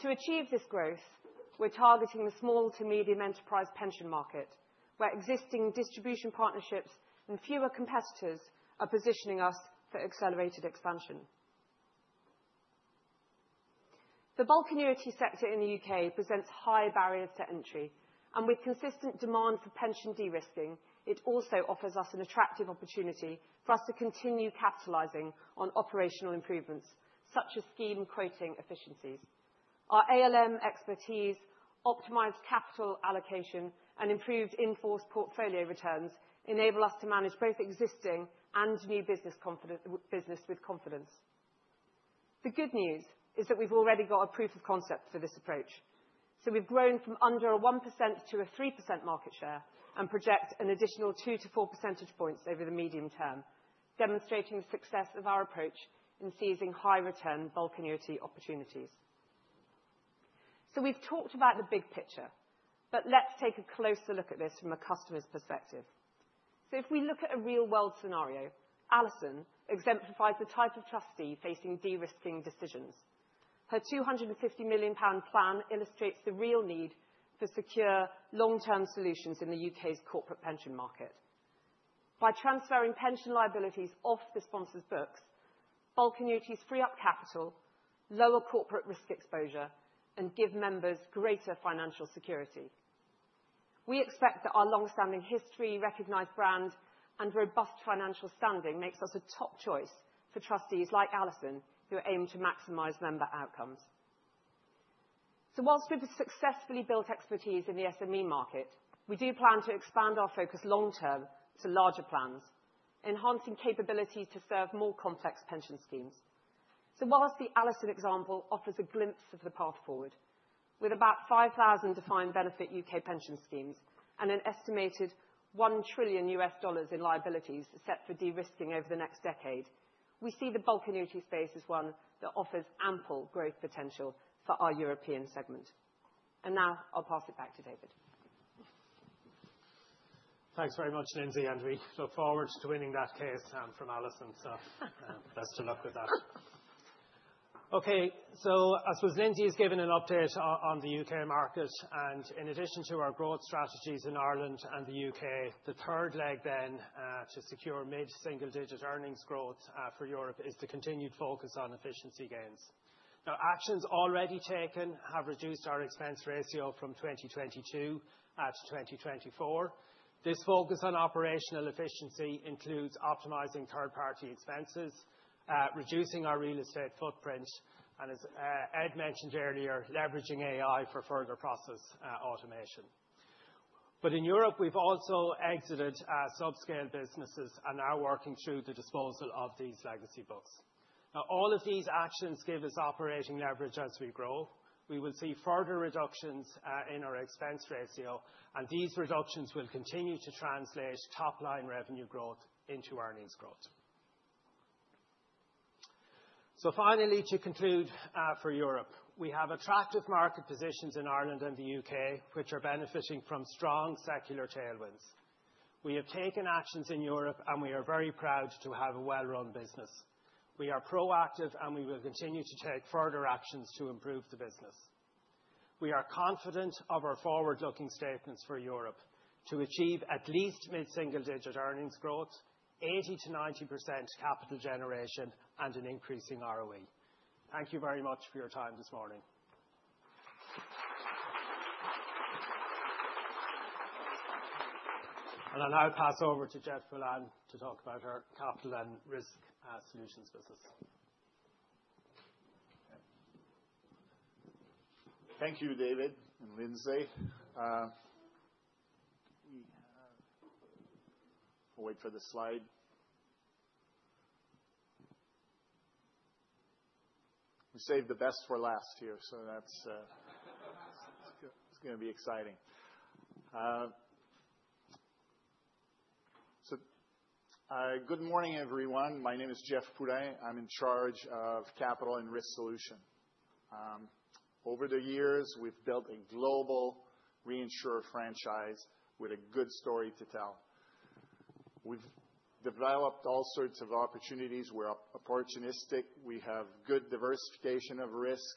To achieve this growth, we're targeting the small to medium enterprise pension market, where existing distribution partnerships and fewer competitors are positioning us for accelerated expansion. The bulk annuity sector in the U.K. presents high barriers to entry. With consistent demand for pension de-risking, it also offers us an attractive opportunity for us to continue capitalizing on operational improvements, such as scheme quoting efficiencies. Our ALM expertise, optimized capital allocation, and improved enforced portfolio returns enable us to manage both existing and new business with confidence. The good news is that we've already got a proof of concept for this approach. We have grown from under a 1% to a 3% market share and project an additional 2-4 percentage points over the medium term, demonstrating the success of our approach in seizing high-return bulk annuity opportunities. We have talked about the big picture, but let's take a closer look at this from a customer's perspective. If we look at a real-world scenario, Alison exemplifies the type of trustee facing de-risking decisions. Her 250 million pound plan illustrates the real need for secure, long-term solutions in the U.K.'s corporate pension market. By transferring pension liabilities off the sponsor's books, bulk annuities free up capital, lower corporate risk exposure, and give members greater financial security. We expect that our long-standing history, recognized brand, and robust financial standing make us a top choice for trustees like Alison, who aim to maximize member outcomes. Whilst we've successfully built expertise in the SME market, we do plan to expand our focus long-term to larger plans, enhancing capabilities to serve more complex pension schemes. Whilst the Alison example offers a glimpse of the path forward, with about 5,000 defined benefit U.K. pension schemes and an estimated $1 trillion in liabilities set for de-risking over the next decade, we see the bulk annuity space as one that offers ample growth potential for our European segment. Now I'll pass it back to David. Thanks very much, Lindsay and me. Look forward to winning that case from Alison. Best of luck with that. I suppose Lindsay has given an update on the U.K. market. In addition to our growth strategies in Ireland and the U.K., the third leg then to secure mid-single digit earnings growth for Europe is the continued focus on efficiency gains. Actions already taken have reduced our expense ratio from 2022 to 2024. This focus on operational efficiency includes optimizing third-party expenses, reducing our real estate footprint, and, as Ed mentioned earlier, leveraging AI for further process automation. In Europe, we have also exited subscale businesses and are working through the disposal of these legacy books. All of these actions give us operating leverage as we grow. We will see further reductions in our expense ratio, and these reductions will continue to translate top-line revenue growth into earnings growth. Finally, to conclude for Europe, we have attractive market positions in Ireland and the U.K., which are benefiting from strong secular tailwinds. We have taken actions in Europe, and we are very proud to have a well-run business. We are proactive, and we will continue to take further actions to improve the business. We are confident of our forward-looking statements for Europe to achieve at least mid-single digit earnings growth, 80-90% capital generation, and an increasing ROE. Thank you very much for your time this morning. I'll now pass over to Jeff Poulin to talk about our Capital and Risk Solutions business. Thank you, David and Lindsay. We have to wait for the slide. We saved the best for last here, so that's going to be exciting. Good morning, everyone. My name is Jeff Poulin. I'm in charge of Capital and Risk Solutions. Over the years, we've built a global reinsurer franchise with a good story to tell. We've developed all sorts of opportunities. We're opportunistic. We have good diversification of risk,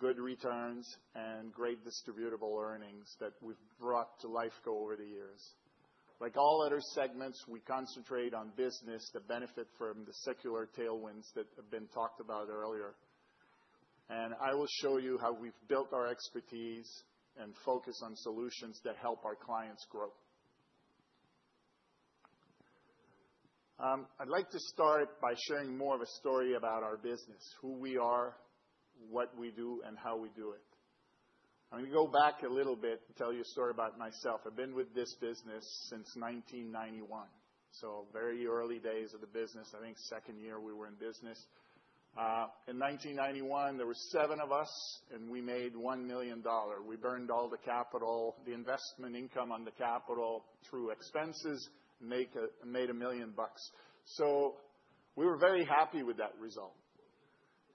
good returns, and great distributable earnings that we've brought to Lifeco over the years. Like all other segments, we concentrate on business that benefit from the secular tailwinds that have been talked about earlier. I will show you how we've built our expertise and focus on solutions that help our clients grow. I'd like to start by sharing more of a story about our business, who we are, what we do, and how we do it. I'm going to go back a little bit and tell you a story about myself. I've been with this business since 1991, so very early days of the business. I think second year we were in business. In 1991, there were seven of us, and we made $1 million. We burned all the capital, the investment income on the capital through expenses, made a million bucks. We were very happy with that result.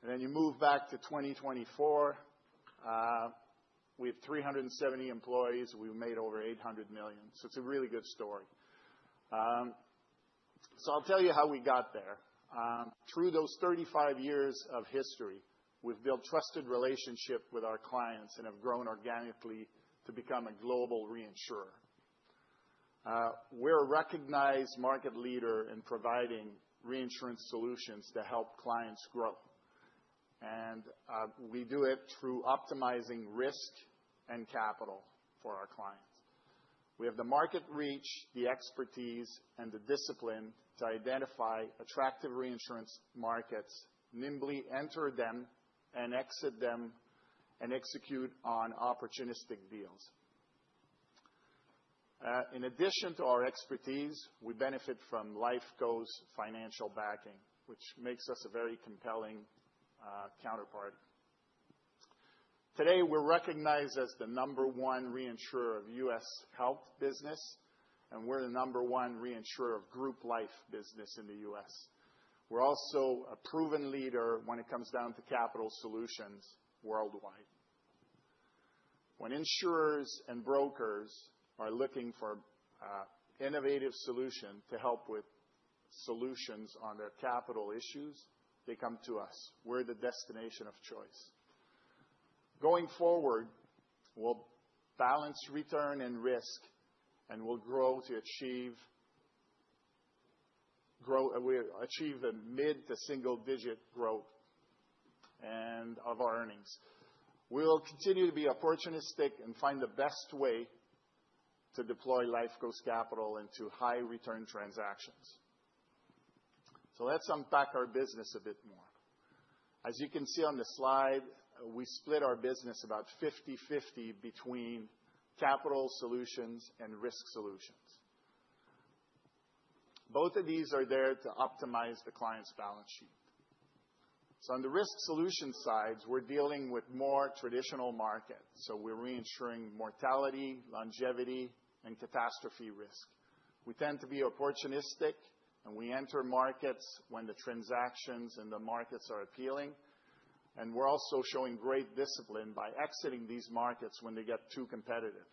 You move back to 2024, we have 370 employees. We've made over $800 million. It is a really good story. I'll tell you how we got there. Through those 35 years of history, we've built trusted relationships with our clients and have grown organically to become a global reinsurer. We're a recognized market leader in providing reinsurance solutions to help clients grow. We do it through optimizing risk and capital for our clients. We have the market reach, the expertise, and the discipline to identify attractive reinsurance markets, nimbly enter them, exit them, and execute on opportunistic deals. In addition to our expertise, we benefit from Lifeco's financial backing, which makes us a very compelling counterpart. Today, we're recognized as the number one reinsurer of US health business, and we're the number one reinsurer of group life business in the US. We're also a proven leader when it comes down to capital solutions worldwide. When insurers and brokers are looking for innovative solutions to help with solutions on their capital issues, they come to us. We're the destination of choice. Going forward, we'll balance return and risk, and we'll grow to achieve mid to single digit growth of our earnings. We'll continue to be opportunistic and find the best way to deploy Lifeco's capital into high-return transactions. Let's unpack our business a bit more. As you can see on the slide, we split our business about 50/50 between capital solutions and risk solutions. Both of these are there to optimize the client's balance sheet. On the risk solution side, we're dealing with more traditional markets. We're reinsuring mortality, longevity, and catastrophe risk. We tend to be opportunistic, and we enter markets when the transactions and the markets are appealing. We're also showing great discipline by exiting these markets when they get too competitive.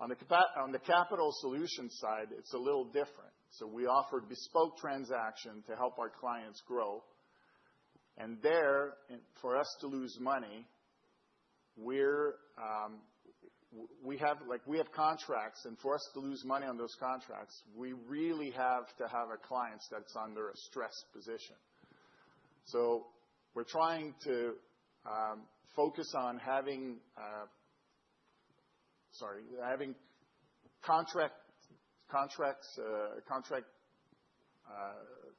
On the capital solution side, it's a little different. We offer bespoke transactions to help our clients grow. There, for us to lose money, we have contracts. For us to lose money on those contracts, we really have to have a client that's under a stress position. We're trying to focus on having contract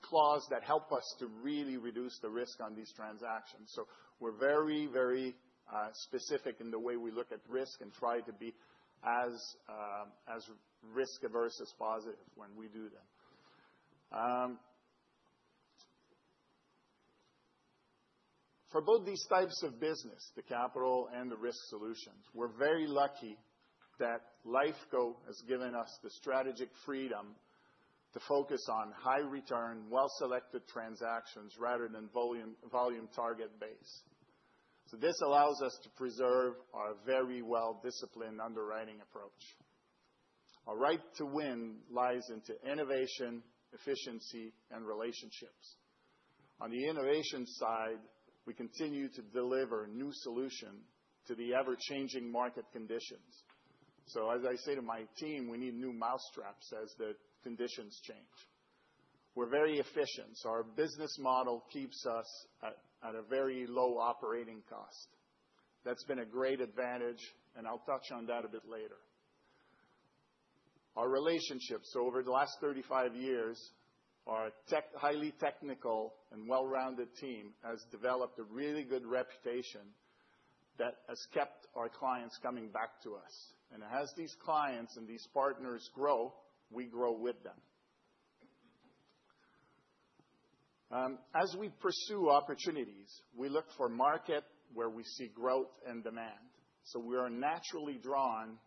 clauses that help us to really reduce the risk on these transactions. We're very, very specific in the way we look at risk and try to be as risk-averse as possible when we do that. For both these types of business, the capital and the risk solutions, we're very lucky that Lifeco has given us the strategic freedom to focus on high-return, well-selected transactions rather than volume target-based. This allows us to preserve our very well-disciplined underwriting approach. Our right to win lies in innovation, efficiency, and relationships. On the innovation side, we continue to deliver new solutions to the ever-changing market conditions. As I say to my team, we need new mousetraps as the conditions change. We're very efficient. Our business model keeps us at a very low operating cost. That's been a great advantage, and I'll touch on that a bit later. Our relationships, over the last 35 years, our highly technical and well-rounded team has developed a really good reputation that has kept our clients coming back to us. As these clients and these partners grow, we grow with them. As we pursue opportunities, we look for markets where we see growth and demand. We are naturally drawn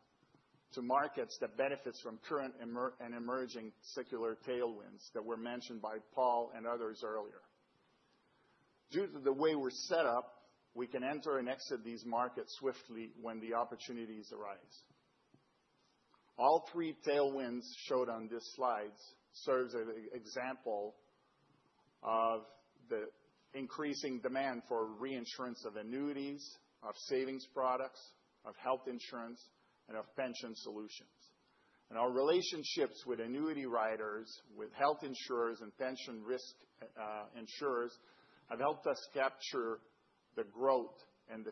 to markets that benefit from current and emerging secular tailwinds that were mentioned by Paul and others earlier. Due to the way we are set up, we can enter and exit these markets swiftly when the opportunities arise. All three tailwinds shown on this slide serve as an example of the increasing demand for reinsurance of annuities, of savings products, of health insurance, and of pension solutions. Our relationships with annuity riders, with health insurers, and pension risk insurers have helped us capture the growth and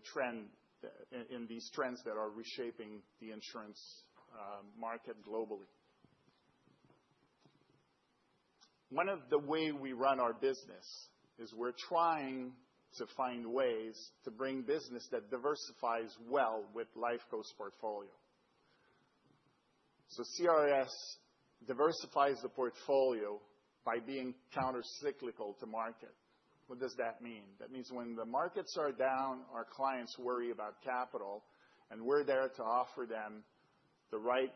these trends that are reshaping the insurance market globally. One of the ways we run our business is we're trying to find ways to bring business that diversifies well with Lifeco's portfolio. CRS diversifies the portfolio by being countercyclical to market. What does that mean? That means when the markets are down, our clients worry about capital, and we're there to offer them the right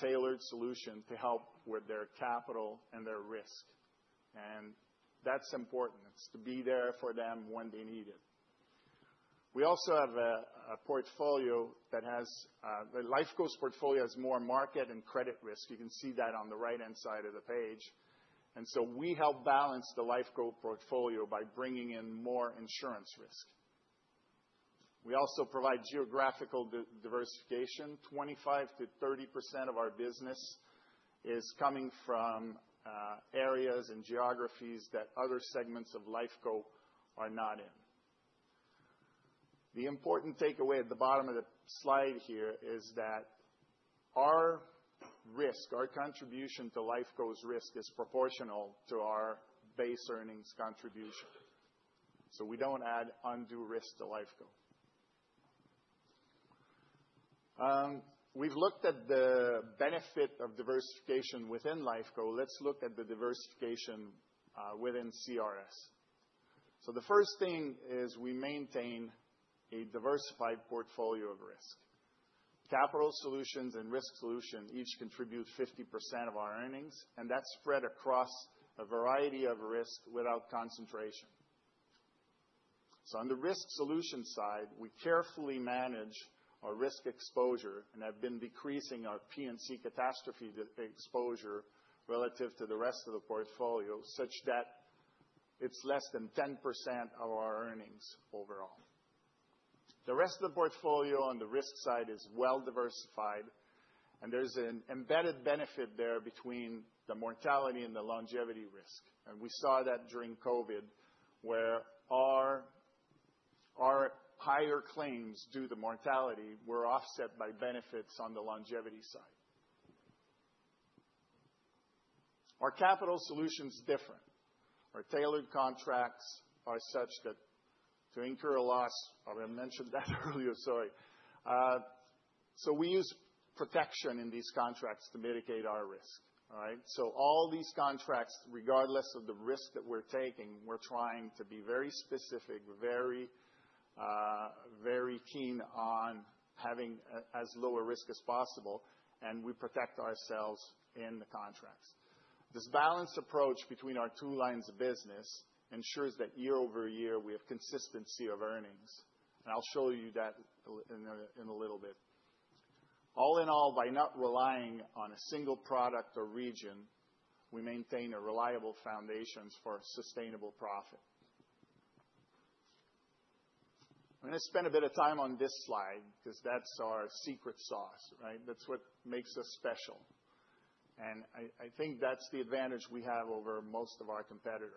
tailored solution to help with their capital and their risk. That's important. It's to be there for them when they need it. We also have a portfolio that has Lifeco's portfolio has more market and credit risk. You can see that on the right-hand side of the page. We help balance the Lifeco portfolio by bringing in more insurance risk. We also provide geographical diversification. 25%-30% of our business is coming from areas and geographies that other segments of Lifeco are not in. The important takeaway at the bottom of the slide here is that our risk, our contribution to Lifeco's risk, is proportional to our base earnings contribution. So we do not add undue risk to Lifeco. We have looked at the benefit of diversification within Lifeco. Let's look at the diversification within CRS. The first thing is we maintain a diversified portfolio of risk. Capital solutions and risk solutions each contribute 50% of our earnings, and that is spread across a variety of risks without concentration. On the risk solution side, we carefully manage our risk exposure and have been decreasing our P&C catastrophe exposure relative to the rest of the portfolio such that it is less than 10% of our earnings overall. The rest of the portfolio on the risk side is well-diversified, and there's an embedded benefit there between the mortality and the longevity risk. We saw that during COVID where our higher claims due to mortality were offset by benefits on the longevity side. Our capital solution is different. Our tailored contracts are such that to incur a loss—I mentioned that earlier, sorry. We use protection in these contracts to mitigate our risk. All right? All these contracts, regardless of the risk that we're taking, we're trying to be very specific, very keen on having as low a risk as possible, and we protect ourselves in the contracts. This balanced approach between our two lines of business ensures that year over year we have consistency of earnings. I'll show you that in a little bit. All in all, by not relying on a single product or region, we maintain reliable foundations for sustainable profit. I'm going to spend a bit of time on this slide because that's our secret sauce, right? That's what makes us special. I think that's the advantage we have over most of our competitors.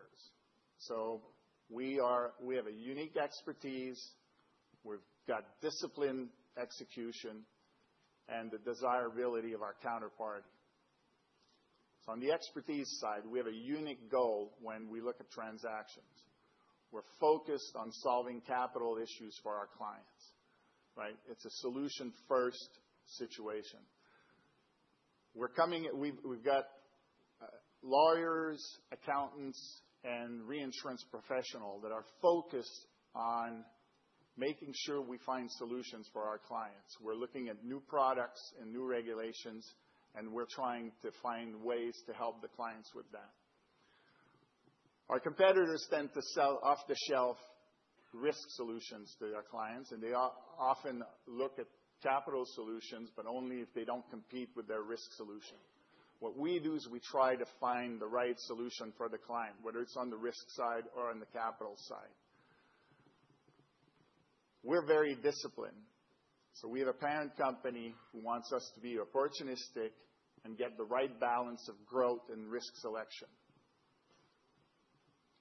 We have a unique expertise. We've got disciplined execution and the desirability of our counterparty. On the expertise side, we have a unique goal when we look at transactions. We're focused on solving capital issues for our clients, right? It's a solution-first situation. We've got lawyers, accountants, and reinsurance professionals that are focused on making sure we find solutions for our clients. We're looking at new products and new regulations, and we're trying to find ways to help the clients with that. Our competitors tend to sell off-the-shelf risk solutions to their clients, and they often look at capital solutions, but only if they do not compete with their risk solution. What we do is we try to find the right solution for the client, whether it is on the risk side or on the capital side. We are very disciplined. We have a parent company who wants us to be opportunistic and get the right balance of growth and risk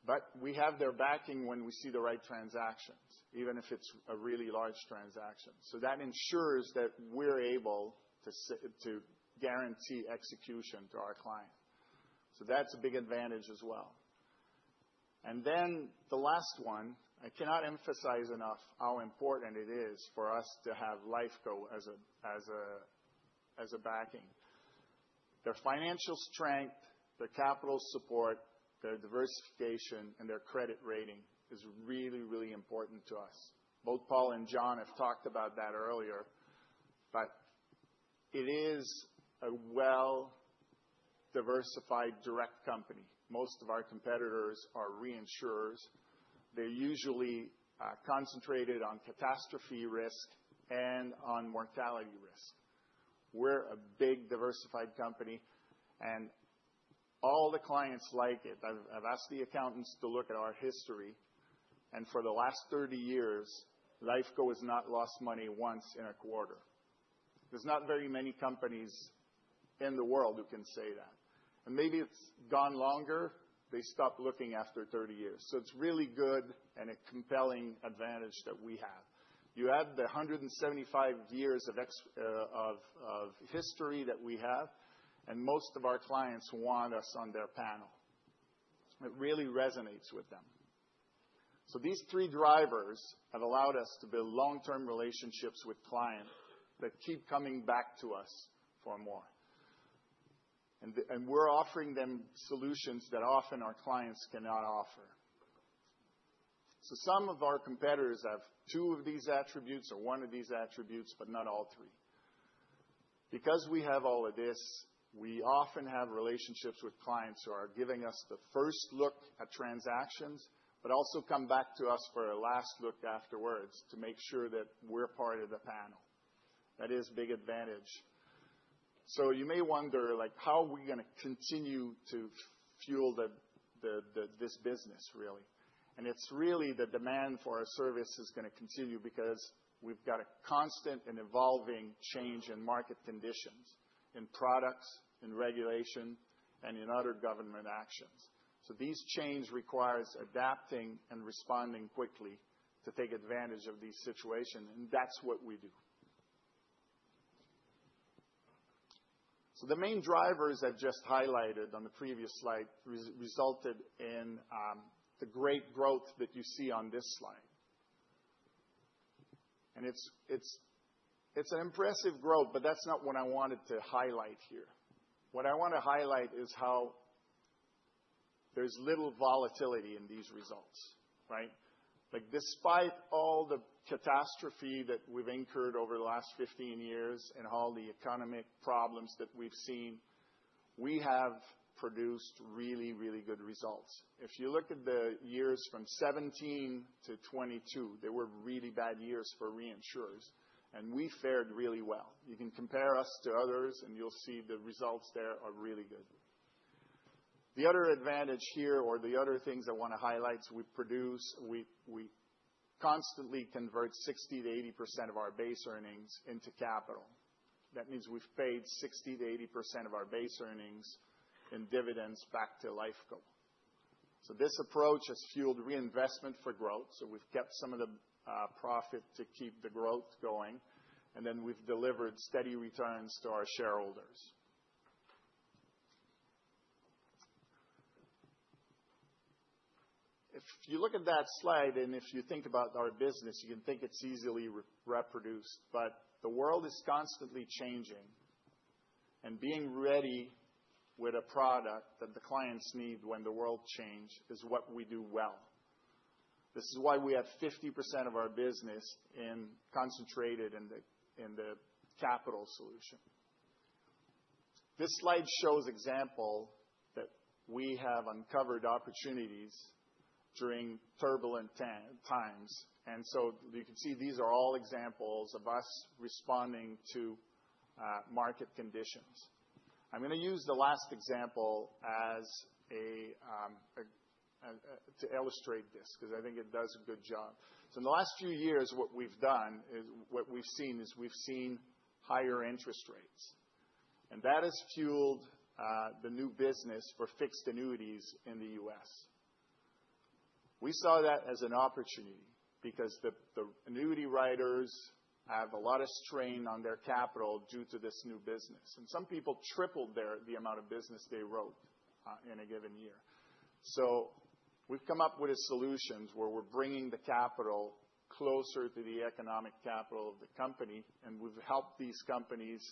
selection. We have their backing when we see the right transactions, even if it is a really large transaction. That ensures that we are able to guarantee execution to our client. That is a big advantage as well. The last one, I cannot emphasize enough how important it is for us to have Lifeco as a backing. Their financial strength, their capital support, their diversification, and their credit rating is really, really important to us. Both Paul and Jon have talked about that earlier, but it is a well-diversified direct company. Most of our competitors are reinsurers. They're usually concentrated on catastrophe risk and on mortality risk. We're a big diversified company, and all the clients like it. I've asked the accountants to look at our history, and for the last 30 years, Lifeco has not lost money once in a quarter. There's not very many companies in the world who can say that. Maybe it's gone longer. They stopped looking after 30 years. It is really good and a compelling advantage that we have. You add the 175 years of history that we have, and most of our clients want us on their panel. It really resonates with them. These three drivers have allowed us to build long-term relationships with clients that keep coming back to us for more. We're offering them solutions that often our clients cannot offer. Some of our competitors have two of these attributes or one of these attributes, but not all three. Because we have all of this, we often have relationships with clients who are giving us the first look at transactions, but also come back to us for a last look afterwards to make sure that we're part of the panel. That is a big advantage. You may wonder, like, how are we going to continue to fuel this business, really? It's really the demand for our service is going to continue because we've got a constant and evolving change in market conditions, in products, in regulation, and in other government actions. These changes require adapting and responding quickly to take advantage of these situations, and that's what we do. The main drivers I just highlighted on the previous slide resulted in the great growth that you see on this slide. It is an impressive growth, but that's not what I wanted to highlight here. What I want to highlight is how there's little volatility in these results, right? Like, despite all the catastrophe that we've incurred over the last 15 years and all the economic problems that we've seen, we have produced really, really good results. If you look at the years from 2017 to 2022, they were really bad years for reinsurers, and we fared really well. You can compare us to others, and you'll see the results there are really good. The other advantage here, or the other things I want to highlight, is we produce—we constantly convert 60-80% of our base earnings into capital. That means we've paid 60-80% of our base earnings in dividends back to Lifeco. This approach has fueled reinvestment for growth. We've kept some of the profit to keep the growth going, and then we've delivered steady returns to our shareholders. If you look at that slide, and if you think about our business, you can think it's easily reproduced, but the world is constantly changing, and being ready with a product that the clients need when the world changes is what we do well. This is why we have 50% of our business concentrated in the capital solution. This slide shows an example that we have uncovered opportunities during turbulent times. You can see these are all examples of us responding to market conditions. I'm going to use the last example to illustrate this because I think it does a good job. In the last few years, what we've done is what we've seen is we've seen higher interest rates, and that has fueled the new business for fixed annuities in the U.S. We saw that as an opportunity because the annuity writers have a lot of strain on their capital due to this new business. Some people tripled the amount of business they wrote in a given year. We have come up with solutions where we're bringing the capital closer to the economic capital of the company, and we've helped these companies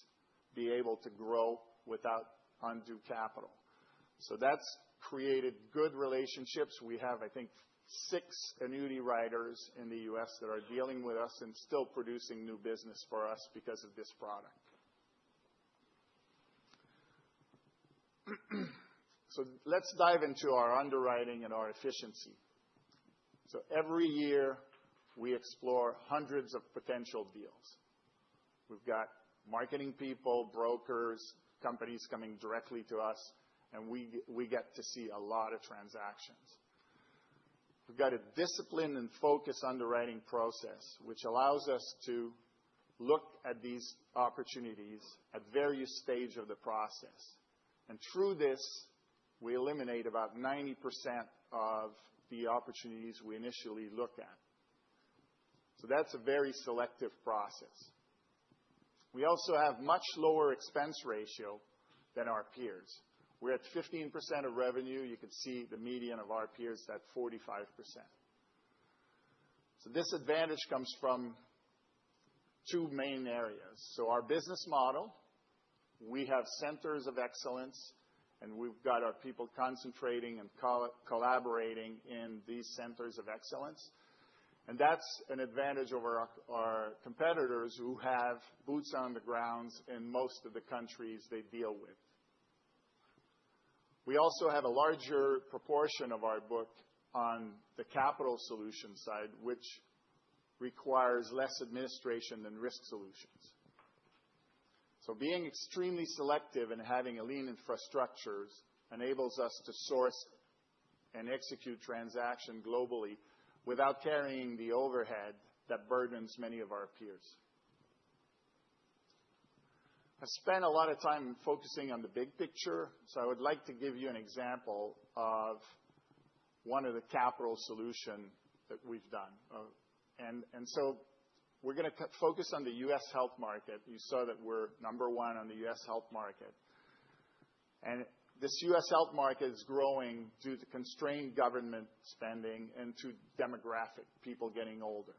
be able to grow without undue capital. That has created good relationships. We have, I think, six annuity writers in the U.S. that are dealing with us and still producing new business for us because of this product. Let's dive into our underwriting and our efficiency. Every year, we explore hundreds of potential deals. We've got marketing people, brokers, companies coming directly to us, and we get to see a lot of transactions. We've got a disciplined and focused underwriting process, which allows us to look at these opportunities at various stages of the process. Through this, we eliminate about 90% of the opportunities we initially look at. That is a very selective process. We also have a much lower expense ratio than our peers. We're at 15% of revenue. You can see the median of our peers is at 45%. This advantage comes from two main areas. Our business model, we have centers of excellence, and we've got our people concentrating and collaborating in these centers of excellence. That's an advantage over our competitors who have boots on the ground in most of the countries they deal with. We also have a larger proportion of our book on the capital solution side, which requires less administration than risk solutions. Being extremely selective and having lean infrastructures enables us to source and execute transactions globally without carrying the overhead that burdens many of our peers. I spent a lot of time focusing on the big picture, so I would like to give you an example of one of the capital solutions that we've done. We're going to focus on the U.S. health market. You saw that we're number one on the U.S. health market. This U.S. Health market is growing due to constrained government spending and to demographics, people getting older.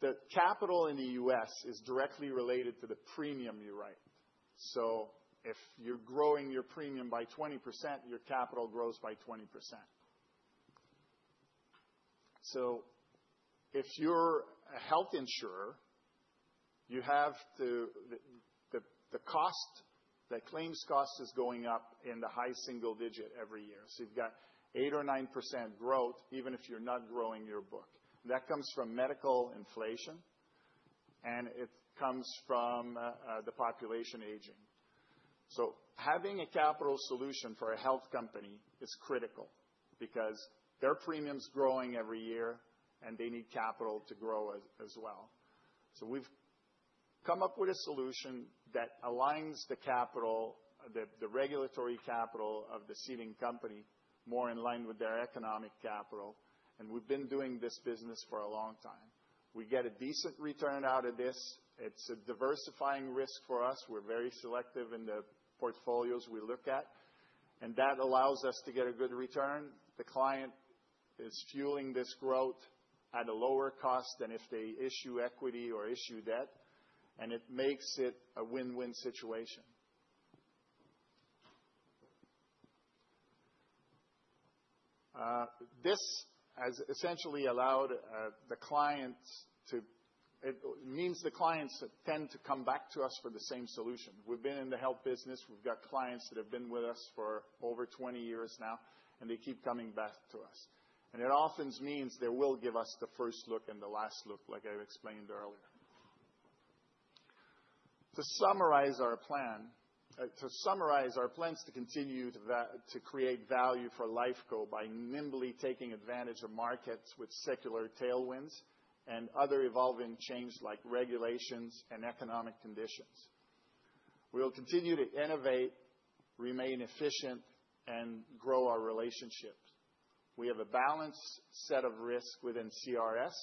The capital in the U.S. is directly related to the premium you write. If you're growing your premium by 20%, your capital grows by 20%. If you're a health insurer, you have to—the cost, the claims cost is going up in the high single digit every year. You have 8% or 9% growth, even if you're not growing your book. That comes from medical inflation, and it comes from the population aging. Having a capital solution for a health company is critical because their premium's growing every year, and they need capital to grow as well. We have come up with a solution that aligns the capital, the regulatory capital of the ceding company, more in line with their economic capital. We have been doing this business for a long time. We get a decent return out of this. It is a diversifying risk for us. We are very selective in the portfolios we look at, and that allows us to get a good return. The client is fueling this growth at a lower cost than if they issue equity or issue debt, and it makes it a win-win situation. This has essentially allowed the clients to—it means the clients tend to come back to us for the same solution. We have been in the health business. We have clients that have been with us for over 20 years now, and they keep coming back to us. It often means they will give us the first look and the last look, like I explained earlier. To summarize our plan, to summarize our plans to continue to create value for Lifeco by nimbly taking advantage of markets with secular tailwinds and other evolving changes like regulations and economic conditions. We'll continue to innovate, remain efficient, and grow our relationships. We have a balanced set of risks within CRS,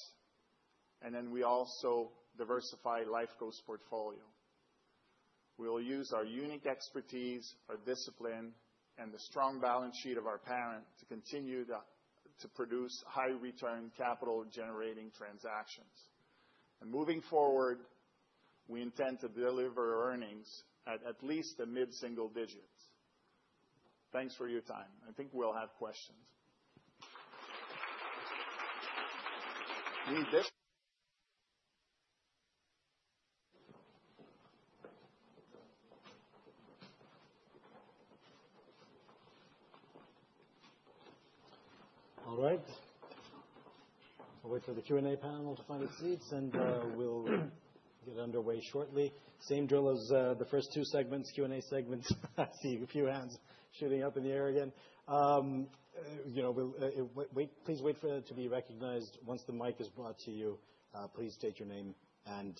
and then we also diversify Lifeco's portfolio. We'll use our unique expertise, our discipline, and the strong balance sheet of our parent to continue to produce high-return capital-generating transactions. Moving forward, we intend to deliver earnings at at least a mid-single digit. Thanks for your time. I think we'll have questions. All right. We'll wait for the Q&A panel to find its seats, and we'll get underway shortly. Same drill as the first two segments, Q&A segments. I see a few hands shooting up in the air again. Please wait for it to be recognized. Once the mic is brought to you, please state your name and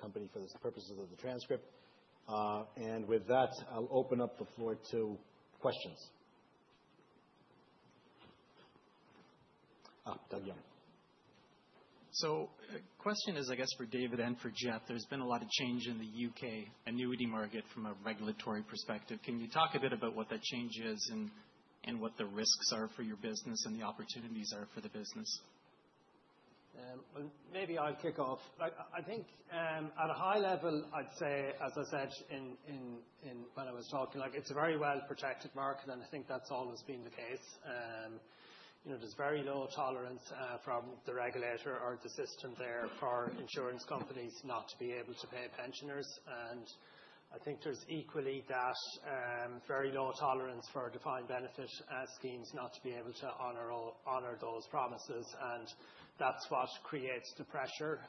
company for the purposes of the transcript. With that, I'll open up the floor to questions. Doug Young. The question is, I guess, for David and for Jeff, there's been a lot of change in the U.K. annuity market from a regulatory perspective. Can you talk a bit about what that change is and what the risks are for your business and the opportunities are for the business? Maybe I'll kick off. I think at a high level, I'd say, as I said when I was talking, it's a very well-protected market, and I think that's always been the case. There's very low tolerance from the regulator or the system there for insurance companies not to be able to pay pensioners. I think there's equally that very low tolerance for defined benefit schemes not to be able to honor those promises. That's what creates the pressure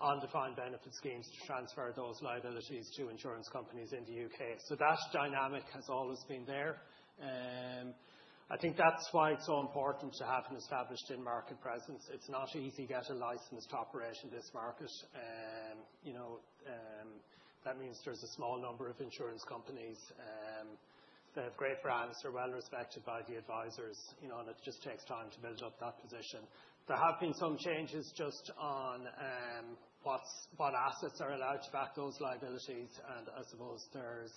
on defined benefit schemes to transfer those liabilities to insurance companies in the U.K. That dynamic has always been there. I think that's why it's so important to have an established in-market presence. It's not easy to get a licensed operation in this market. That means there's a small number of insurance companies that have great brands that are well respected by the advisors, and it just takes time to build up that position. There have been some changes just on what assets are allowed to back those liabilities, and I suppose there's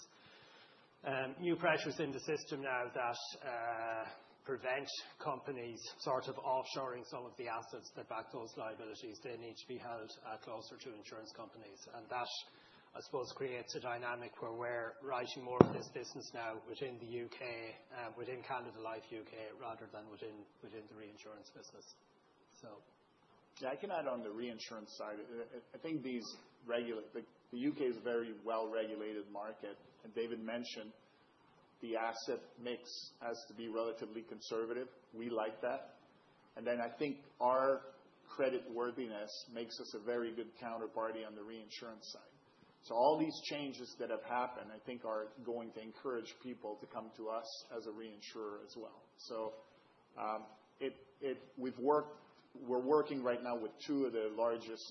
new pressures in the system now that prevent companies sort of offshoring some of the assets that back those liabilities. They need to be held closer to insurance companies. That, I suppose, creates a dynamic where we're writing more of this business now within the U.K., within Canada Life UK, rather than within the reinsurance business. Yeah, I can add on the reinsurance side. I think the U.K. is a very well-regulated market. David mentioned the asset mix has to be relatively conservative. We like that. I think our creditworthiness makes us a very good counterparty on the reinsurance side. All these changes that have happened, I think, are going to encourage people to come to us as a reinsurer as well. We're working right now with two of the largest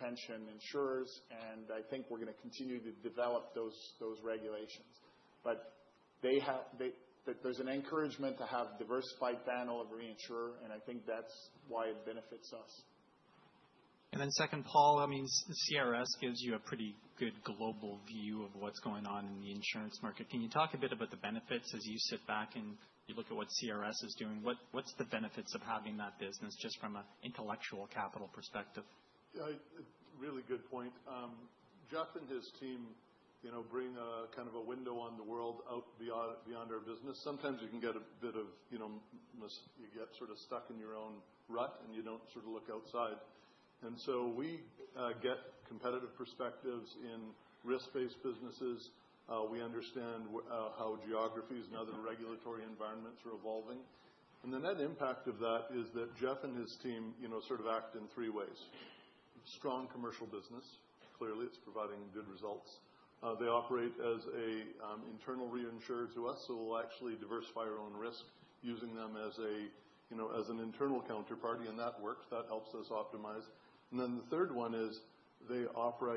pension insurers, and I think we're going to continue to develop those regulations. There's an encouragement to have a diversified panel of reinsurers, and I think that's why it benefits us. Then second, Paul, I mean, CRS gives you a pretty good global view of what's going on in the insurance market. Can you talk a bit about the benefits as you sit back and you look at what CRS is doing? What's the benefits of having that business just from an intellectual capital perspective? Yeah, really good point. Jeff and his team bring kind of a window on the world out beyond our business. Sometimes you can get a bit of—you get sort of stuck in your own rut, and you do not sort of look outside. We get competitive perspectives in risk-based businesses. We understand how geographies and other regulatory environments are evolving. The impact of that is that Jeff and his team sort of act in three ways. Strong commercial business. Clearly, it is providing good results. They operate as an internal reinsurer to us, so we actually diversify our own risk using them as an internal counterparty, and that works. That helps us optimize. The third one is they offer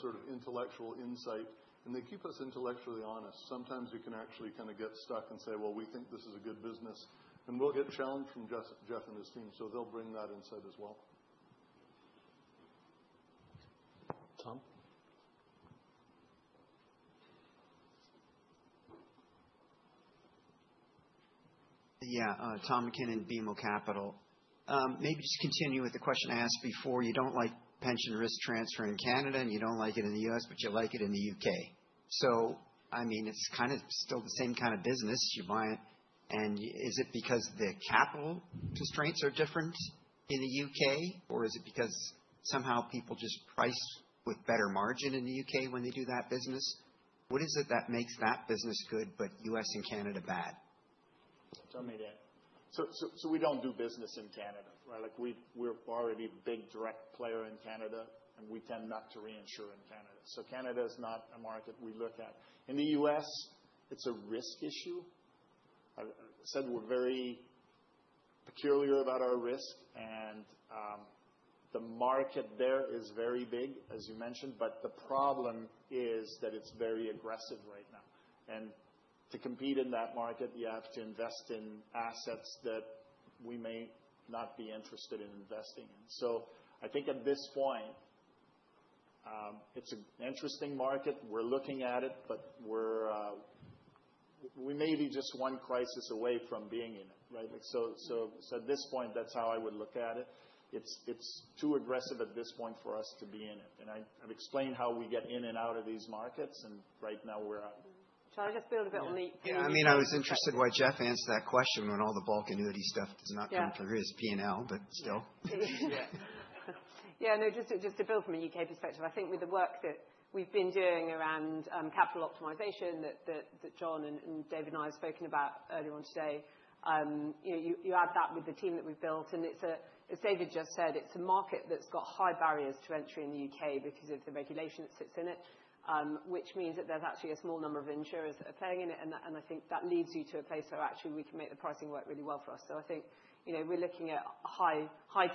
sort of intellectual insight, and they keep us intellectually honest. Sometimes you can actually kind of get stuck and say, "Well, we think this is a good business," and we get challenged from Jeff and his team, so they bring that insight as well. Tom? Yeah, Tom McKinnon, BMO Capital. Maybe just continue with the question I asked before. You do not like pension risk transfer in Canada, and you do not like it in the U.S., but you like it in the U.K. I mean, it is kind of still the same kind of business. You buy it. Is it because the capital constraints are different in the U.K., or is it because somehow people just price with better margin in the U.K. when they do that business? What is it that makes that business good but U.S. and Canada bad? Tell me that. We do not do business in Canada, right? We are already a big direct player in Canada, and we tend not to reinsure in Canada. Canada is not a market we look at. In the U.S., it is a risk issue. I said we are very peculiar about our risk, and the market there is very big, as you mentioned, but the problem is that it is very aggressive right now. To compete in that market, you have to invest in assets that we may not be interested in investing in. I think at this point, it is an interesting market. We're looking at it, but we're maybe just one crisis away from being in it, right? At this point, that's how I would look at it. It's too aggressive at this point for us to be in it. I've explained how we get in and out of these markets, and right now we're out. Try to just build a bit on the— Yeah, I mean, I was interested why Jeff answered that question when all the bulk annuity stuff does not come from his P&L, but still. Yeah. Yeah, no, just to build from a U.K. Perspective, I think with the work that we've been doing around capital optimization that Jon and David and I have spoken about earlier on today, you add that with the team that we've built, and it's a, as David just said, it's a market that's got high barriers to entry in the U.K. because of the regulation that sits in it, which means that there's actually a small number of insurers that are playing in it. I think that leads you to a place where actually we can make the pricing work really well for us. I think we're looking at high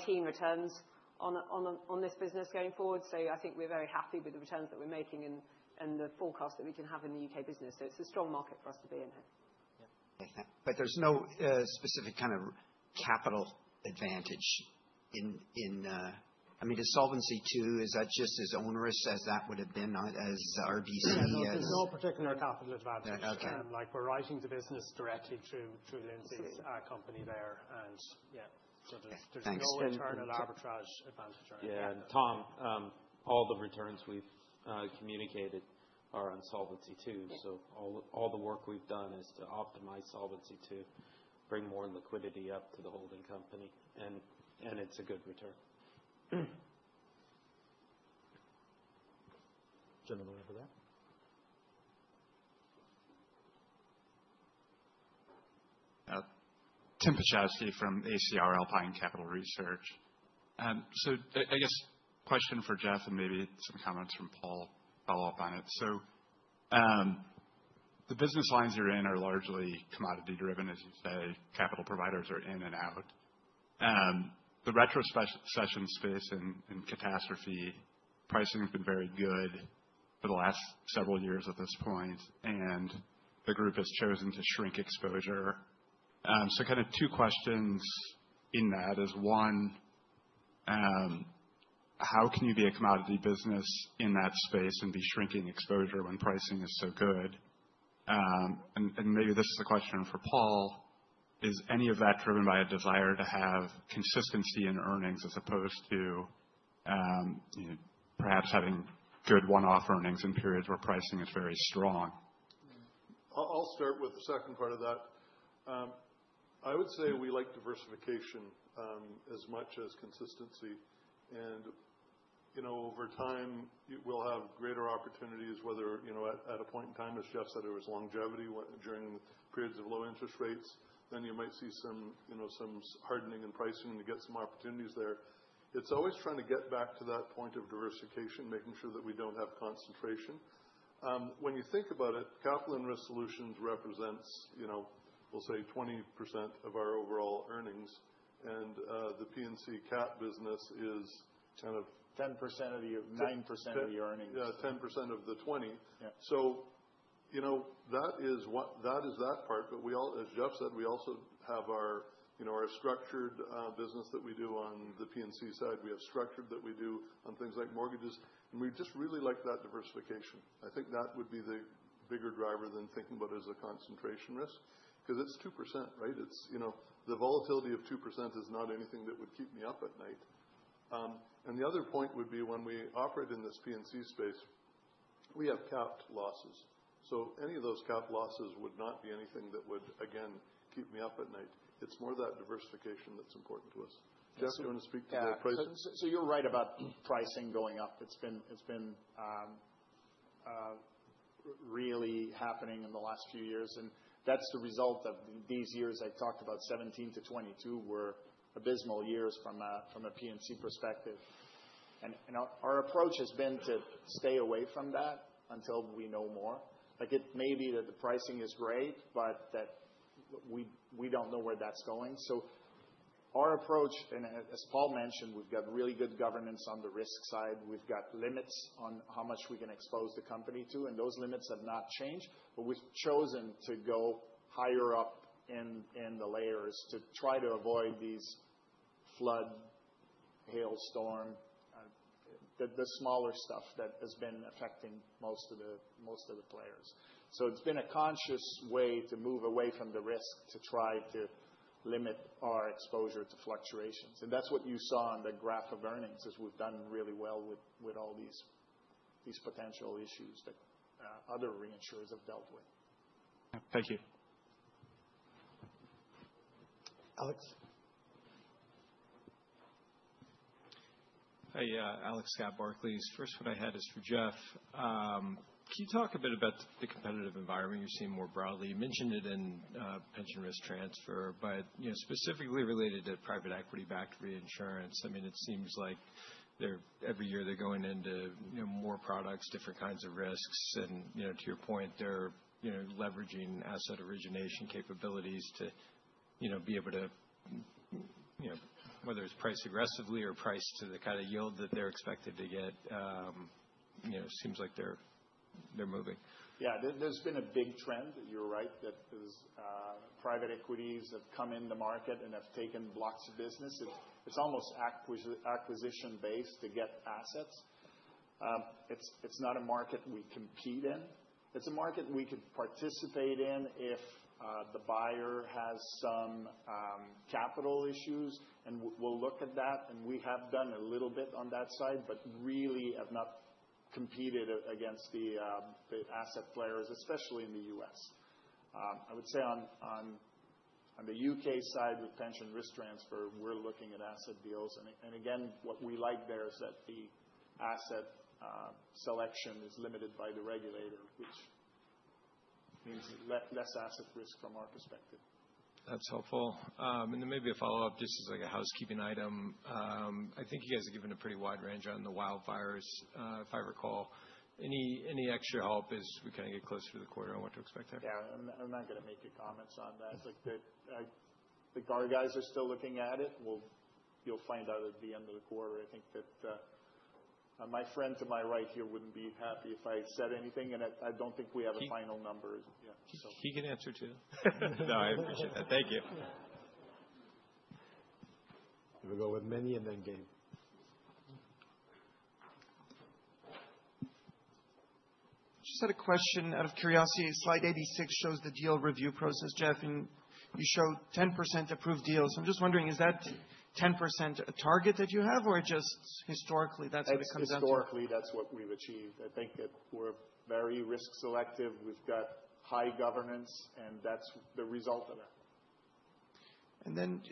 teen returns on this business going forward. I think we're very happy with the returns that we're making and the forecast that we can have in the U.K. business. It's a strong market for us to be in here. Yeah. There's no specific kind of capital advantage in—I mean, is Solvency II, is that just as onerous as that would have been as RBC? There's no particular capital advantage there. We're writing the business directly through Lindsay's company there, and yeah, there's no return or arbitrage advantage or anything. Yeah, and Tom, all the returns we've communicated are on Solvency II. All the work we've done is to optimize Solvency II to bring more liquidity up to the holding company, and it's a good return. General over there. Tim Piechowski from ACR Alpine Capital Research. I guess question for Jeff and maybe some comments from Paul, follow up on it. The business lines you're in are largely commodity-driven, as you say. Capital providers are in and out. The retrospection space in catastrophe pricing has been very good for the last several years at this point, and the group has chosen to shrink exposure. Kind of two questions in that is one, how can you be a commodity business in that space and be shrinking exposure when pricing is so good? Maybe this is a question for Paul, is any of that driven by a desire to have consistency in earnings as opposed to perhaps having good one-off earnings in periods where pricing is very strong? I'll start with the second part of that. I would say we like diversification as much as consistency. Over time, we'll have greater opportunities, whether at a point in time, as Jeff said, it was longevity during periods of low interest rates, then you might see some hardening in pricing to get some opportunities there. It's always trying to get back to that point of diversification, making sure that we don't have concentration. When you think about it, Capital & Risk Solutions represents, we'll say, 20% of our overall earnings, and the P&C cap business is kind of 10% of your 9% of your earnings. Yeah, 10% of the 20. So that is that part, but as Jeff said, we also have our structured business that we do on the P&C side. We have structured that we do on things like mortgages, and we just really like that diversification. I think that would be the bigger driver than thinking about it as a concentration risk because it's 2%, right? The volatility of 2% is not anything that would keep me up at night. The other point would be when we operate in this P&C space, we have capped losses. Any of those capped losses would not be anything that would, again, keep me up at night. It is more that diversification that is important to us. Jeff, do you want to speak to the pricing? You are right about pricing going up. It has been really happening in the last few years, and that is the result of these years I talked about, 2017 to 2022 were abysmal years from a P&C perspective. Our approach has been to stay away from that until we know more. It may be that the pricing is great, but we do not know where that is going. Our approach, and as Paul mentioned, we have really good governance on the risk side. We've got limits on how much we can expose the company to, and those limits have not changed, but we've chosen to go higher up in the layers to try to avoid these flood, hail, storm, the smaller stuff that has been affecting most of the players. It has been a conscious way to move away from the risk to try to limit our exposure to fluctuations. That is what you saw on the graph of earnings as we've done really well with all these potential issues that other reinsurers have dealt with. Thank you. Alex. Hi, Alex Scott Barclays. First, what I had is for Jeff. Can you talk a bit about the competitive environment you're seeing more broadly? You mentioned it in pension risk transfer, but specifically related to private equity-backed reinsurance, I mean, it seems like every year they're going into more products, different kinds of risks. To your point, they're leveraging asset origination capabilities to be able to, whether it's priced aggressively or priced to the kind of yield that they're expected to get, seems like they're moving. Yeah, there's been a big trend, you're right, that private equities have come in the market and have taken blocks of business. It's almost acquisition-based to get assets. It's not a market we compete in. It's a market we could participate in if the buyer has some capital issues, and we'll look at that. We have done a little bit on that side, but really have not competed against the asset players, especially in the U.S. I would say on the U.K. side with pension risk transfer, we're looking at asset deals. What we like there is that the asset selection is limited by the regulator, which means less asset risk from our perspective. That's helpful. Maybe a follow-up just as a housekeeping item. I think you guys have given a pretty wide range on the wildfires, if I recall. Any extra help as we kind of get closer to the quarter on what to expect there? Yeah, I'm not going to make your comments on that. The guard guys are still looking at it. You'll find out at the end of the quarter. I think that my friend to my right here wouldn't be happy if I said anything, and I don't think we have a final number. Yeah. He can answer too. No, I appreciate that. Thank you. Here we go with Meny and then Gabe. Just had a question out of curiosity. Slide 86 shows the deal review process, Jeff, and you showed 10% approved deals. I'm just wondering, is that 10% a target that you have, or just historically that's what comes up? I think historically that's what we've achieved. I think that we're very risk selective. We've got high governance, and that's the result of that.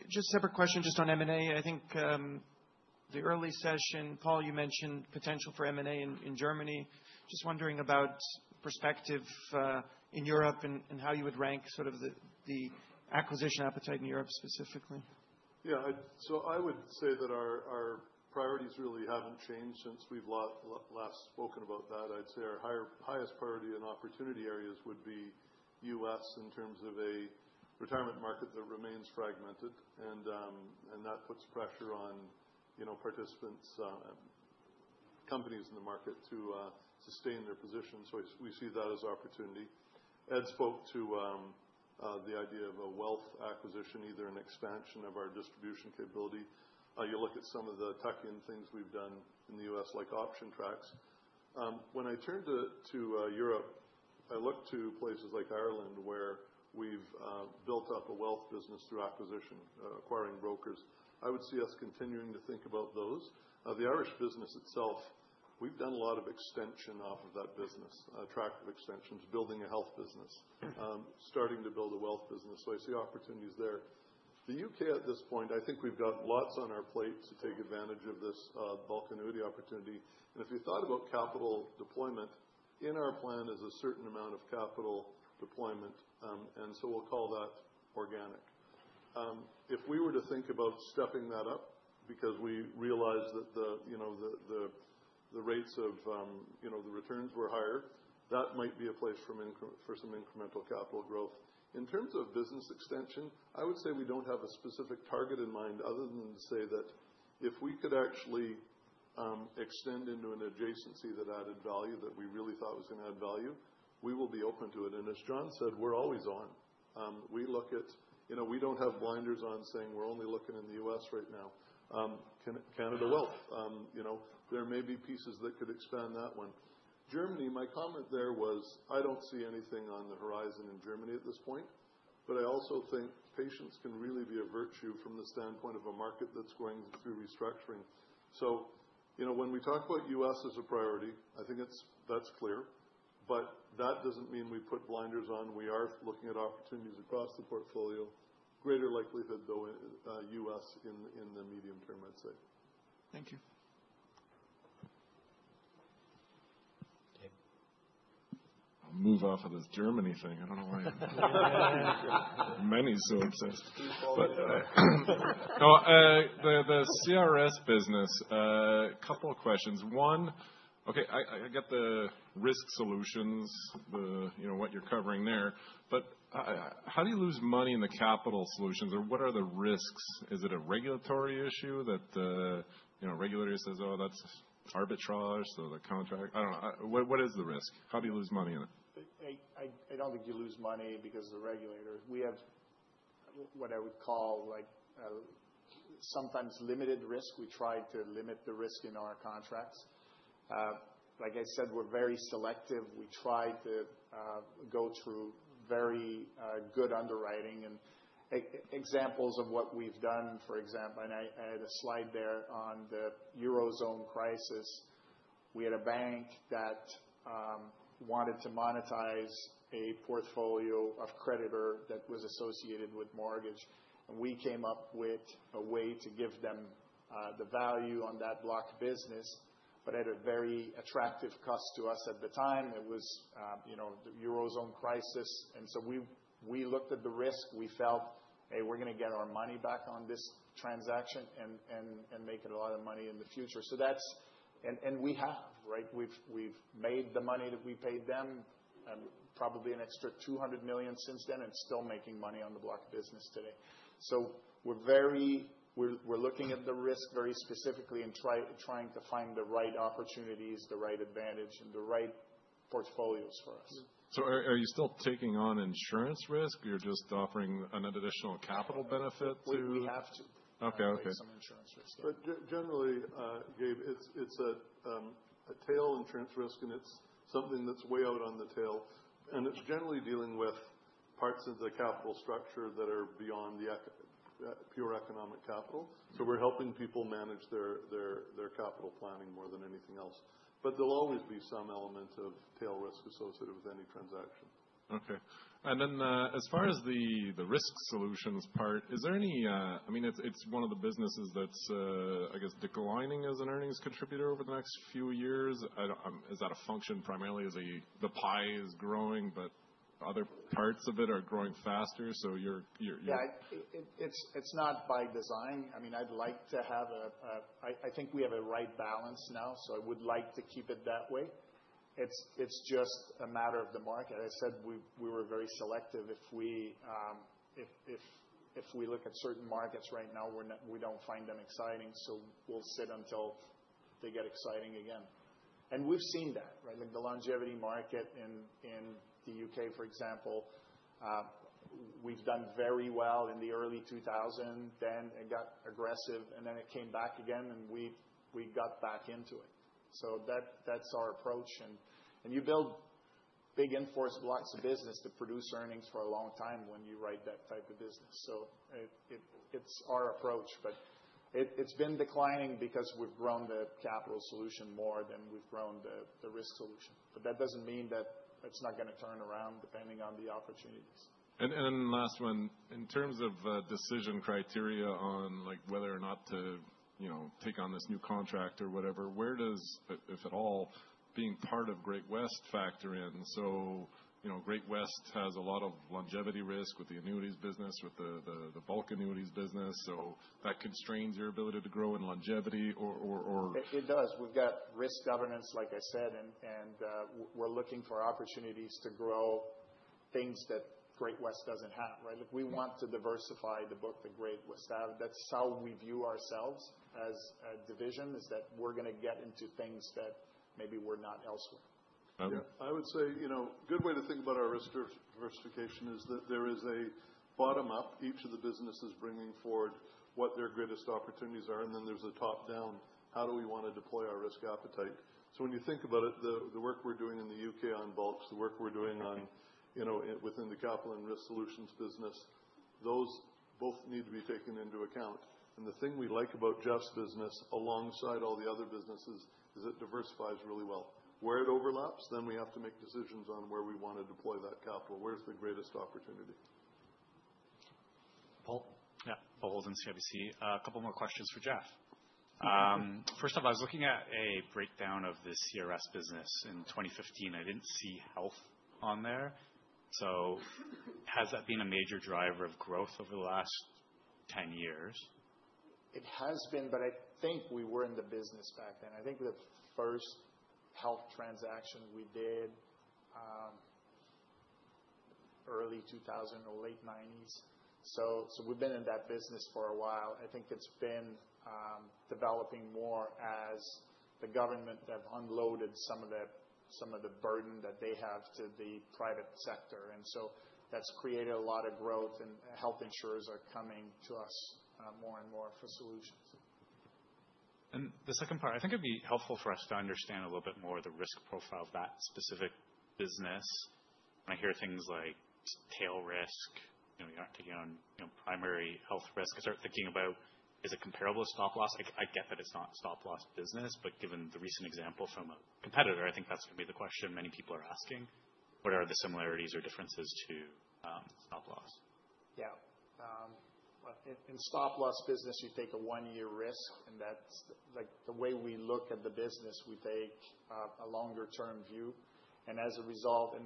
Just a separate question just on M&A. I think the early session, Paul, you mentioned potential for M&A in Germany. Just wondering about perspective in Europe and how you would rank sort of the acquisition appetite in Europe specifically. Yeah, I would say that our priorities really haven't changed since we've last spoken about that. I'd say our highest priority and opportunity areas would be U.S. in terms of a retirement market that remains fragmented, and that puts pressure on participants, companies in the market to sustain their position. We see that as opportunity. Ed spoke to the idea of a wealth acquisition, either an expansion of our distribution capability. You look at some of the tuck-in things we've done in the U.S., like Option Tracks. When I turn to Europe, I look to places like Ireland where we've built up a wealth business through acquisition, acquiring brokers. I would see us continuing to think about those. The Irish business itself, we've done a lot of extension off of that business, attractive extensions, building a health business, starting to build a wealth business. I see opportunities there. The U.K. at this point, I think we've got lots on our plate to take advantage of this bulk annuity opportunity. If you thought about capital deployment, in our plan is a certain amount of capital deployment, and we'll call that organic. If we were to think about stepping that up because we realized that the rates of the returns were higher, that might be a place for some incremental capital growth. In terms of business extension, I would say we do not have a specific target in mind other than to say that if we could actually extend into an adjacency that added value that we really thought was going to add value, we will be open to it. As Jon said, we are always on. We look at, we do not have blinders on saying we are only looking in the U.S. right now. Canada Wealth, there may be pieces that could expand that one. Germany, my comment there was, I do not see anything on the horizon in Germany at this point, but I also think patience can really be a virtue from the standpoint of a market that is going through restructuring. When we talk about U.S. as a priority, I think that's clear, but that doesn't mean we put blinders on. We are looking at opportunities across the portfolio. Greater likelihood, though, U.S. in the medium term, I'd say. Thank you. Okay. I'll move off of this Germany thing. I don't know why Meny's so obsessed. No, the CRS business, a couple of questions. One, okay, I get the risk solutions, what you're covering there, but how do you lose money in the capital solutions, or what are the risks? Is it a regulatory issue that a regulator says, "Oh, that's arbitrage," so the contract? I don't know. What is the risk? How do you lose money in it? I don't think you lose money because of the regulator. We have what I would call sometimes limited risk. We try to limit the risk in our contracts. Like I said, we're very selective. We try to go through very good underwriting. Examples of what we've done, for example, and I had a slide there on the Eurozone crisis. We had a bank that wanted to monetize a portfolio of creditor that was associated with mortgage, and we came up with a way to give them the value on that block business, but at a very attractive cost to us at the time. It was the Eurozone crisis, and we looked at the risk. We felt, "Hey, we're going to get our money back on this transaction and make a lot of money in the future." We have, right? We've made the money that we paid them, probably an extra $200 million since then, and still making money on the block business today. We're looking at the risk very specifically and trying to find the right opportunities, the right advantage, and the right portfolios for us. Are you still taking on insurance risk? You're just offering an additional capital benefit too? We have to. We have some insurance risk. Generally, Gabe, it's a tail insurance risk, and it's something that's way out on the tail. It's generally dealing with parts of the capital structure that are beyond the pure economic capital. We're helping people manage their capital planning more than anything else. There will always be some element of tail risk associated with any transaction. Okay. As far as the risk solutions part, is there any—I mean, it's one of the businesses that's, I guess, declining as an earnings contributor over the next few years. Is that a function primarily as the pie is growing, but other parts of it are growing faster? Yeah, it's not by design. I mean, I'd like to have a—I think we have a right balance now, so I would like to keep it that way. It's just a matter of the market. I said we were very selective. If we look at certain markets right now, we don't find them exciting, so we'll sit until they get exciting again. We have seen that, right? The longevity market in the U.K., for example, we have done very well in the early 2000. Then it got aggressive, and then it came back again, and we got back into it. That is our approach. You build big enforced blocks of business to produce earnings for a long time when you write that type of business. It's our approach, but it's been declining because we've grown the capital solution more than we've grown the risk solution. That doesn't mean that it's not going to turn around depending on the opportunities. Last one, in terms of decision criteria on whether or not to take on this new contract or whatever, where does, if at all, being part of Great-West factor in? Great-West has a lot of longevity risk with the annuities business, with the bulk annuities business, so that constrains your ability to grow in longevity or— It does. We've got risk governance, like I said, and we're looking for opportunities to grow things that Great-West doesn't have, right? We want to diversify the book that Great-West has. That's how we view ourselves as a division, is that we're going to get into things that maybe we're not elsewhere. I would say a good way to think about our risk diversification is that there is a bottom-up. Each of the businesses bringing forward what their greatest opportunities are, and then there's a top-down. How do we want to deploy our risk appetite? When you think about it, the work we're doing in the U.K. on bulks, the work we're doing within the Capital and Risk Solutions business, those both need to be taken into account. The thing we like about Jeff's business alongside all the other businesses is it diversifies really well. Where it overlaps, then we have to make decisions on where we want to deploy that capital. Where's the greatest opportunity? Paul? Yeah, Paul Holden's here, CIBC. A couple more questions for Jeff. First off, I was looking at a breakdown of the CRS business in 2015. I did not see health on there. Has that been a major driver of growth over the last 10 years? It has been, but I think we were in the business back then. I think the first health transaction we did, early 2000, late 1990s. We have been in that business for a while. I think it has been developing more as the government have unloaded some of the burden that they have to the private sector. That has created a lot of growth, and health insurers are coming to us more and more for solutions. The second part, I think it would be helpful for us to understand a little bit more of the risk profile of that specific business. When I hear things like tail risk, you are not taking on primary health risk. I start thinking about, is it comparable to stop loss? I get that it's not a stop loss business, but given the recent example from a competitor, I think that's going to be the question many people are asking. What are the similarities or differences to stop loss? Yeah. In stop loss business, you take a one-year risk, and that's the way we look at the business. We take a longer-term view. As a result,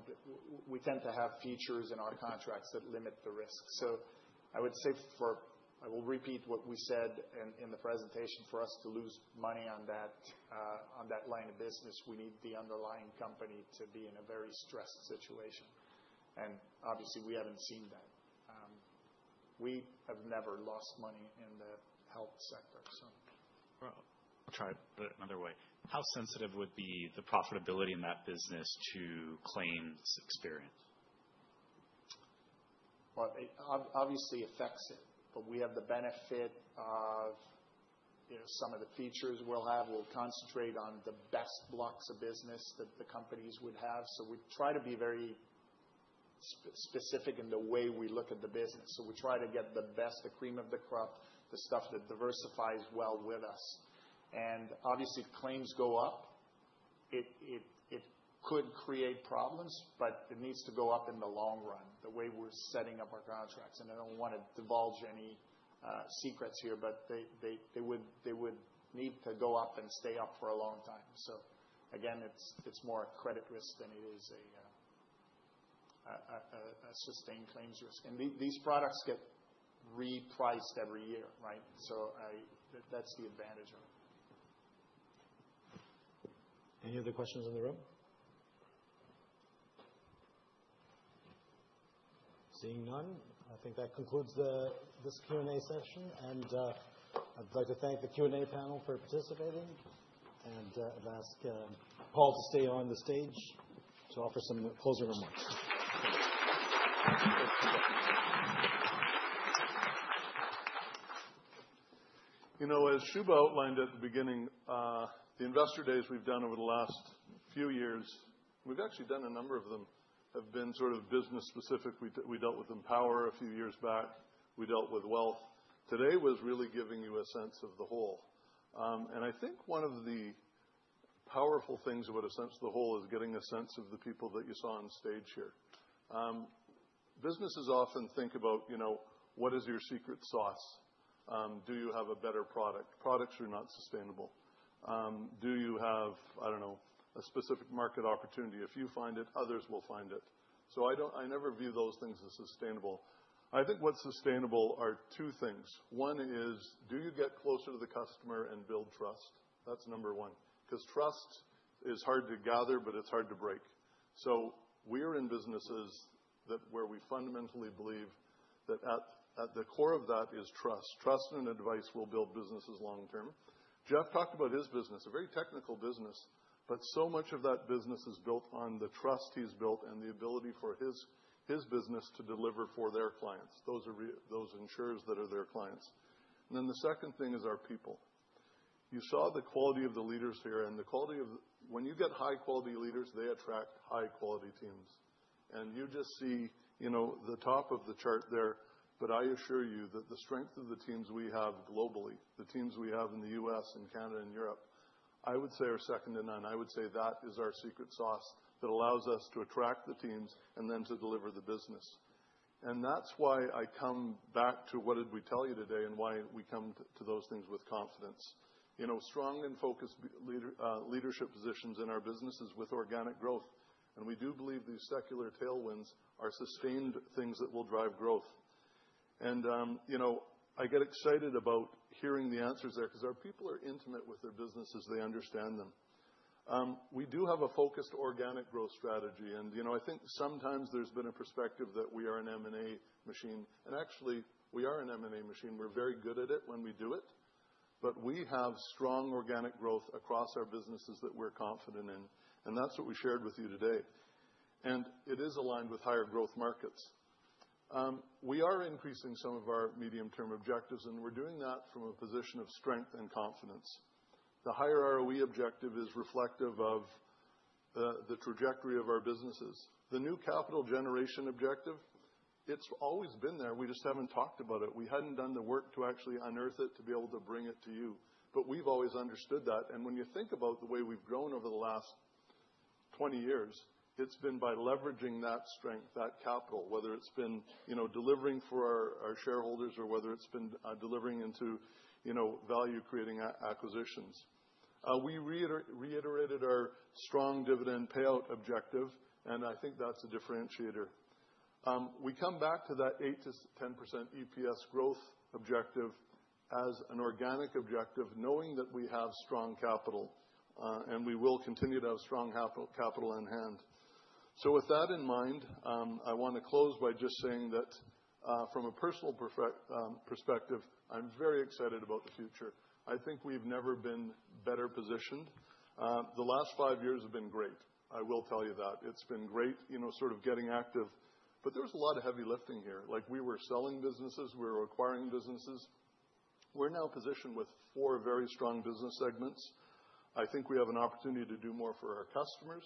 we tend to have features in our contracts that limit the risk. I would say, I will repeat what we said in the presentation, for us to lose money on that line of business, we need the underlying company to be in a very stressed situation. Obviously, we haven't seen that. We have never lost money in the health sector, so. I'll try to put it another way. How sensitive would be the profitability in that business to claims experience? Obviously, it affects it, but we have the benefit of some of the features we'll have. We concentrate on the best blocks of business that the companies would have. We try to be very specific in the way we look at the business. We try to get the best cream of the crop, the stuff that diversifies well with us. Obviously, if claims go up, it could create problems, but it needs to go up in the long run the way we're setting up our contracts. I do not want to divulge any secrets here, but they would need to go up and stay up for a long time. Again, it is more a credit risk than it is a sustained claims risk. These products get repriced every year, right? That is the advantage of it. Any other questions in the room? Seeing none, I think that concludes this Q&A session. I would like to thank the Q&A panel for participating and ask Paul to stay on the stage to offer some closing remarks. As Shubha outlined at the beginning, the investor days we have done over the last few years, we have actually done a number of them, have been sort of business-specific. We dealt with Empower a few years back. We dealt with Wealth. Today was really giving you a sense of the whole. I think one of the powerful things about a sense of the whole is getting a sense of the people that you saw on stage here. Businesses often think about, "What is your secret sauce? Do you have a better product? Products are not sustainable. Do you have, I do not know, a specific market opportunity? If you find it, others will find it. I never view those things as sustainable. I think what's sustainable are two things. One is, do you get closer to the customer and build trust? That's number one. Because trust is hard to gather, but it's hard to break. We are in businesses where we fundamentally believe that at the core of that is trust. Trust and advice will build businesses long-term. Jeff talked about his business, a very technical business, but so much of that business is built on the trust he's built and the ability for his business to deliver for their clients, those insurers that are their clients. The second thing is our people. You saw the quality of the leaders here, and the quality of when you get high-quality leaders, they attract high-quality teams. You just see the top of the chart there, but I assure you that the strength of the teams we have globally, the teams we have in the U.S. and Canada and Europe, I would say are second to none. I would say that is our secret sauce that allows us to attract the teams and then to deliver the business. That is why I come back to what did we tell you today and why we come to those things with confidence. Strong and focused leadership positions in our businesses with organic growth. We do believe these secular tailwinds are sustained things that will drive growth. I get excited about hearing the answers there because our people are intimate with their businesses. They understand them. We do have a focused organic growth strategy. I think sometimes there's been a perspective that we are an M&A machine. Actually, we are an M&A machine. We're very good at it when we do it. We have strong organic growth across our businesses that we're confident in. That is what we shared with you today. It is aligned with higher growth markets. We are increasing some of our medium-term objectives, and we're doing that from a position of strength and confidence. The higher ROE objective is reflective of the trajectory of our businesses. The new capital generation objective, it's always been there. We just haven't talked about it. We hadn't done the work to actually unearth it to be able to bring it to you. We've always understood that. When you think about the way we've grown over the last 20 years, it's been by leveraging that strength, that capital, whether it's been delivering for our shareholders or whether it's been delivering into value-creating acquisitions. We reiterated our strong dividend payout objective, and I think that's a differentiator. We come back to that 8-10% EPS growth objective as an organic objective, knowing that we have strong capital and we will continue to have strong capital in hand. With that in mind, I want to close by just saying that from a personal perspective, I'm very excited about the future. I think we've never been better positioned. The last five years have been great. I will tell you that. It's been great sort of getting active. There was a lot of heavy lifting here. We were selling businesses. We were acquiring businesses. We're now positioned with four very strong business segments. I think we have an opportunity to do more for our customers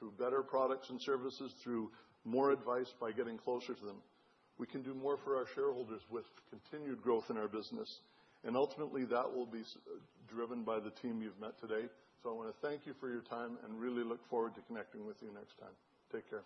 through better products and services, through more advice by getting closer to them. We can do more for our shareholders with continued growth in our business. Ultimately, that will be driven by the team you've met today. I want to thank you for your time and really look forward to connecting with you next time. Take care.